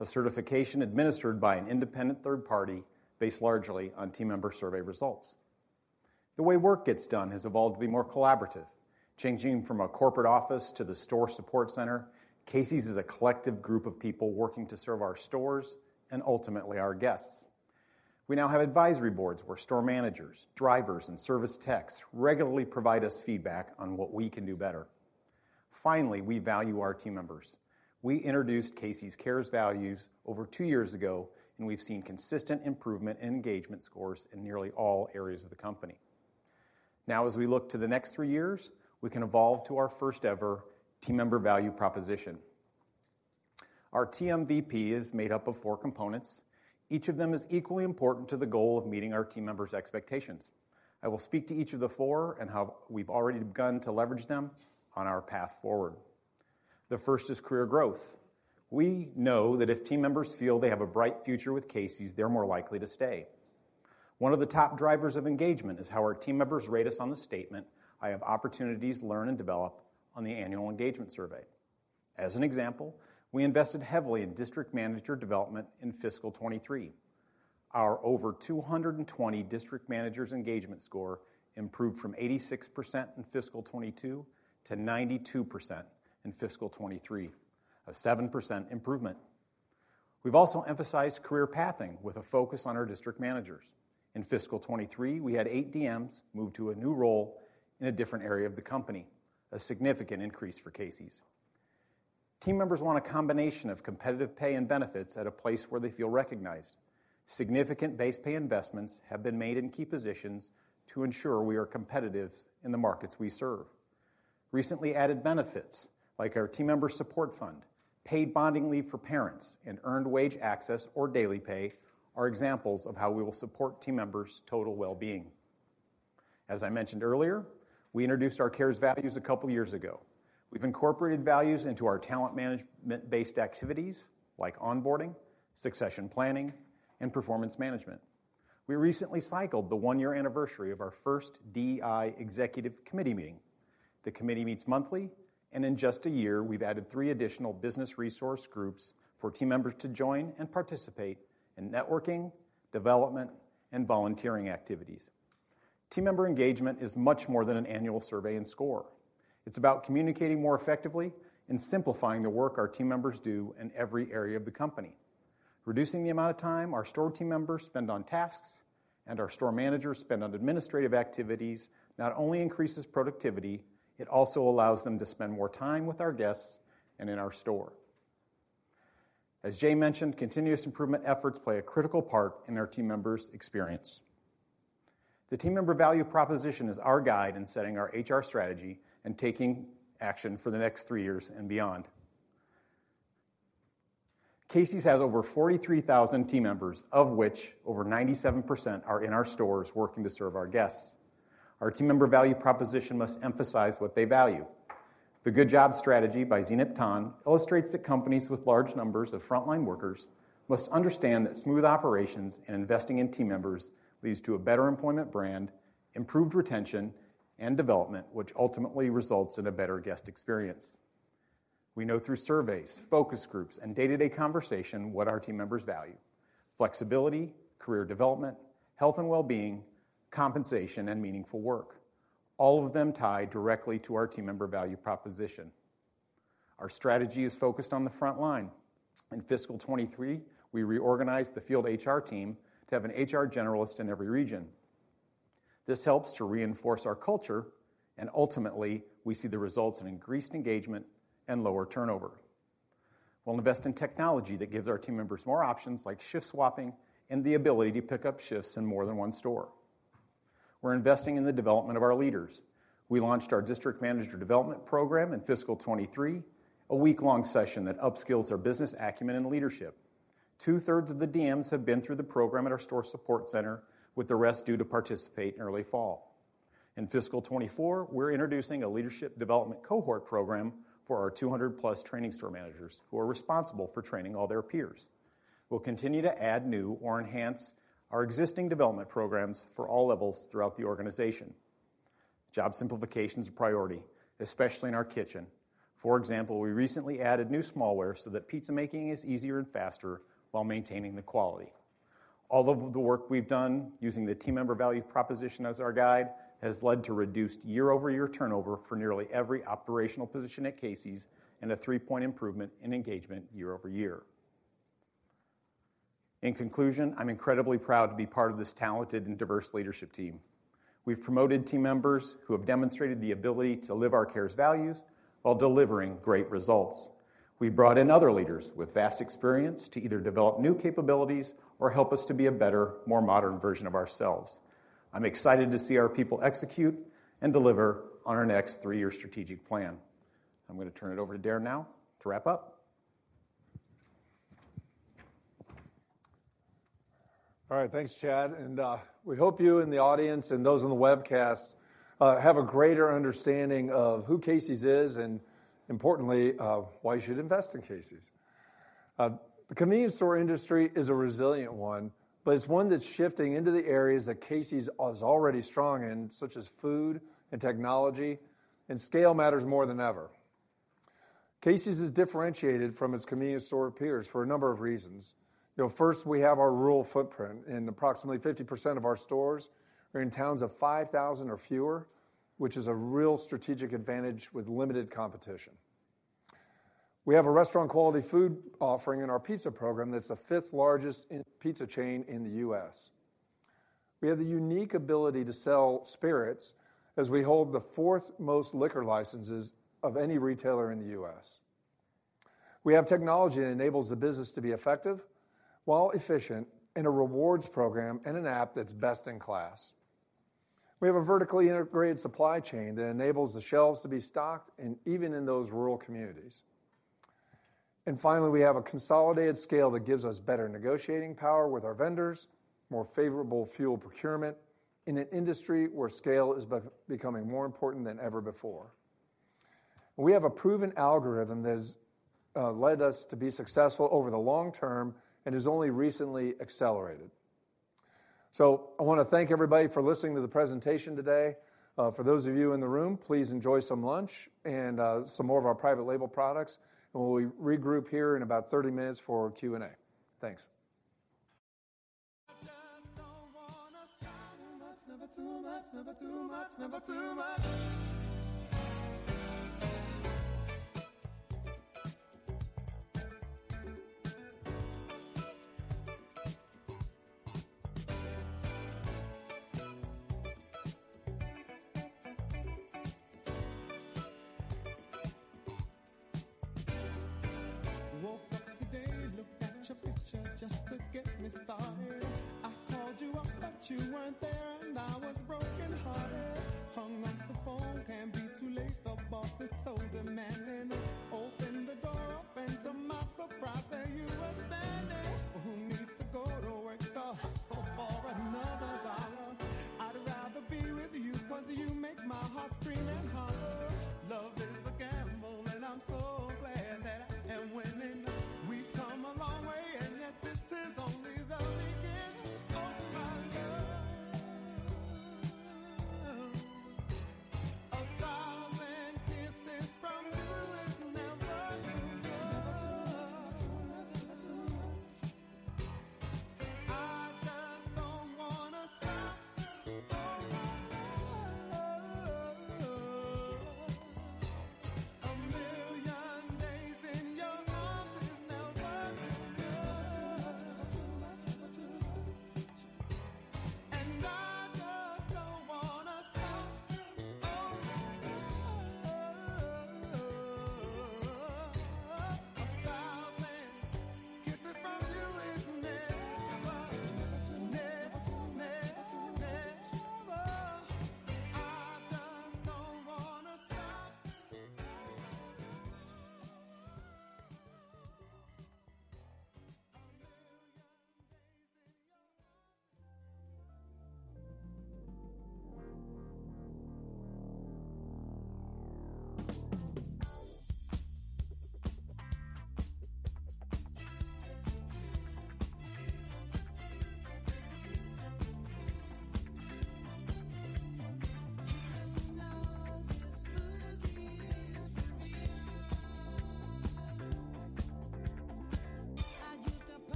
a certification administered by an independent third party, based largely on team member survey results. The way work gets done has evolved to be more collaborative, changing from a corporate office to the store support center. Casey's is a collective group of people working to serve our stores and ultimately our guests. We now have advisory boards where store managers, drivers, and service techs regularly provide us feedback on what we can do better. Finally, we value our team members. We introduced Casey's Cares values over two years ago, and we've seen consistent improvement in engagement scores in nearly all areas of the company. Now, as we look to the next three years, we can evolve to our first-ever team member value proposition. Our TMVP is made up of four components. Each of them is equally important to the goal of meeting our team members' expectations. I will speak to each of the four and how we've already begun to leverage them on our path forward. The first is career growth. We know that if team members feel they have a bright future with Casey's, they're more likely to stay. One of the top drivers of engagement is how our team members rate us on the statement, "I have opportunities to learn and develop," on the annual engagement survey. As an example, we invested heavily in district manager development in fiscal 2023. Our over 220 district managers' engagement score improved from 86% in fiscal 2022 to 92% in fiscal 2023, a 7% improvement. We've also emphasized career pathing with a focus on our district managers. In fiscal 2023, we had 8 DMs move to a new role in a different area of the company, a significant increase for Casey's. Team members want a combination of competitive pay and benefits at a place where they feel recognized. Significant base pay investments have been made in key positions to ensure we are competitive in the markets we serve. Recently added benefits, like our team member support fund, paid bonding leave for parents, and earned wage access or daily pay, are examples of how we will support team members' total well-being. As I mentioned earlier, we introduced our Casey's Cares values a couple years ago. We've incorporated values into our talent management-based activities, like onboarding, succession planning, and performance management. We recently cycled the one-year anniversary of our first DEI executive committee meeting. The committee meets monthly. In just a year, we've added three additional business resource groups for team members to join and participate in networking, development, and volunteering activities. Team member engagement is much more than an annual survey and score. It's about communicating more effectively and simplifying the work our team members do in every area of the company. Reducing the amount of time our store team members spend on tasks and our store managers spend on administrative activities, not only increases productivity, it also allows them to spend more time with our guests and in our store. As Jay mentioned, continuous improvement efforts play a critical part in our team members' experience. The team member value proposition is our guide in setting our HR strategy and taking action for the next three years and beyond. Casey's has over 43,000 team members, of which over 97% are in our stores working to serve our guests. Our team member value proposition must emphasize what they value. The Good Jobs Strategy by Zeynep Ton illustrates that companies with large numbers of frontline workers must understand that smooth operations and investing in team members leads to a better employment brand, improved retention, and development, which ultimately results in a better guest experience. We know through surveys, focus groups, and day-to-day conversation, what our team members value: flexibility, career development, health and well-being, compensation, and meaningful work. All of them tie directly to our team member value proposition. Our strategy is focused on the front line. In fiscal 2023, we reorganized the field HR team to have an HR generalist in every region. This helps to reinforce our culture, and ultimately, we see the results in increased engagement and lower turnover. We'll invest in technology that gives our team members more options, like shift swapping and the ability to pick up shifts in more than one store. We're investing in the development of our leaders. We launched our district manager development program in fiscal 2023, a week-long session that upskills their business acumen and leadership. Two-thirds of the DMs have been through the program at our store support center, with the rest due to participate in early fall. In fiscal 2024, we're introducing a leadership development cohort program for our 200+ training store managers, who are responsible for training all their peers. We'll continue to add new or enhance our existing development programs for all levels throughout the organization. Job simplification is a priority, especially in our kitchen. For example, we recently added new smallware so that pizza making is easier and faster while maintaining the quality. All of the work we've done using the team member value proposition as our guide, has led to reduced year-over-year turnover for nearly every operational position at Casey's, and a 3-point improvement in engagement year-over-year. In conclusion, I'm incredibly proud to be part of this talented and diverse leadership team. We've promoted team members who have demonstrated the ability to live our Cares values while delivering great results. We brought in other leaders with vast experience to either develop new capabilities or help us to be a better, more modern version of ourselves. I'm excited to see our people execute and deliver on our next three-year strategic plan. I'm going to turn it over to Darren now to wrap up. All right, thanks, Chad, we hope you in the audience and those on the webcast have a greater understanding of who Casey's is and importantly why you should invest in Casey's. The convenience store industry is a resilient one, but it's one that's shifting into the areas that Casey's is already strong in, such as food and technology, scale matters more than ever. Casey's is differentiated from its convenience store peers for a number of reasons. You know, first, we have our rural footprint, approximately 50% of our stores are in towns of 5,000 or fewer, which is a real strategic advantage with limited competition. We have a restaurant quality food offering in our pizza program that's the fifth largest in pizza chain in the U.S. We have the unique ability to sell spirits as we hold the fourth most liquor licenses of any retailer in the U.S. We have technology that enables the business to be effective while efficient, and a rewards program and an app that's best in class. We have a vertically integrated supply chain that enables the shelves to be stocked even in those rural communities. Finally, we have a consolidated scale that gives us better negotiating power with our vendors, more favorable fuel procurement in an industry where scale is becoming more important than ever before. We have a proven algorithm that has led us to be successful over the long term and has only recently accelerated. I want to thank everybody for listening to the presentation today. For those of you in the room, please enjoy some lunch and some more of our private label products, and we'll regroup here in about 30 minutes for Q&A. Thanks.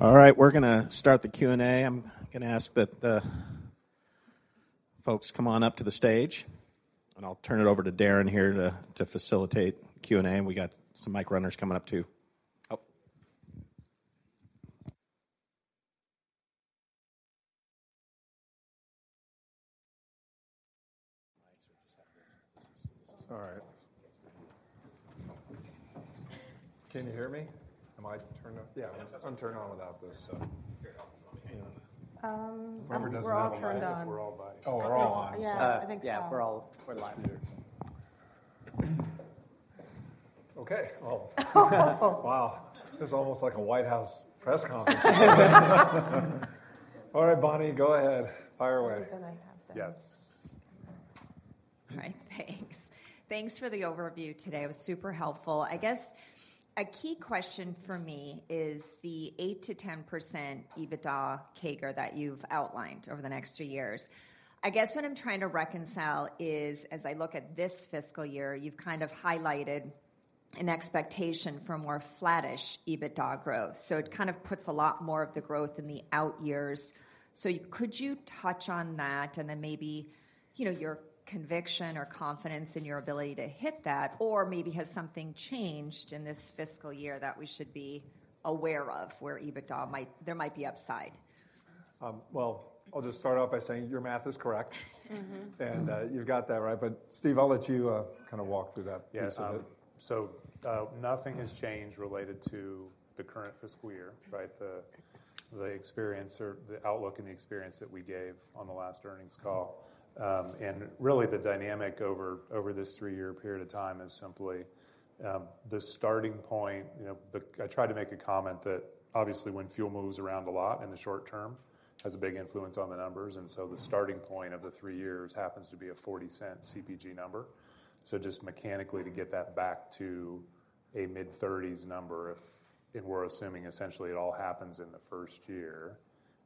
All right, we're gonna start the Q&A. I'm gonna ask that the folks come on up to the stage, and I'll turn it over to Darren here to facilitate the Q&A. We got some mic runners coming up, too. Mics are just happening. All right. Can you hear me? Am I turned on? Yeah, I'm turned on without this, so. We're all turned on. We're all live. Oh, we're all on. Yeah, I think so. Yeah, we're live. Oh. Wow, this is almost like a White House press conference. Bonnie, go ahead. Fire away. I have that. Yes. All right, thanks. Thanks for the overview today. It was super helpful. I guess a key question for me is the 8%-10% EBITDA CAGR that you've outlined over the next three years. I guess what I'm trying to reconcile is, as I look at this fiscal year, you've kind of highlighted an expectation for more flattish EBITDA growth. It kind of puts a lot more of the growth in the out years. Could you touch on that and then maybe, you know, your conviction or confidence in your ability to hit that? Or maybe has something changed in this fiscal year that we should be aware of, where there might be upside? I'll just start off by saying your math is correct. Mm-hmm. You've got that right. Steve, I'll let you, kind of walk through that piece of it. Nothing has changed related to the current fiscal year, right. The experience or the outlook and the experience that we gave on the last earnings call. Really, the dynamic over this three-year period of time is simply the starting point. You know, I tried to make a comment that obviously when fuel moves around a lot in the short term, has a big influence on the numbers. The starting point of the three years happens to be a $0.40 CPG number. Just mechanically, to get that back to a mid-$0.30s number, if, and we're assuming essentially it all happens in the first year,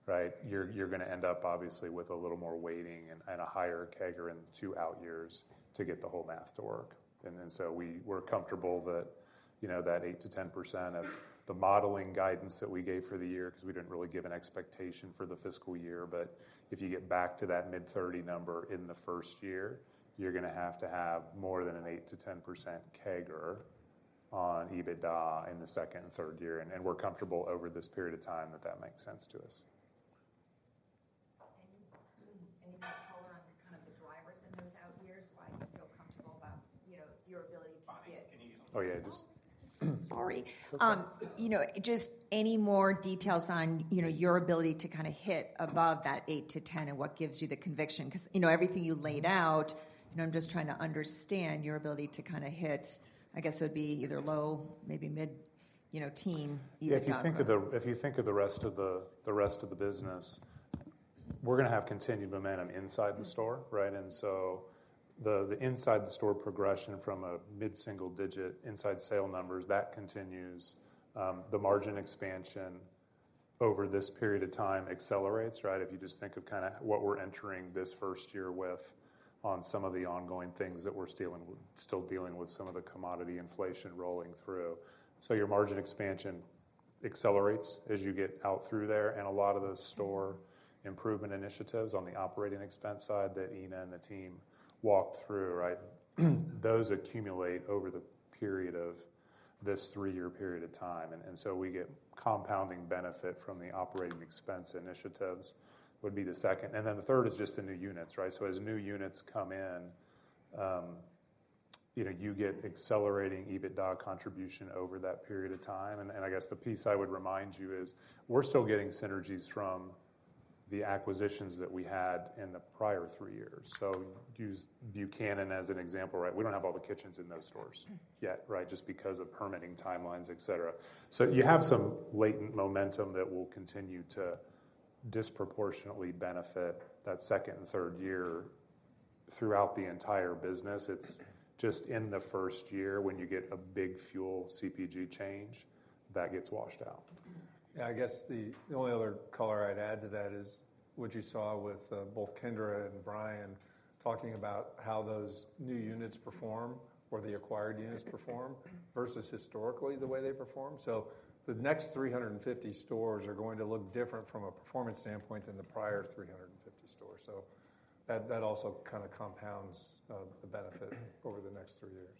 right? You're gonna end up obviously with a little more weighting and a higher CAGR in the two out years to get the whole math to work. We're comfortable that, you know, that 8%-10% of the modeling guidance that we gave for the year, 'cause we didn't really give an expectation for the fiscal year. If you get back to that mid-30 number in the first year, you're gonna have to have more than an 8%-10% CAGR on EBITDA in the second and third year. We're comfortable over this period of time that that makes sense to us. Any more color on kind of the drivers in those out years, why you feel comfortable about, you know, your ability to get- Bonnie, can you use... Oh, yeah. Sorry. You know, just any more details on, you know, your ability to kinda hit above that 8%-10% and what gives you the conviction? 'Cause, you know, everything you laid out, you know, I'm just trying to understand your ability to kinda hit, I guess it would be either low, maybe mid, you know, teen EBITDA. Yeah, if you think of the rest of the business we're gonna have continued momentum inside the store, right? The inside the store progression from a mid-single digit inside sale numbers, that continues. The margin expansion over this period of time accelerates, right? If you just think of kind of what we're entering this first year with on some of the ongoing things that we're still dealing with some of the commodity inflation rolling through. Your margin expansion accelerates as you get out through there, and a lot of those store improvement initiatives on the operating expense side that Ena and the team walked through, right? Those accumulate over the period of this three-year period of time. We get compounding benefit from the operating expense initiatives, would be the second, and then the third is just the new units, right? As new units come in, you know, you get accelerating EBITDA contribution over that period of time. I guess the piece I would remind you is, we're still getting synergies from the acquisitions that we had in the prior three years. Use Buchanan as an example, right? We don't have all the kitchens in those stores yet, right? Just because of permitting timelines, et cetera. You have some latent momentum that will continue to disproportionately benefit that second and third year throughout the entire business. It's just in the first year, when you get a big fuel CPG change, that gets washed out. Yeah, I guess the only other color I'd add to that is what you saw with both Kendra and Brian talking about how those new units perform or the acquired units perform versus historically, the way they performed. The next 350 stores are going to look different from a performance standpoint than the prior 350 stores. That also kind of compounds the benefit over the next three years.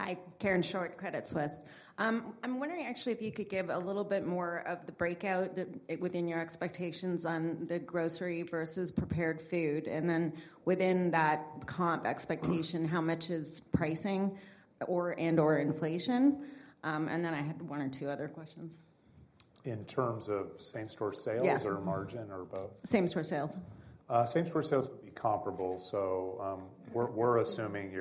Yeah. Hi, Karen Short, Credit Suisse. I'm wondering actually if you could give a little bit more of the breakout that within your expectations on the grocery versus prepared food, and then within that comp expectation, how much is pricing or, and/or inflation? I had one or two other questions. In terms of same-store sales- Yes. Margin or both? Same-store sales. Same-store sales would be comparable. We're assuming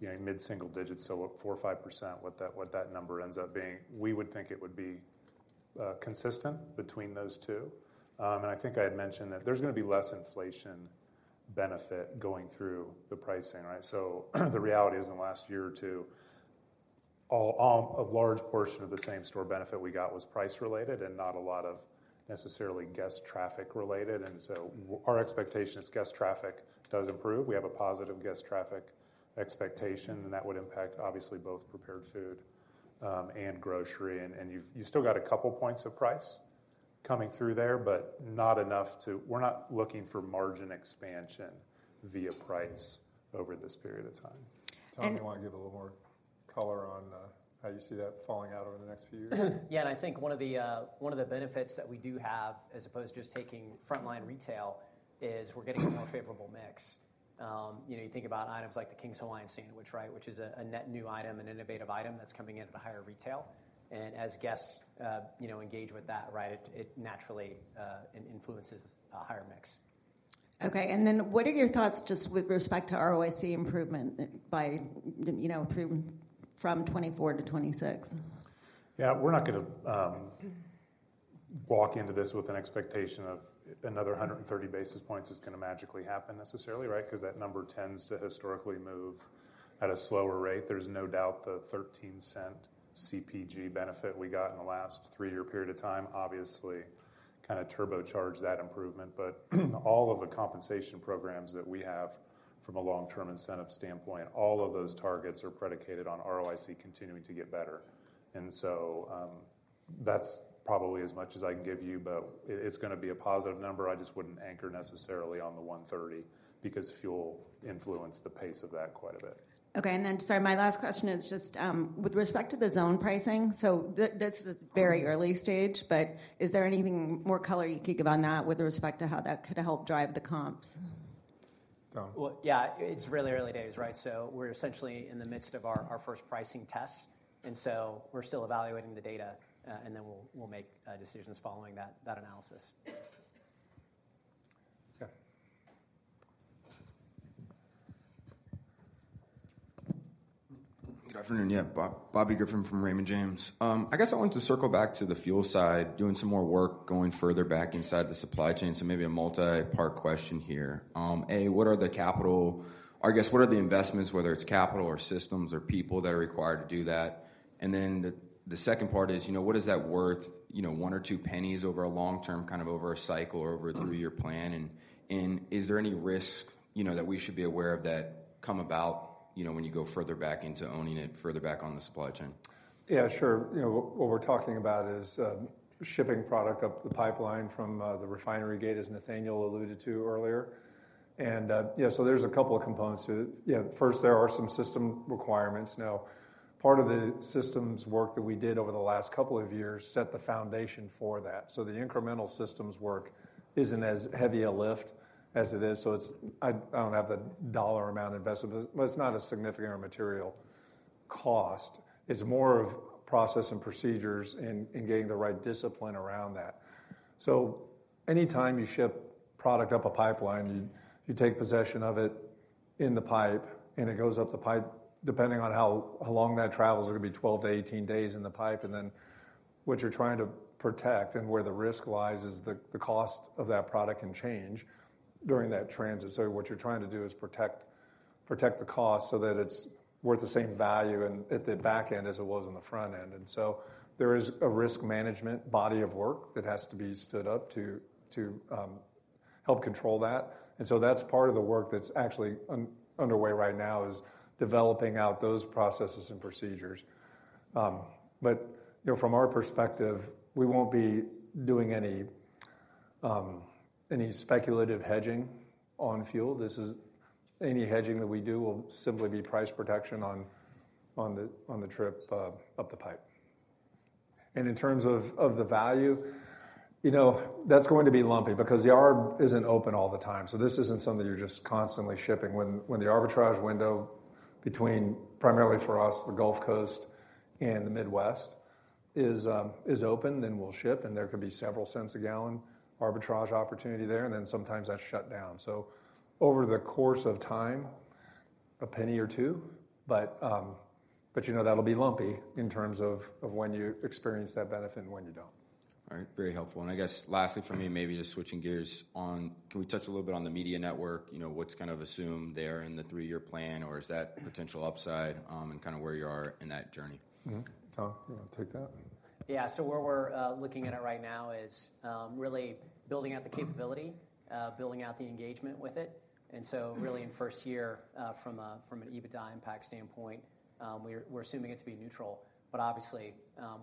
you know, mid-single digits, 4% or 5%, what that number ends up being. We would think it would be consistent between those two. I think I had mentioned that there's gonna be less inflation benefit going through the pricing, right? The reality is, in the last year or two, a large portion of the same-store benefit we got was price-related and not a lot of necessarily guest traffic-related. Our expectation is guest traffic does improve. We have a positive guest traffic expectation, and that would impact, obviously, both prepared food and grocery. You still got a couple points of price coming through there, but not enough. We're not looking for margin expansion via price over this period of time. And- Tom, you want to give a little more color on how you see that falling out over the next few years? I think one of the, one of the benefits that we do have, as opposed to just taking frontline retail, is we're getting a more favorable mix. You know, you think about items like the King's Hawaiian Sandwich, right? Which is a net new item, an innovative item that's coming in at a higher retail. As guests, you know, engage with that, right, it naturally influences a higher mix. Okay, what are your thoughts just with respect to ROIC improvement by, you know, through from 2024-2026? Yeah, we're not gonna walk into this with an expectation of another 130 basis points is gonna magically happen necessarily, right? That number tends to historically move at a slower rate. There's no doubt the $0.13 CPG benefit we got in the last three-year period of time obviously kind of turbocharged that improvement. All of the compensation programs that we have from a long-term incentive standpoint, all of those targets are predicated on ROIC continuing to get better. That's probably as much as I can give you, but it's gonna be a positive number. I just wouldn't anchor necessarily on the 130, because fuel influenced the pace of that quite a bit. Okay, sorry, my last question is just with respect to the zone pricing, so that's a very early stage, but is there anything more color you could give on that with respect to how that could help drive the comps? Tom? Well, yeah, it's really early days, right? We're essentially in the midst of our first pricing test, we're still evaluating the data, we'll make decisions following that analysis. Okay. Good afternoon. Yeah. Bobby Griffin from Raymond James. I guess I wanted to circle back to the fuel side, doing some more work, going further back inside the supply chain, so maybe a multi-part question here. What are the investments, whether it's capital or systems or people, that are required to do that? Then the second part is, you know, what is that worth, you know, one or two pennies over a long term, kind of over a cycle or over a three-year plan? Is there any risk, you know, that we should be aware of that come about, you know, when you go further back into owning it, further back on the supply chain? Yeah, sure. You know, what we're talking about is shipping product up the pipeline from the refinery gate, as Nathaniel alluded to earlier. Yeah, so there's a couple of components to it. Yeah, first, there are some system requirements. Now, part of the systems work that we did over the last couple of years set the foundation for that. The incremental systems work isn't as heavy a lift as it is, so I don't have the dollar amount invested, but it's not a significant or material cost. It's more of process and procedures and getting the right discipline around that. Anytime you ship product up a pipeline, you take possession of it in the pipe, and it goes up the pipe. Depending on how long that travels, it'll be 12 to 18 days in the pipe, and then what you're trying to protect and where the risk lies is the cost of that product can change during that transit. What you're trying to do is protect the cost so that it's worth the same value at the back end as it was on the front end. There is a risk management body of work that has to be stood up to help control that. That's part of the work that's actually underway right now, is developing out those processes and procedures. You know, from our perspective, we won't be doing any speculative hedging on fuel. This is... Any hedging that we do will simply be price protection on the trip up the pipe. In terms of the value, you know, that's going to be lumpy because the arb isn't open all the time, so this isn't something you're just constantly shipping. When the arbitrage window between, primarily for us, the Gulf Coast and the Midwest, is open, we'll ship, and there could be several cents a gallon arbitrage opportunity there, and then sometimes that's shut down. Over the course of time, a penny or two, but, you know, that'll be lumpy in terms of when you experience that benefit and when you don't. All right. Very helpful. I guess lastly for me, maybe just switching gears. Can we touch a little bit on the media network? You know, what's kind of assumed there in the three-year plan, or is that potential upside, and kind of where you are in that journey? Tom, you want to take that? Yeah. Where we're looking at it right now is really building out the capability, building out the engagement with it. Really, in first year, from an EBITDA impact standpoint, we're assuming it to be neutral. Obviously,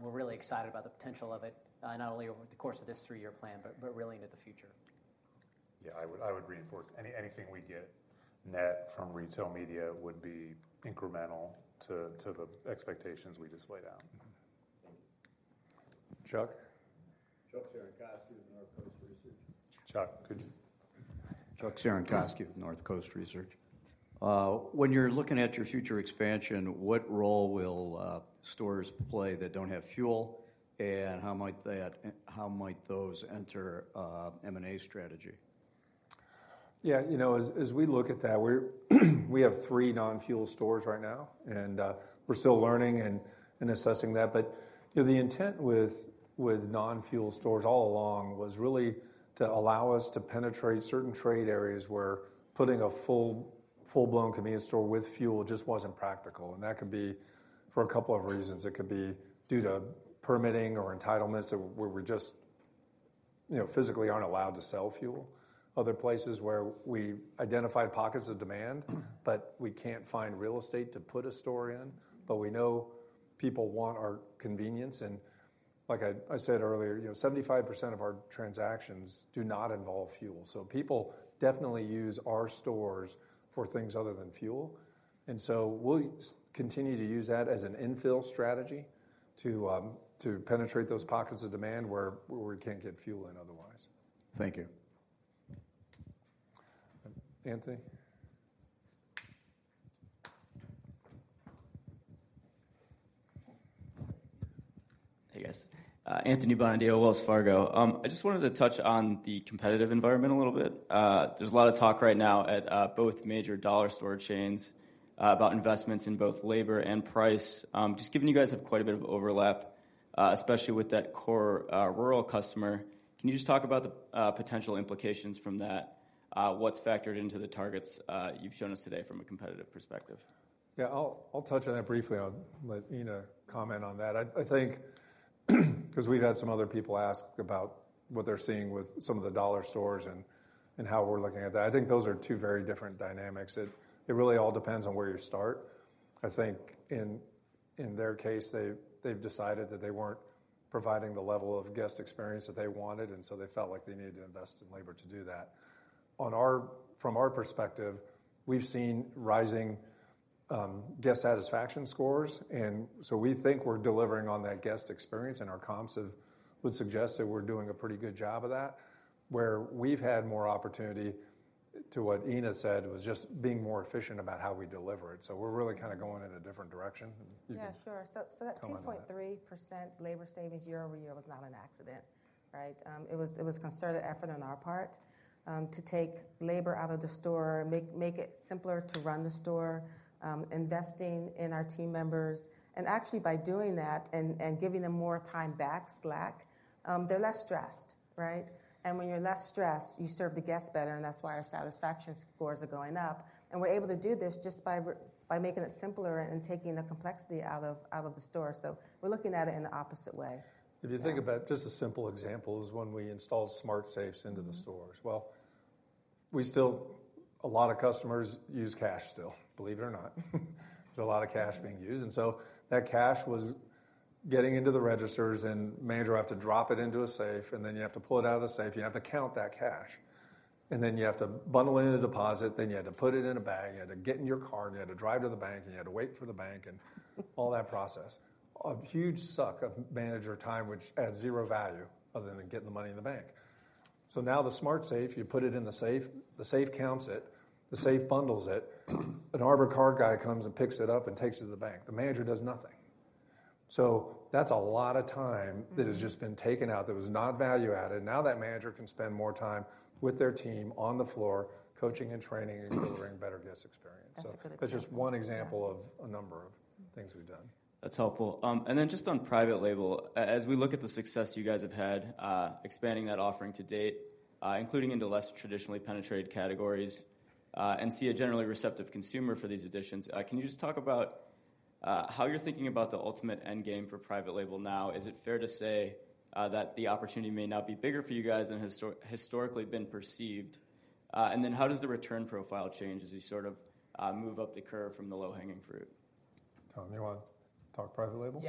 we're really excited about the potential of it, not only over the course of this three-year plan, but really into the future. Yeah, I would reinforce. Anything we get net from retail media would be incremental to the expectations we just laid out. Thank you. Chuck? Chuck Cerankosky with Northcoast Research. Chuck, could you- Chuck Cerankosky with Northcoast Research. When you're looking at your future expansion, what role will stores play that don't have fuel? How might those enter M&A strategy? Yeah, you know, as we look at that, we have three non-fuel stores right now, and we're still learning and assessing that. You know, the intent with non-fuel stores all along was really to allow us to penetrate certain trade areas where putting a full-blown convenience store with fuel just wasn't practical, and that could be for a couple of reasons. It could be due to permitting or entitlements, where we're just, you know, physically aren't allowed to sell fuel. Other places where we identified pockets of demand, but we can't find real estate to put a store in, but we know people want our convenience. Like I said earlier, you know, 75% of our transactions do not involve fuel. People definitely use our stores for things other than fuel. We'll continue to use that as an infill strategy to penetrate those pockets of demand where we can't get fuel in otherwise. Thank you. Anthony? Hey, guys. Anthony Bonadio, Wells Fargo. I just wanted to touch on the competitive environment a little bit. There's a lot of talk right now at both major dollar store chains about investments in both labor and price. Just given you guys have quite a bit of overlap, especially with that core rural customer, can you just talk about the potential implications from that? What's factored into the targets you've shown us today from a competitive perspective? Yeah, I'll touch on that briefly. I'll let Ena comment on that. I think, we've had some other people ask about what they're seeing with some of the dollar stores and how we're looking at that. I think those are 2 very different dynamics. It really all depends on where you start. I think in their case, they've decided that they weren't providing the level of guest experience that they wanted, they felt like they needed to invest in labor to do that. From our perspective, we've seen rising guest satisfaction scores, we think we're delivering on that guest experience, our comps would suggest that we're doing a pretty good job of that. Where we've had more opportunity, to what Ena said, was just being more efficient about how we deliver it. We're really kind of going in a different direction. Yeah, sure. Go on then. That 2.3% labor savings year-over-year was not an accident, right? It was a concerted effort on our part to take labor out of the store, make it simpler to run the store, investing in our team members. Actually, by doing that and giving them more time back, slack, they're less stressed, right? When you're less stressed, you serve the guests better, and that's why our satisfaction scores are going up. We're able to do this just by making it simpler and taking the complexity out of the store. We're looking at it in the opposite way. Just a simple example is when we installed smart safes into the stores. Well, we still a lot of customers use cash still, believe it or not. There's a lot of cash being used, and so that cash was getting into the registers, and manager would have to drop it into a safe, and then you have to pull it out of the safe. You have to count that cash, and then you have to bundle it in a deposit, then you had to put it in a bag, you had to get in your car, and you had to drive to the bank, and you had to wait for the bank and all that process. A huge suck of manager time, which adds zero value other than getting the money in the bank. Now, the smart safe, you put it in the safe, the safe counts it, the safe bundles it. An armored car guy comes and picks it up and takes it to the bank. The manager does nothing. That's a lot of time that has just been taken out that was not value-added. Now, that manager can spend more time with their team on the floor, coaching and training, and delivering better guest experience. That's a good example. That's just one example of a number of things we've done. That's helpful. Just on private label, as we look at the success you guys have had, expanding that offering to date, including into less traditionally penetrated categories, see a generally receptive consumer for these additions, can you just talk about how you're thinking about the ultimate end game for private label now? Is it fair to say that the opportunity may now be bigger for you guys than historically been perceived? How does the return profile change as you sort of move up the curve from the low-hanging fruit? Tom, you wanna talk private label?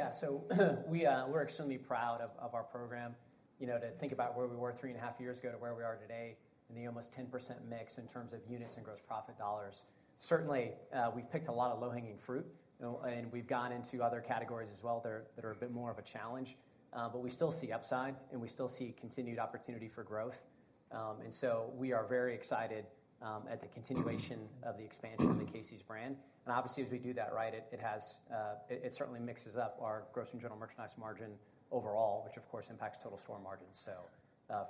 We're extremely proud of our program. You know, to think about where we were 3 and a half years ago to where we are today, in the almost 10% mix in terms of units and gross profit dollars. Certainly, we've picked a lot of low-hanging fruit, and we've gone into other categories as well, that are a bit more of a challenge. We still see upside, and we still see continued opportunity for growth. We are very excited at the continuation of the expansion of the Casey's brand. Obviously, as we do that, right, it certainly mixes up our gross and general merchandise margin overall, which of course, impacts total store margins.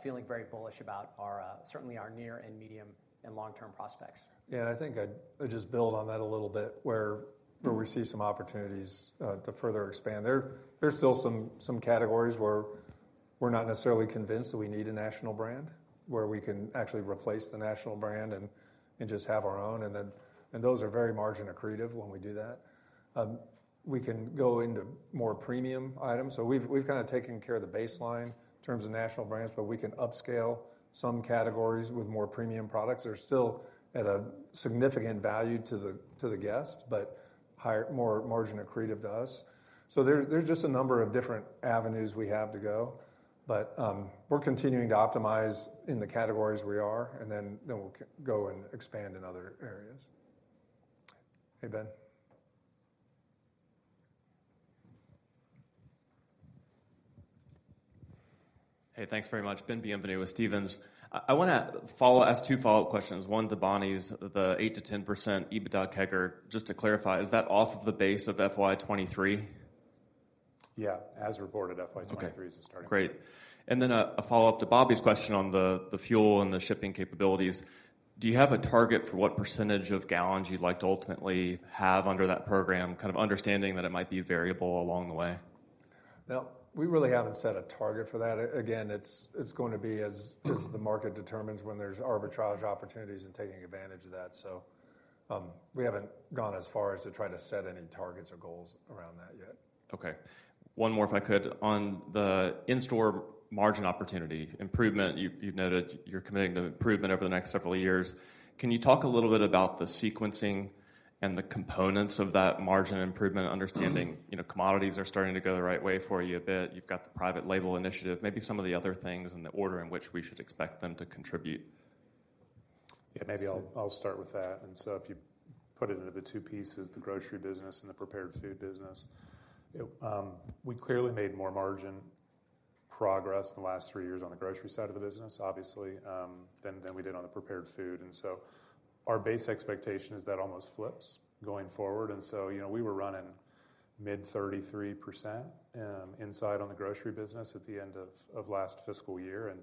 Feeling very bullish about our certainly our near and medium and long-term prospects. Yeah, I think I'd just build on that a little bit. Mm-hmm. where we see some opportunities to further expand. There's still some categories where we're not necessarily convinced that we need a national brand, where we can actually replace the national brand and just have our own, and those are very margin accretive when we do that. We can go into more premium items. We've kind of taken care of the baseline in terms of national brands, but we can upscale some categories with more premium products, that are still at a significant value to the guest, but more margin accretive to us. There's just a number of different avenues we have to go, but we're continuing to optimize in the categories we are, and then we'll go and expand in other areas. Hey, Ben. Hey, thanks very much. Ben Bienvenu with Stephens. I ask two follow-up questions. One, to Bonnie's, the 8%-10% EBITDA CAGR. Just to clarify, is that off of the base of FY 2023? Yeah, as reported, FY 2023. Okay is the target. Great. Then a follow-up to Bobby's question on the fuel and the shipping capabilities. Do you have a target for what % of gallons you'd like to ultimately have under that program, kind of understanding that it might be variable along the way. No, we really haven't set a target for that. Again, it's going to be as the market determines when there's arbitrage opportunities and taking advantage of that. We haven't gone as far as to try to set any targets or goals around that yet. Okay. One more, if I could. On the in-store margin opportunity, improvement, you've noted you're committing to improvement over the next several years. Can you talk a little bit about the sequencing and the components of that margin improvement? Mm-hmm. Understanding, you know, commodities are starting to go the right way for you a bit. You've got the private label initiative, maybe some of the other things, and the order in which we should expect them to contribute. Yeah, maybe I'll start with that. If you put it into the two pieces, the grocery business and the prepared food business, it. We clearly made more margin progress in the last three years on the grocery side of the business, obviously, than we did on the prepared food. Our base expectation is that almost flips going forward. You know, we were running mid-33%, inside on the grocery business at the end of last fiscal year.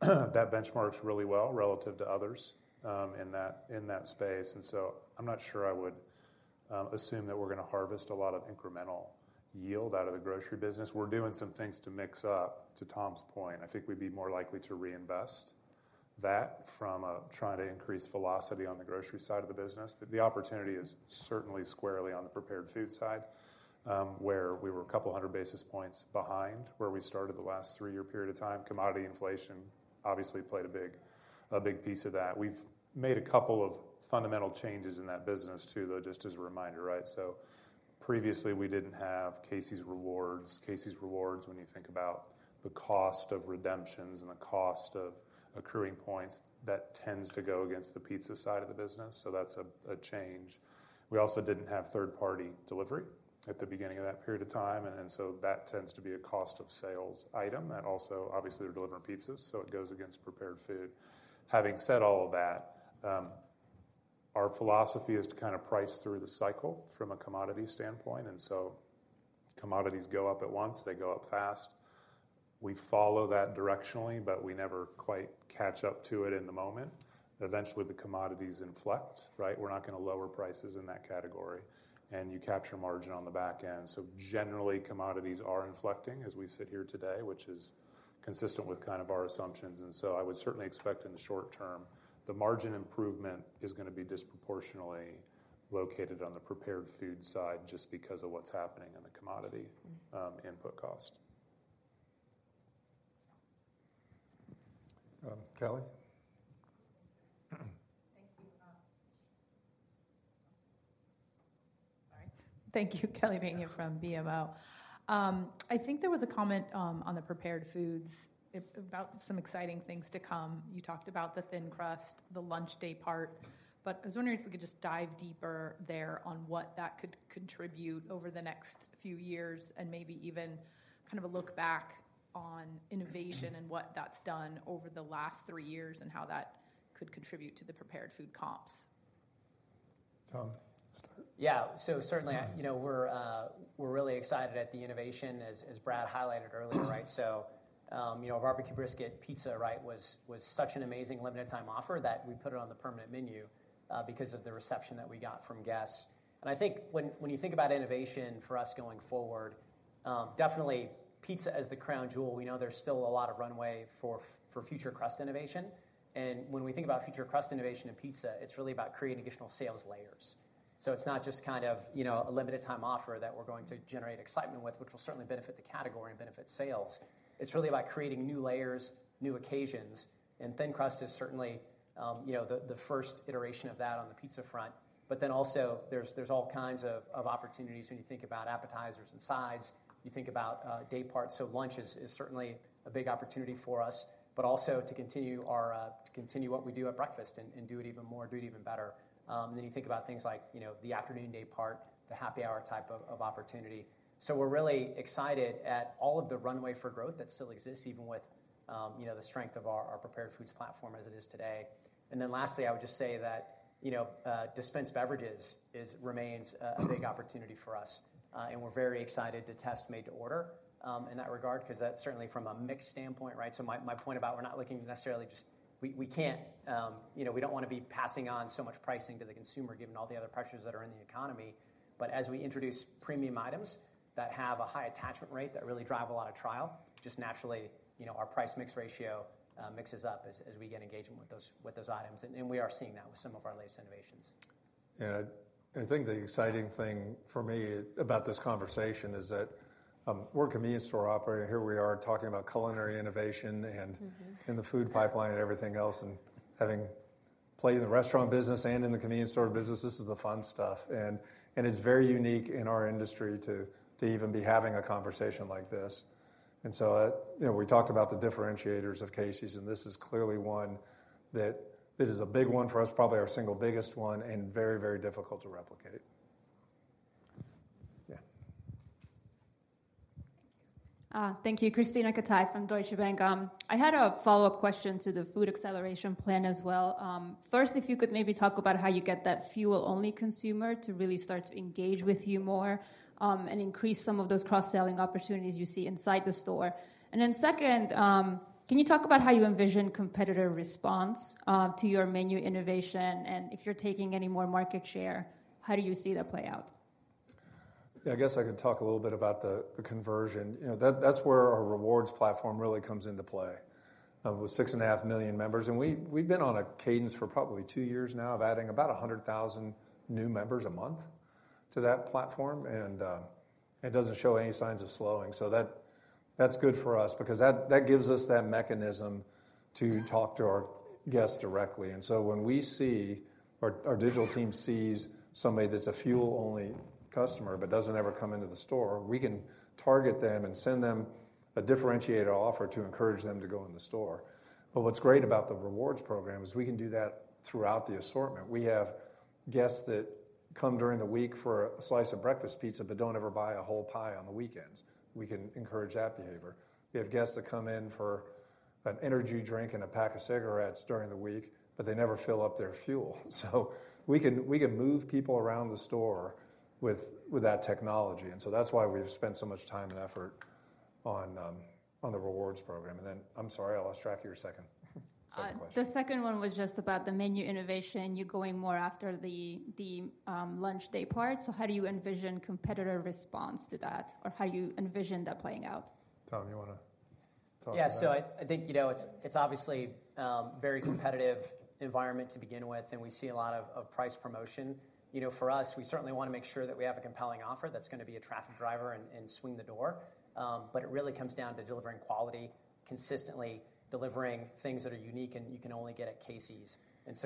That benchmarks really well relative to others in that space. I'm not sure I would assume that we're gonna harvest a lot of incremental yield out of the grocery business. We're doing some things to mix up, to Tom's point. I think we'd be more likely to reinvest that from trying to increase velocity on the grocery side of the business. The opportunity is certainly squarely on the prepared food side, where we were a couple of hundred basis points behind, where we started the last three-year period of time. Commodity inflation obviously played a big piece of that. We've made a couple of fundamental changes in that business, too, though, just as a reminder, right. Previously, we didn't have Casey's Rewards. Casey's Rewards, when you think about the cost of redemptions and the cost of accruing points, that tends to go against the pizza side of the business, so that's a change. We also didn't have third-party delivery at the beginning of that period of time, that tends to be a cost of sales item. Also, obviously, we're delivering pizzas, so it goes against prepared food. Having said all of that, our philosophy is to kind of price through the cycle from a commodity standpoint, commodities go up at once, they go up fast. We follow that directionally, but we never quite catch up to it in the moment. Eventually, the commodities inflect, right? We're not gonna lower prices in that category, you capture margin on the back end. Generally, commodities are inflecting as we sit here today, which is consistent with kind of our assumptions. I would certainly expect in the short term, the margin improvement is gonna be disproportionately located on the prepared food side, just because of what's happening in the commodity input cost. Kelly? Thank you. Sorry. Thank you. Kelly Bania from BMO. I think there was a comment on the prepared foods, about some exciting things to come. You talked about the thin crust, the lunch day part. I was wondering if we could just dive deeper there on what that could contribute over the next few years, and maybe even kind of a look back on innovation and what that's done over the last three years, and how that could contribute to the prepared food comps? Tom, start? Certainly, you know, we're really excited at the innovation as Brad highlighted earlier, right? You know, BBQ Brisket Pizza, right, was such an amazing limited time offer that we put it on the permanent menu because of the reception that we got from guests. I think when you think about innovation for us going forward, definitely pizza as the crown jewel. We know there's still a lot of runway for future crust innovation. When we think about future crust innovation in pizza, it's really about creating additional sales layers. It's not just kind of, you know, a limited time offer that we're going to generate excitement with, which will certainly benefit the category and benefit sales. It's really about creating new layers, new occasions, thin crust is certainly, you know, the first iteration of that on the pizza front. There's all kinds of opportunities when you think about appetizers and sides. You think about day parts, so lunch is certainly a big opportunity for us, but also to continue what we do at breakfast and do it even more, do it even better. Then you think about things like, you know, the afternoon day part, the happy hour type of opportunity. We're really excited at all of the runway for growth that still exists, even with, you know, the strength of our prepared foods platform as it is today. Lastly, I would just say that, you know, dispensed beverages remains a big opportunity for us, and we're very excited to test made to order in that regard, 'cause that's certainly from a mix standpoint, right? My point about we're not looking necessarily We can't, you know, we don't wanna be passing on so much pricing to the consumer, given all the other pressures that are in the economy. As we introduce premium items that have a high attachment rate, that really drive a lot of trial, just naturally, you know, our price mix ratio, mixes up as we get engagement with those items, and we are seeing that with some of our latest innovations. I think the exciting thing for me about this conversation is that, we're a convenience store operator. Here we are talking about culinary innovation. Mm-hmm. in the food pipeline and everything else and having played in the restaurant business and in the convenience store business, this is the fun stuff. It's very unique in our industry to even be having a conversation like this. You know, we talked about the differentiators of Casey's, and this is clearly one that it is a big one for us, probably our single biggest one and very, very difficult to replicate. Yeah. Thank you. Krisztina Katai from Deutsche Bank. I had a follow-up question to the food acceleration plan as well. First, if you could maybe talk about how you get that fuel-only consumer to really start to engage with you more, and increase some of those cross-selling opportunities you see inside the store. Second, can you talk about how you envision competitor response, to your menu innovation, and if you're taking any more market share, how do you see that play out? Yeah, I guess I can talk a little bit about the conversion. You know, that's where our rewards platform really comes into play with 6.5 million members. We've been on a cadence for probably two years now of adding about 100,000 new members a month to that platform, it doesn't show any signs of slowing. That's good for us because that gives us that mechanism to talk to our guests directly. When we see, or our digital team sees somebody that's a fuel-only customer but doesn't ever come into the store, we can target them and send them a differentiated offer to encourage them to go in the store. What's great about the rewards program is we can do that throughout the assortment. We have guests that come during the week for a slice of breakfast pizza but don't ever buy a whole pie on the weekends. We can encourage that behavior. We have guests that come in for an energy drink and a pack of cigarettes during the week, but they never fill up their fuel. We can move people around the store with that technology, that's why we've spent so much time and effort on the rewards program. I'm sorry, I lost track of your second question. The second one was just about the menu innovation. You're going more after the lunch day part, so how do you envision competitor response to that, or how you envision that playing out? Tom, you want to talk about it? I think, you know, it's obviously very competitive environment to begin with, and we see a lot of price promotion. You know, for us, we certainly want to make sure that we have a compelling offer that's gonna be a traffic driver and swing the door. But it really comes down to delivering quality, consistently delivering things that are unique and you can only get at Casey's.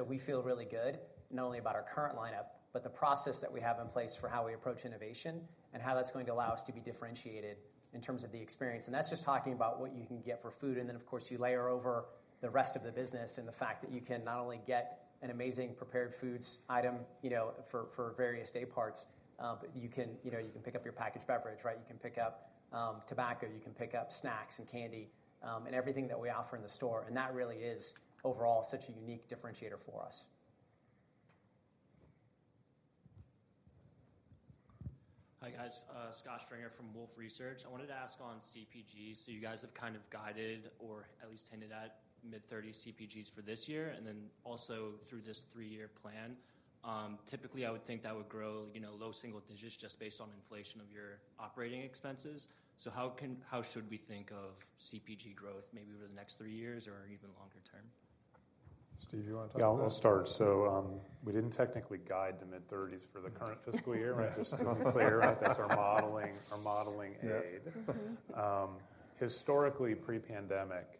We feel really good, not only about our current lineup, but the process that we have in place for how we approach innovation, and how that's going to allow us to be differentiated in terms of the experience. That's just talking about what you can get for food, then, of course, you layer over the rest of the business and the fact that you can not only get an amazing prepared foods item, you know, for various day parts, but you can, you know, you can pick up your packaged beverage, right? You can pick up tobacco, you can pick up snacks and candy, and everything that we offer in the store. That really is overall such a unique differentiator for us. Hi, guys, Scott Stringer from Wolfe Research. I wanted to ask on CPGs. You guys have kind of guided or at least hinted at mid-30 CPGs for this year, and then also through this three-year plan. Typically, I would think that would grow, you know, low single digits just based on inflation of your operating expenses. How should we think of CPG growth, maybe over the next three years or even longer term? Steve, you want to talk about it? Yeah, I'll start. We didn't technically guide the mid-thirties for the current fiscal year. Just to be clear, that's our modeling, our modeling aid. Yep. Historically, pre-pandemic,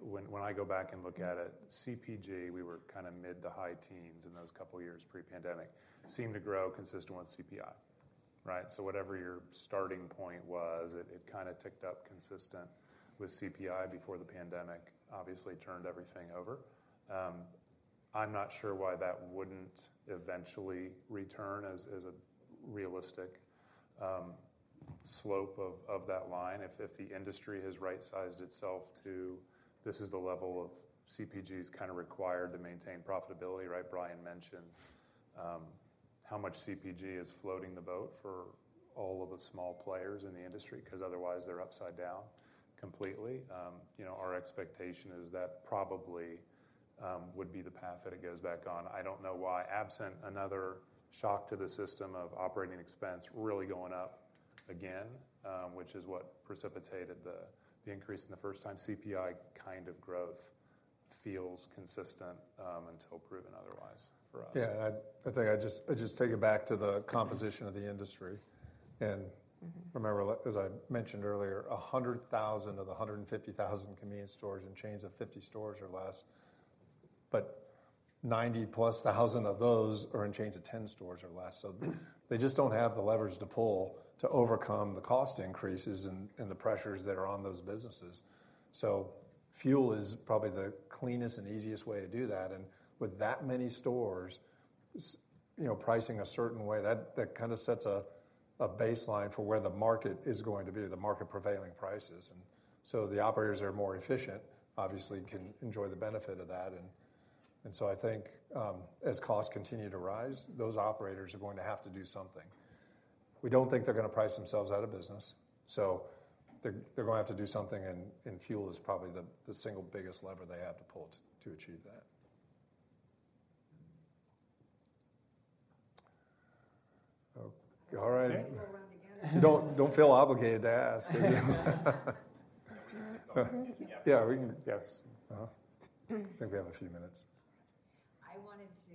when I go back and look at it, CPG, we were kind of mid to high teens in those couple of years pre-pandemic. Seemed to grow consistent with CPI, right? Whatever your starting point was, it kind of ticked up consistent with CPI before the pandemic obviously turned everything over. I'm not sure why that wouldn't eventually return as a realistic slope of that line. If the industry has right-sized itself to, this is the level of CPGs kind of required to maintain profitability, right? Brian mentioned, how much CPG is floating the boat for all of the small players in the industry, 'cause otherwise, they're upside down completely. You know, our expectation is that probably would be the path that it goes back on. I don't know why, absent another shock to the system of OpEx really going up again, which is what precipitated the increase in the first time, CPI kind of growth feels consistent, until proven otherwise for us. Yeah, I think I'd just take it back to the composition of the industry. Mm-hmm. Remember, as I mentioned earlier, 100,000 of the 150,000 convenience stores and chains of 50 stores or less, but 90-plus thousand of those are in chains of 10 stores or less. They just don't have the leverage to pull to overcome the cost increases and the pressures that are on those businesses. Fuel is probably the cleanest and easiest way to do that. With that many stores, you know, pricing a certain way, that kind of sets a baseline for where the market is going to be, the market prevailing prices. The operators that are more efficient, obviously, can enjoy the benefit of that. So I think, as costs continue to rise, those operators are going to have to do something. We don't think they're gonna price themselves out of business, so they're gonna have to do something, and fuel is probably the single biggest lever they have to pull to achieve that. Oh, all right. Thank you. Go around again. Don't feel obligated to ask. Yeah. Yeah. Yes. I think we have a few minutes. I wanted to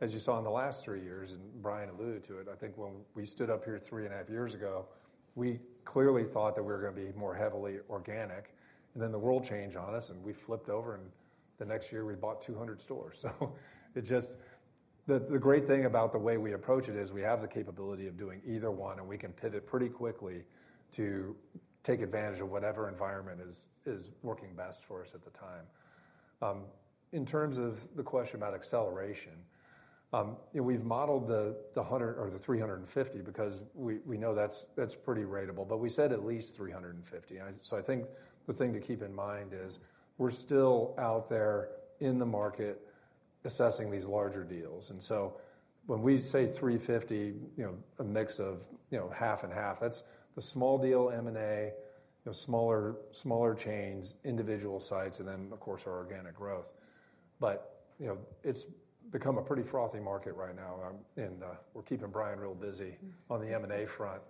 As you saw in the last three years, Brian alluded to it, I think when we stood up here three and a half years ago, we clearly thought that we were gonna be more heavily organic, the world changed on us, we flipped over, the next year, we bought 200 stores. It just... The great thing about the way we approach it is we have the capability of doing either one, and we can pivot pretty quickly to take advantage of whatever environment is working best for us at the time. In terms of the question about acceleration, we've modeled the 100 or the 350 because we know that's pretty ratable, but we said at least 350. I think the thing to keep in mind is we're still out there in the market assessing these larger deals. When we say 350, you know, a mix of, you know, half and half, that's the small deal M&A, you know, smaller chains, individual sites, and then, of course, our organic growth. You know, it's become a pretty frothy market right now, and we're keeping Brian real busy. Mm. On the M&A front.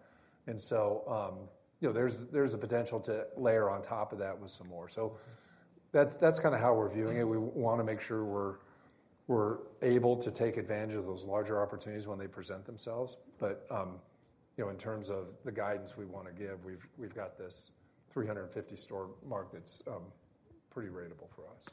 You know, there's a potential to layer on top of that with some more. That's, that's kind of how we're viewing it. We want to make sure we're able to take advantage of those larger opportunities when they present themselves. You know, in terms of the guidance we want to give, we've got this 350 store mark that's pretty ratable for us.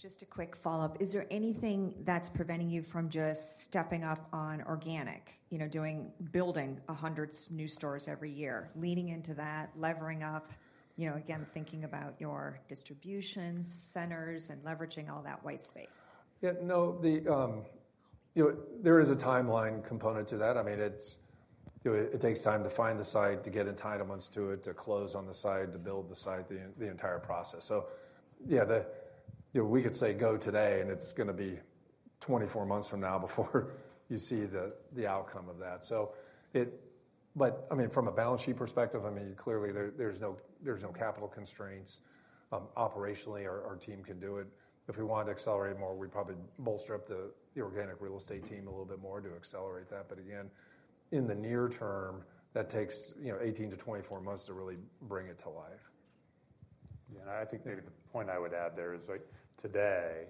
Just a quick follow-up. Is there anything that's preventing you from just stepping up on organic? You know, doing... Building 100 new stores every year, leaning into that, levering up, you know, again, thinking about your distribution centers and leveraging all that white space? No, the, you know, there is a timeline component to that. I mean, it's, you know, it takes time to find the site, to get entitlements to it, to close on the site, to build the site, the entire process. The, you know, we could say go today, and it's gonna be 24 months from now before you see the outcome of that. But I mean, from a balance sheet perspective, I mean, clearly there's no capital constraints. Operationally, our team can do it. If we wanted to accelerate more, we'd probably bolster up the organic real estate team a little bit more to accelerate that. But again, in the near term, that takes, you know, 18-24 months to really bring it to life. Yeah, I think maybe the point I would add there is, like, today,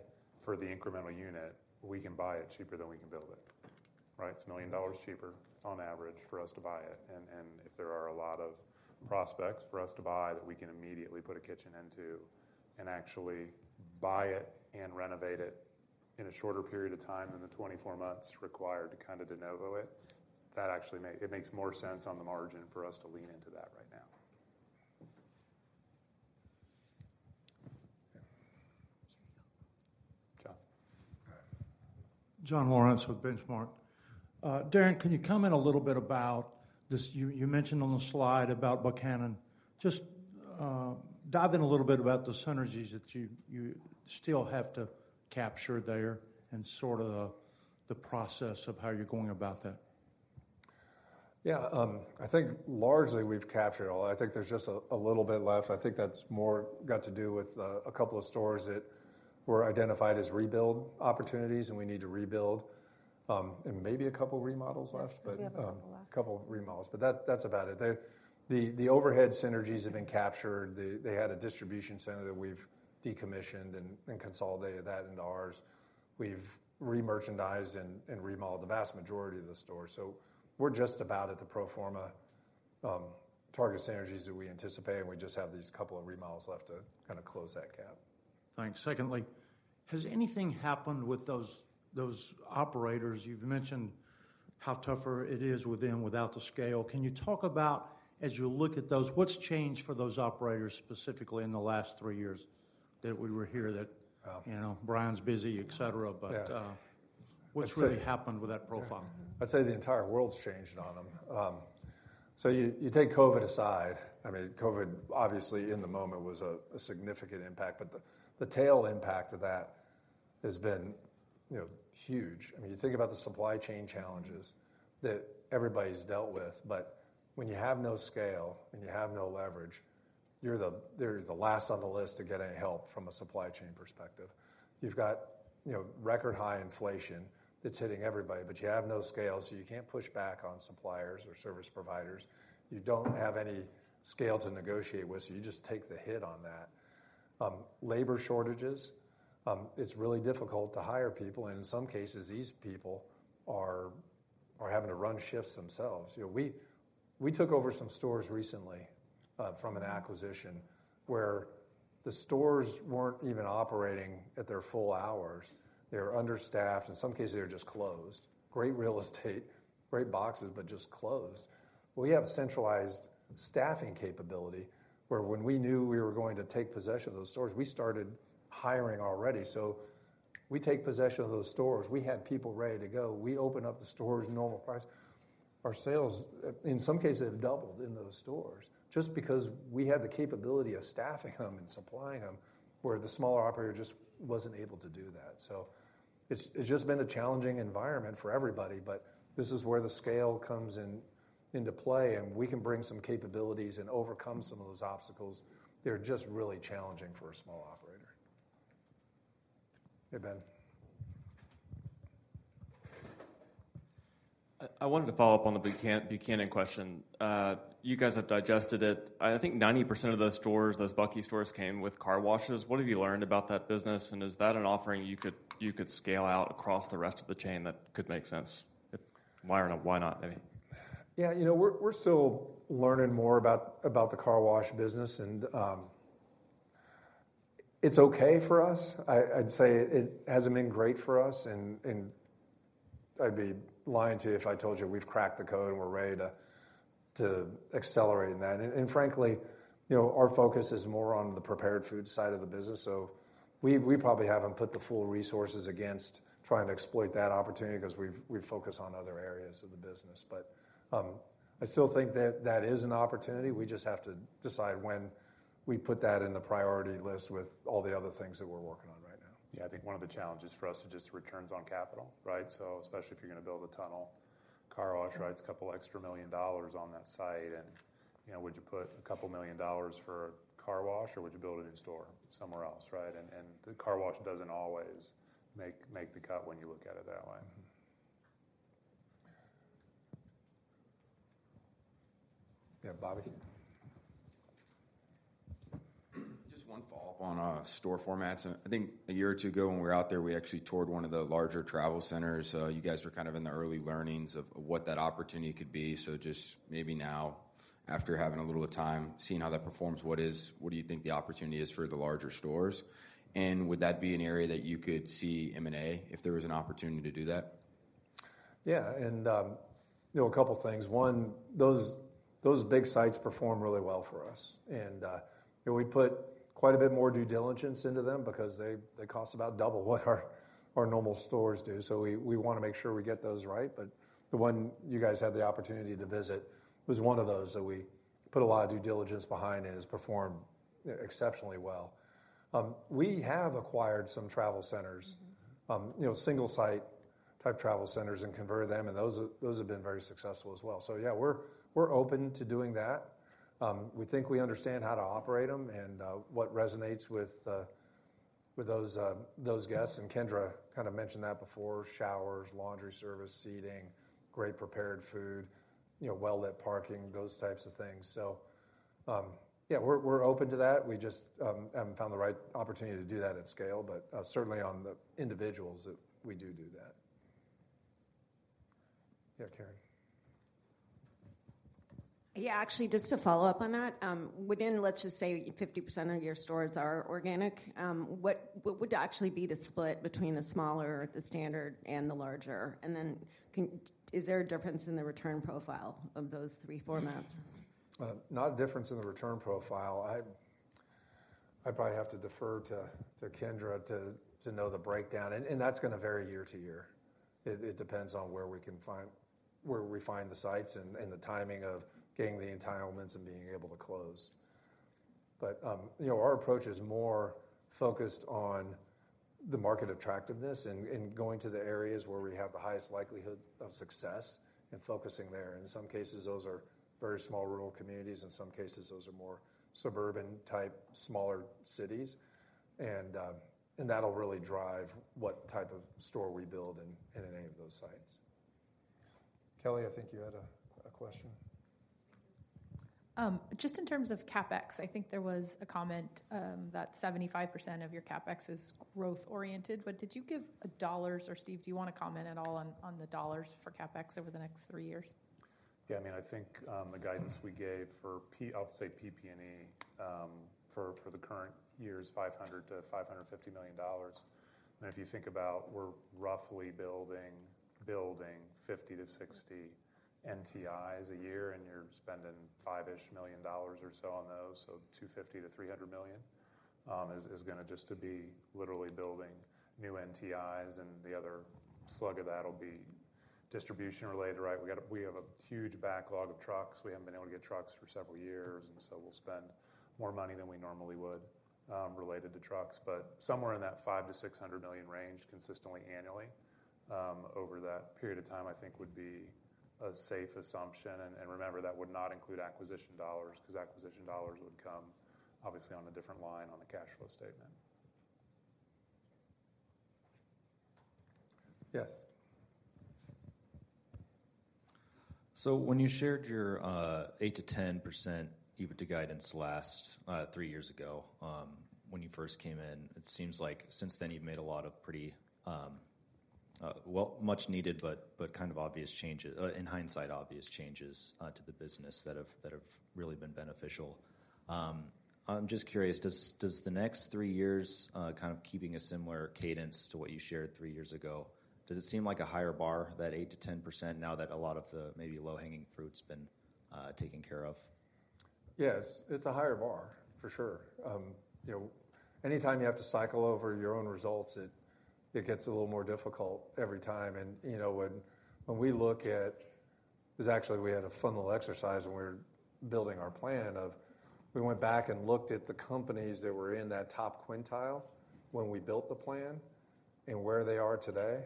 for the incremental unit, we can buy it cheaper than we can build it, right? It's $1 million cheaper on average for us to buy it. If there are a lot of prospects for us to buy, that we can immediately put a kitchen into and actually buy it and renovate it in a shorter period of time than the 24 months required to kind of de novo it, that actually it makes more sense on the margin for us to lean into that right now. Here we go. John? John Lawrence with Benchmark. Darren, can you comment a little bit about this you mentioned on the slide about Buchanan? Just dive in a little bit about the synergies that you still have to capture there and sort of the process of how you're going about that. Yeah, I think largely we've captured all. I think there's just a little bit left. I think that's more got to do with a couple of stores that were identified as rebuild opportunities, and we need to rebuild, and maybe a couple remodels left. Yes, we have a couple left. A couple remodels, but that's about it. The overhead synergies have been captured. They had a distribution center that we've decommissioned and consolidated that into ours. We've remerchandised and remodeled the vast majority of the stores. We're just about at the pro forma target synergies that we anticipate, and we just have these couple of remodels left to kind of close that gap. Thanks. Secondly, has anything happened with those operators? You've mentioned how tougher it is with them without the scale. Can you talk about, as you look at those, what's changed for those operators, specifically in the last three years that we were here? Uh-... you know, Brian's busy, et cetera. Yeah. What's really happened with that profile? I'd say the entire world's changed on them. You take COVID aside, I mean, COVID, obviously, in the moment, was a significant impact, but the tail impact of that has been, you know, huge. I mean, you think about the supply chain challenges that everybody's dealt with, when you have no scale and you have no leverage, they're the last on the list to get any help from a supply chain perspective. You've got, you know, record-high inflation that's hitting everybody, you have no scale, so you can't push back on suppliers or service providers. You don't have any scale to negotiate with, you just take the hit on that. Labor shortages, it's really difficult to hire people, in some cases, these people are having to run shifts themselves. You know, we took over some stores recently from an acquisition, where the stores weren't even operating at their full hours. They were understaffed. In some cases, they were just closed. Great real estate, great boxes, but just closed. We have centralized staffing capability, where when we knew we were going to take possession of those stores, we started hiring already. We take possession of those stores, we had people ready to go. We open up the stores, normal price. Our sales, in some cases, have doubled in those stores just because we had the capability of staffing them and supplying them, where the smaller operator just wasn't able to do that. It's just been a challenging environment for everybody, but this is where the scale comes into play, and we can bring some capabilities and overcome some of those obstacles. They're just really challenging for a small operator. Hey, Ben. I wanted to follow up on the Buchanan question. You guys have digested it. I think of those stores, those Buchanan stores, came with car washes. What have you learned about that business, and is that an offering you could scale out across the rest of the Casey's chain that could make sense? If why or why not, I mean? Yeah, you know, we're still learning more about the car wash business, and it's okay for us. I'd say it hasn't been great for us, and I'd be lying to you if I told you we've cracked the code, and we're ready to accelerate in that. Frankly, you know, our focus is more on the prepared food side of the business, so we probably haven't put the full resources against trying to exploit that opportunity 'cause we've focused on other areas of the business. I still think that that is an opportunity. We just have to decide when we put that in the priority list with all the other things that we're working on right now. Yeah, I think one of the challenges for us is just returns on capital, right? Especially if you're going to build a tunnel, car wash, right, it's $2 extra million on that site, and, you know, would you put $2 million for a car wash, or would you build a new store somewhere else, right? The car wash doesn't always make the cut when you look at it that way. Yeah, Bobby? Just one follow-up on store formats. I think a year or two ago, when we were out there, we actually toured one of the larger travel centers. You guys were kind of in the early learnings of what that opportunity could be. Just maybe now, after having a little time, seeing how that performs, what do you think the opportunity is for the larger stores? Would that be an area that you could see M&A if there was an opportunity to do that? Yeah, you know, a couple things. One, those big sites perform really well for us, and, you know, we put quite a bit more due diligence into them because they cost about double what our normal stores do. We wanna make sure we get those right. The one you guys had the opportunity to visit was one of those that we put a lot of due diligence behind and has performed exceptionally well. We have acquired some travel centers. Mm-hmm. you know, single-site type travel centers and converted them, and those have been very successful as well. Yeah, we're open to doing that. We think we understand how to operate them and what resonates with with those guests, and Kendra kind of mentioned that before: showers, laundry service, seating, great prepared food, you know, well-lit parking, those types of things. Yeah, we're open to that. We just haven't found the right opportunity to do that at scale, but certainly on the individuals that we do that. Yeah, Karen. Yeah, actually, just to follow up on that, within, let's just say, 50% of your stores are organic, what would actually be the split between the smaller, the standard, and the larger? Is there a difference in the return profile of those three formats? Not a difference in the return profile. I probably have to defer to Kendra to know the breakdown, and that's gonna vary year to year. It depends on where we find the sites and the timing of getting the entitlements and being able to close. You know, our approach is more focused on the market attractiveness and going to the areas where we have the highest likelihood of success and focusing there. In some cases, those are very small rural communities, in some cases, those are more suburban-type, smaller cities. That'll really drive what type of store we build in any of those sites. Kelly, I think you had a question. Just in terms of CapEx, I think there was a comment that 75% of your CapEx is growth-oriented. Did you give dollars, or Steve, do you wanna comment at all on the dollars for CapEx over the next three years? Yeah, I mean, I think the guidance we gave for I'll say PP&E for the current year is $500 million-$550 million. If you think about, we're roughly building 50 to 60 NTIs a year, and you're spending $5-ish million or so on those, so $250 million-$300 million is going to be literally building new NTIs, and the other slug of that will be distribution-related, right? We have a huge backlog of trucks. We haven't been able to get trucks for several years, we'll spend more money than we normally would related to trucks. Somewhere in that $500 million-$600 million range, consistently annually, over that period of time, I think would be a safe assumption. Remember, that would not include acquisition dollars, 'cause acquisition dollars would come obviously on a different line on the cash flow statement. Yes. When you shared your 8%-10% EBITDA guidance last three years ago, when you first came in, it seems like since then you've made a lot of pretty, well, much needed, but kind of obvious changes, in hindsight, obvious changes, to the business that have really been beneficial. I'm just curious, does the next three years, kind of keeping a similar cadence to what you shared three years ago, does it seem like a higher bar, that 8%-10%, now that a lot of the maybe low-hanging fruit's been taken care of? Yes, it's a higher bar, for sure. You know, anytime you have to cycle over your own results, it gets a little more difficult every time. You know, when we look at, 'cause actually, we had a funnel exercise when we were building our plan. We went back and looked at the companies that were in that top quintile when we built the plan and where they are today.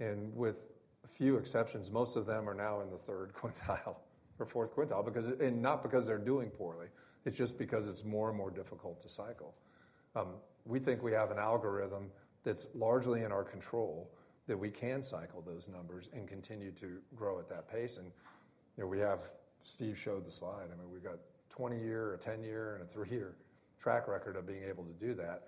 With few exceptions, most of them are now in the third quintile or fourth quintile, because. Not because they're doing poorly, it's just because it's more and more difficult to cycle. We think we have an algorithm that's largely in our control, that we can cycle those numbers and continue to grow at that pace. You know, we have. Steve showed the slide. I mean, we've got 20-year, a 10-year, and a three-year track record of being able to do that.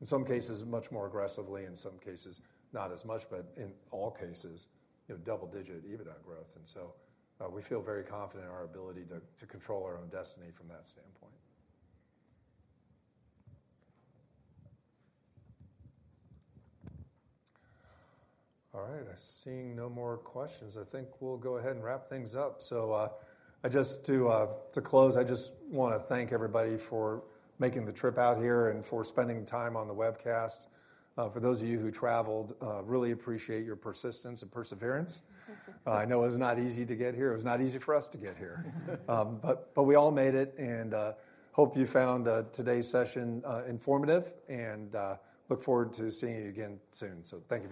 In some cases, much more aggressively, in some cases, not as much, but in all cases, you know, double-digit EBITDA growth. We feel very confident in our ability to control our own destiny from that standpoint. All right. I see no more questions. I think we'll go ahead and wrap things up. To close, I just wanna thank everybody for making the trip out here and for spending time on the webcast. For those of you who traveled, really appreciate your persistence and perseverance. I know it was not easy to get here. It was not easy for us to get here. We all made it, and hope you found today's session informative, and look forward to seeing you again soon. Thank you.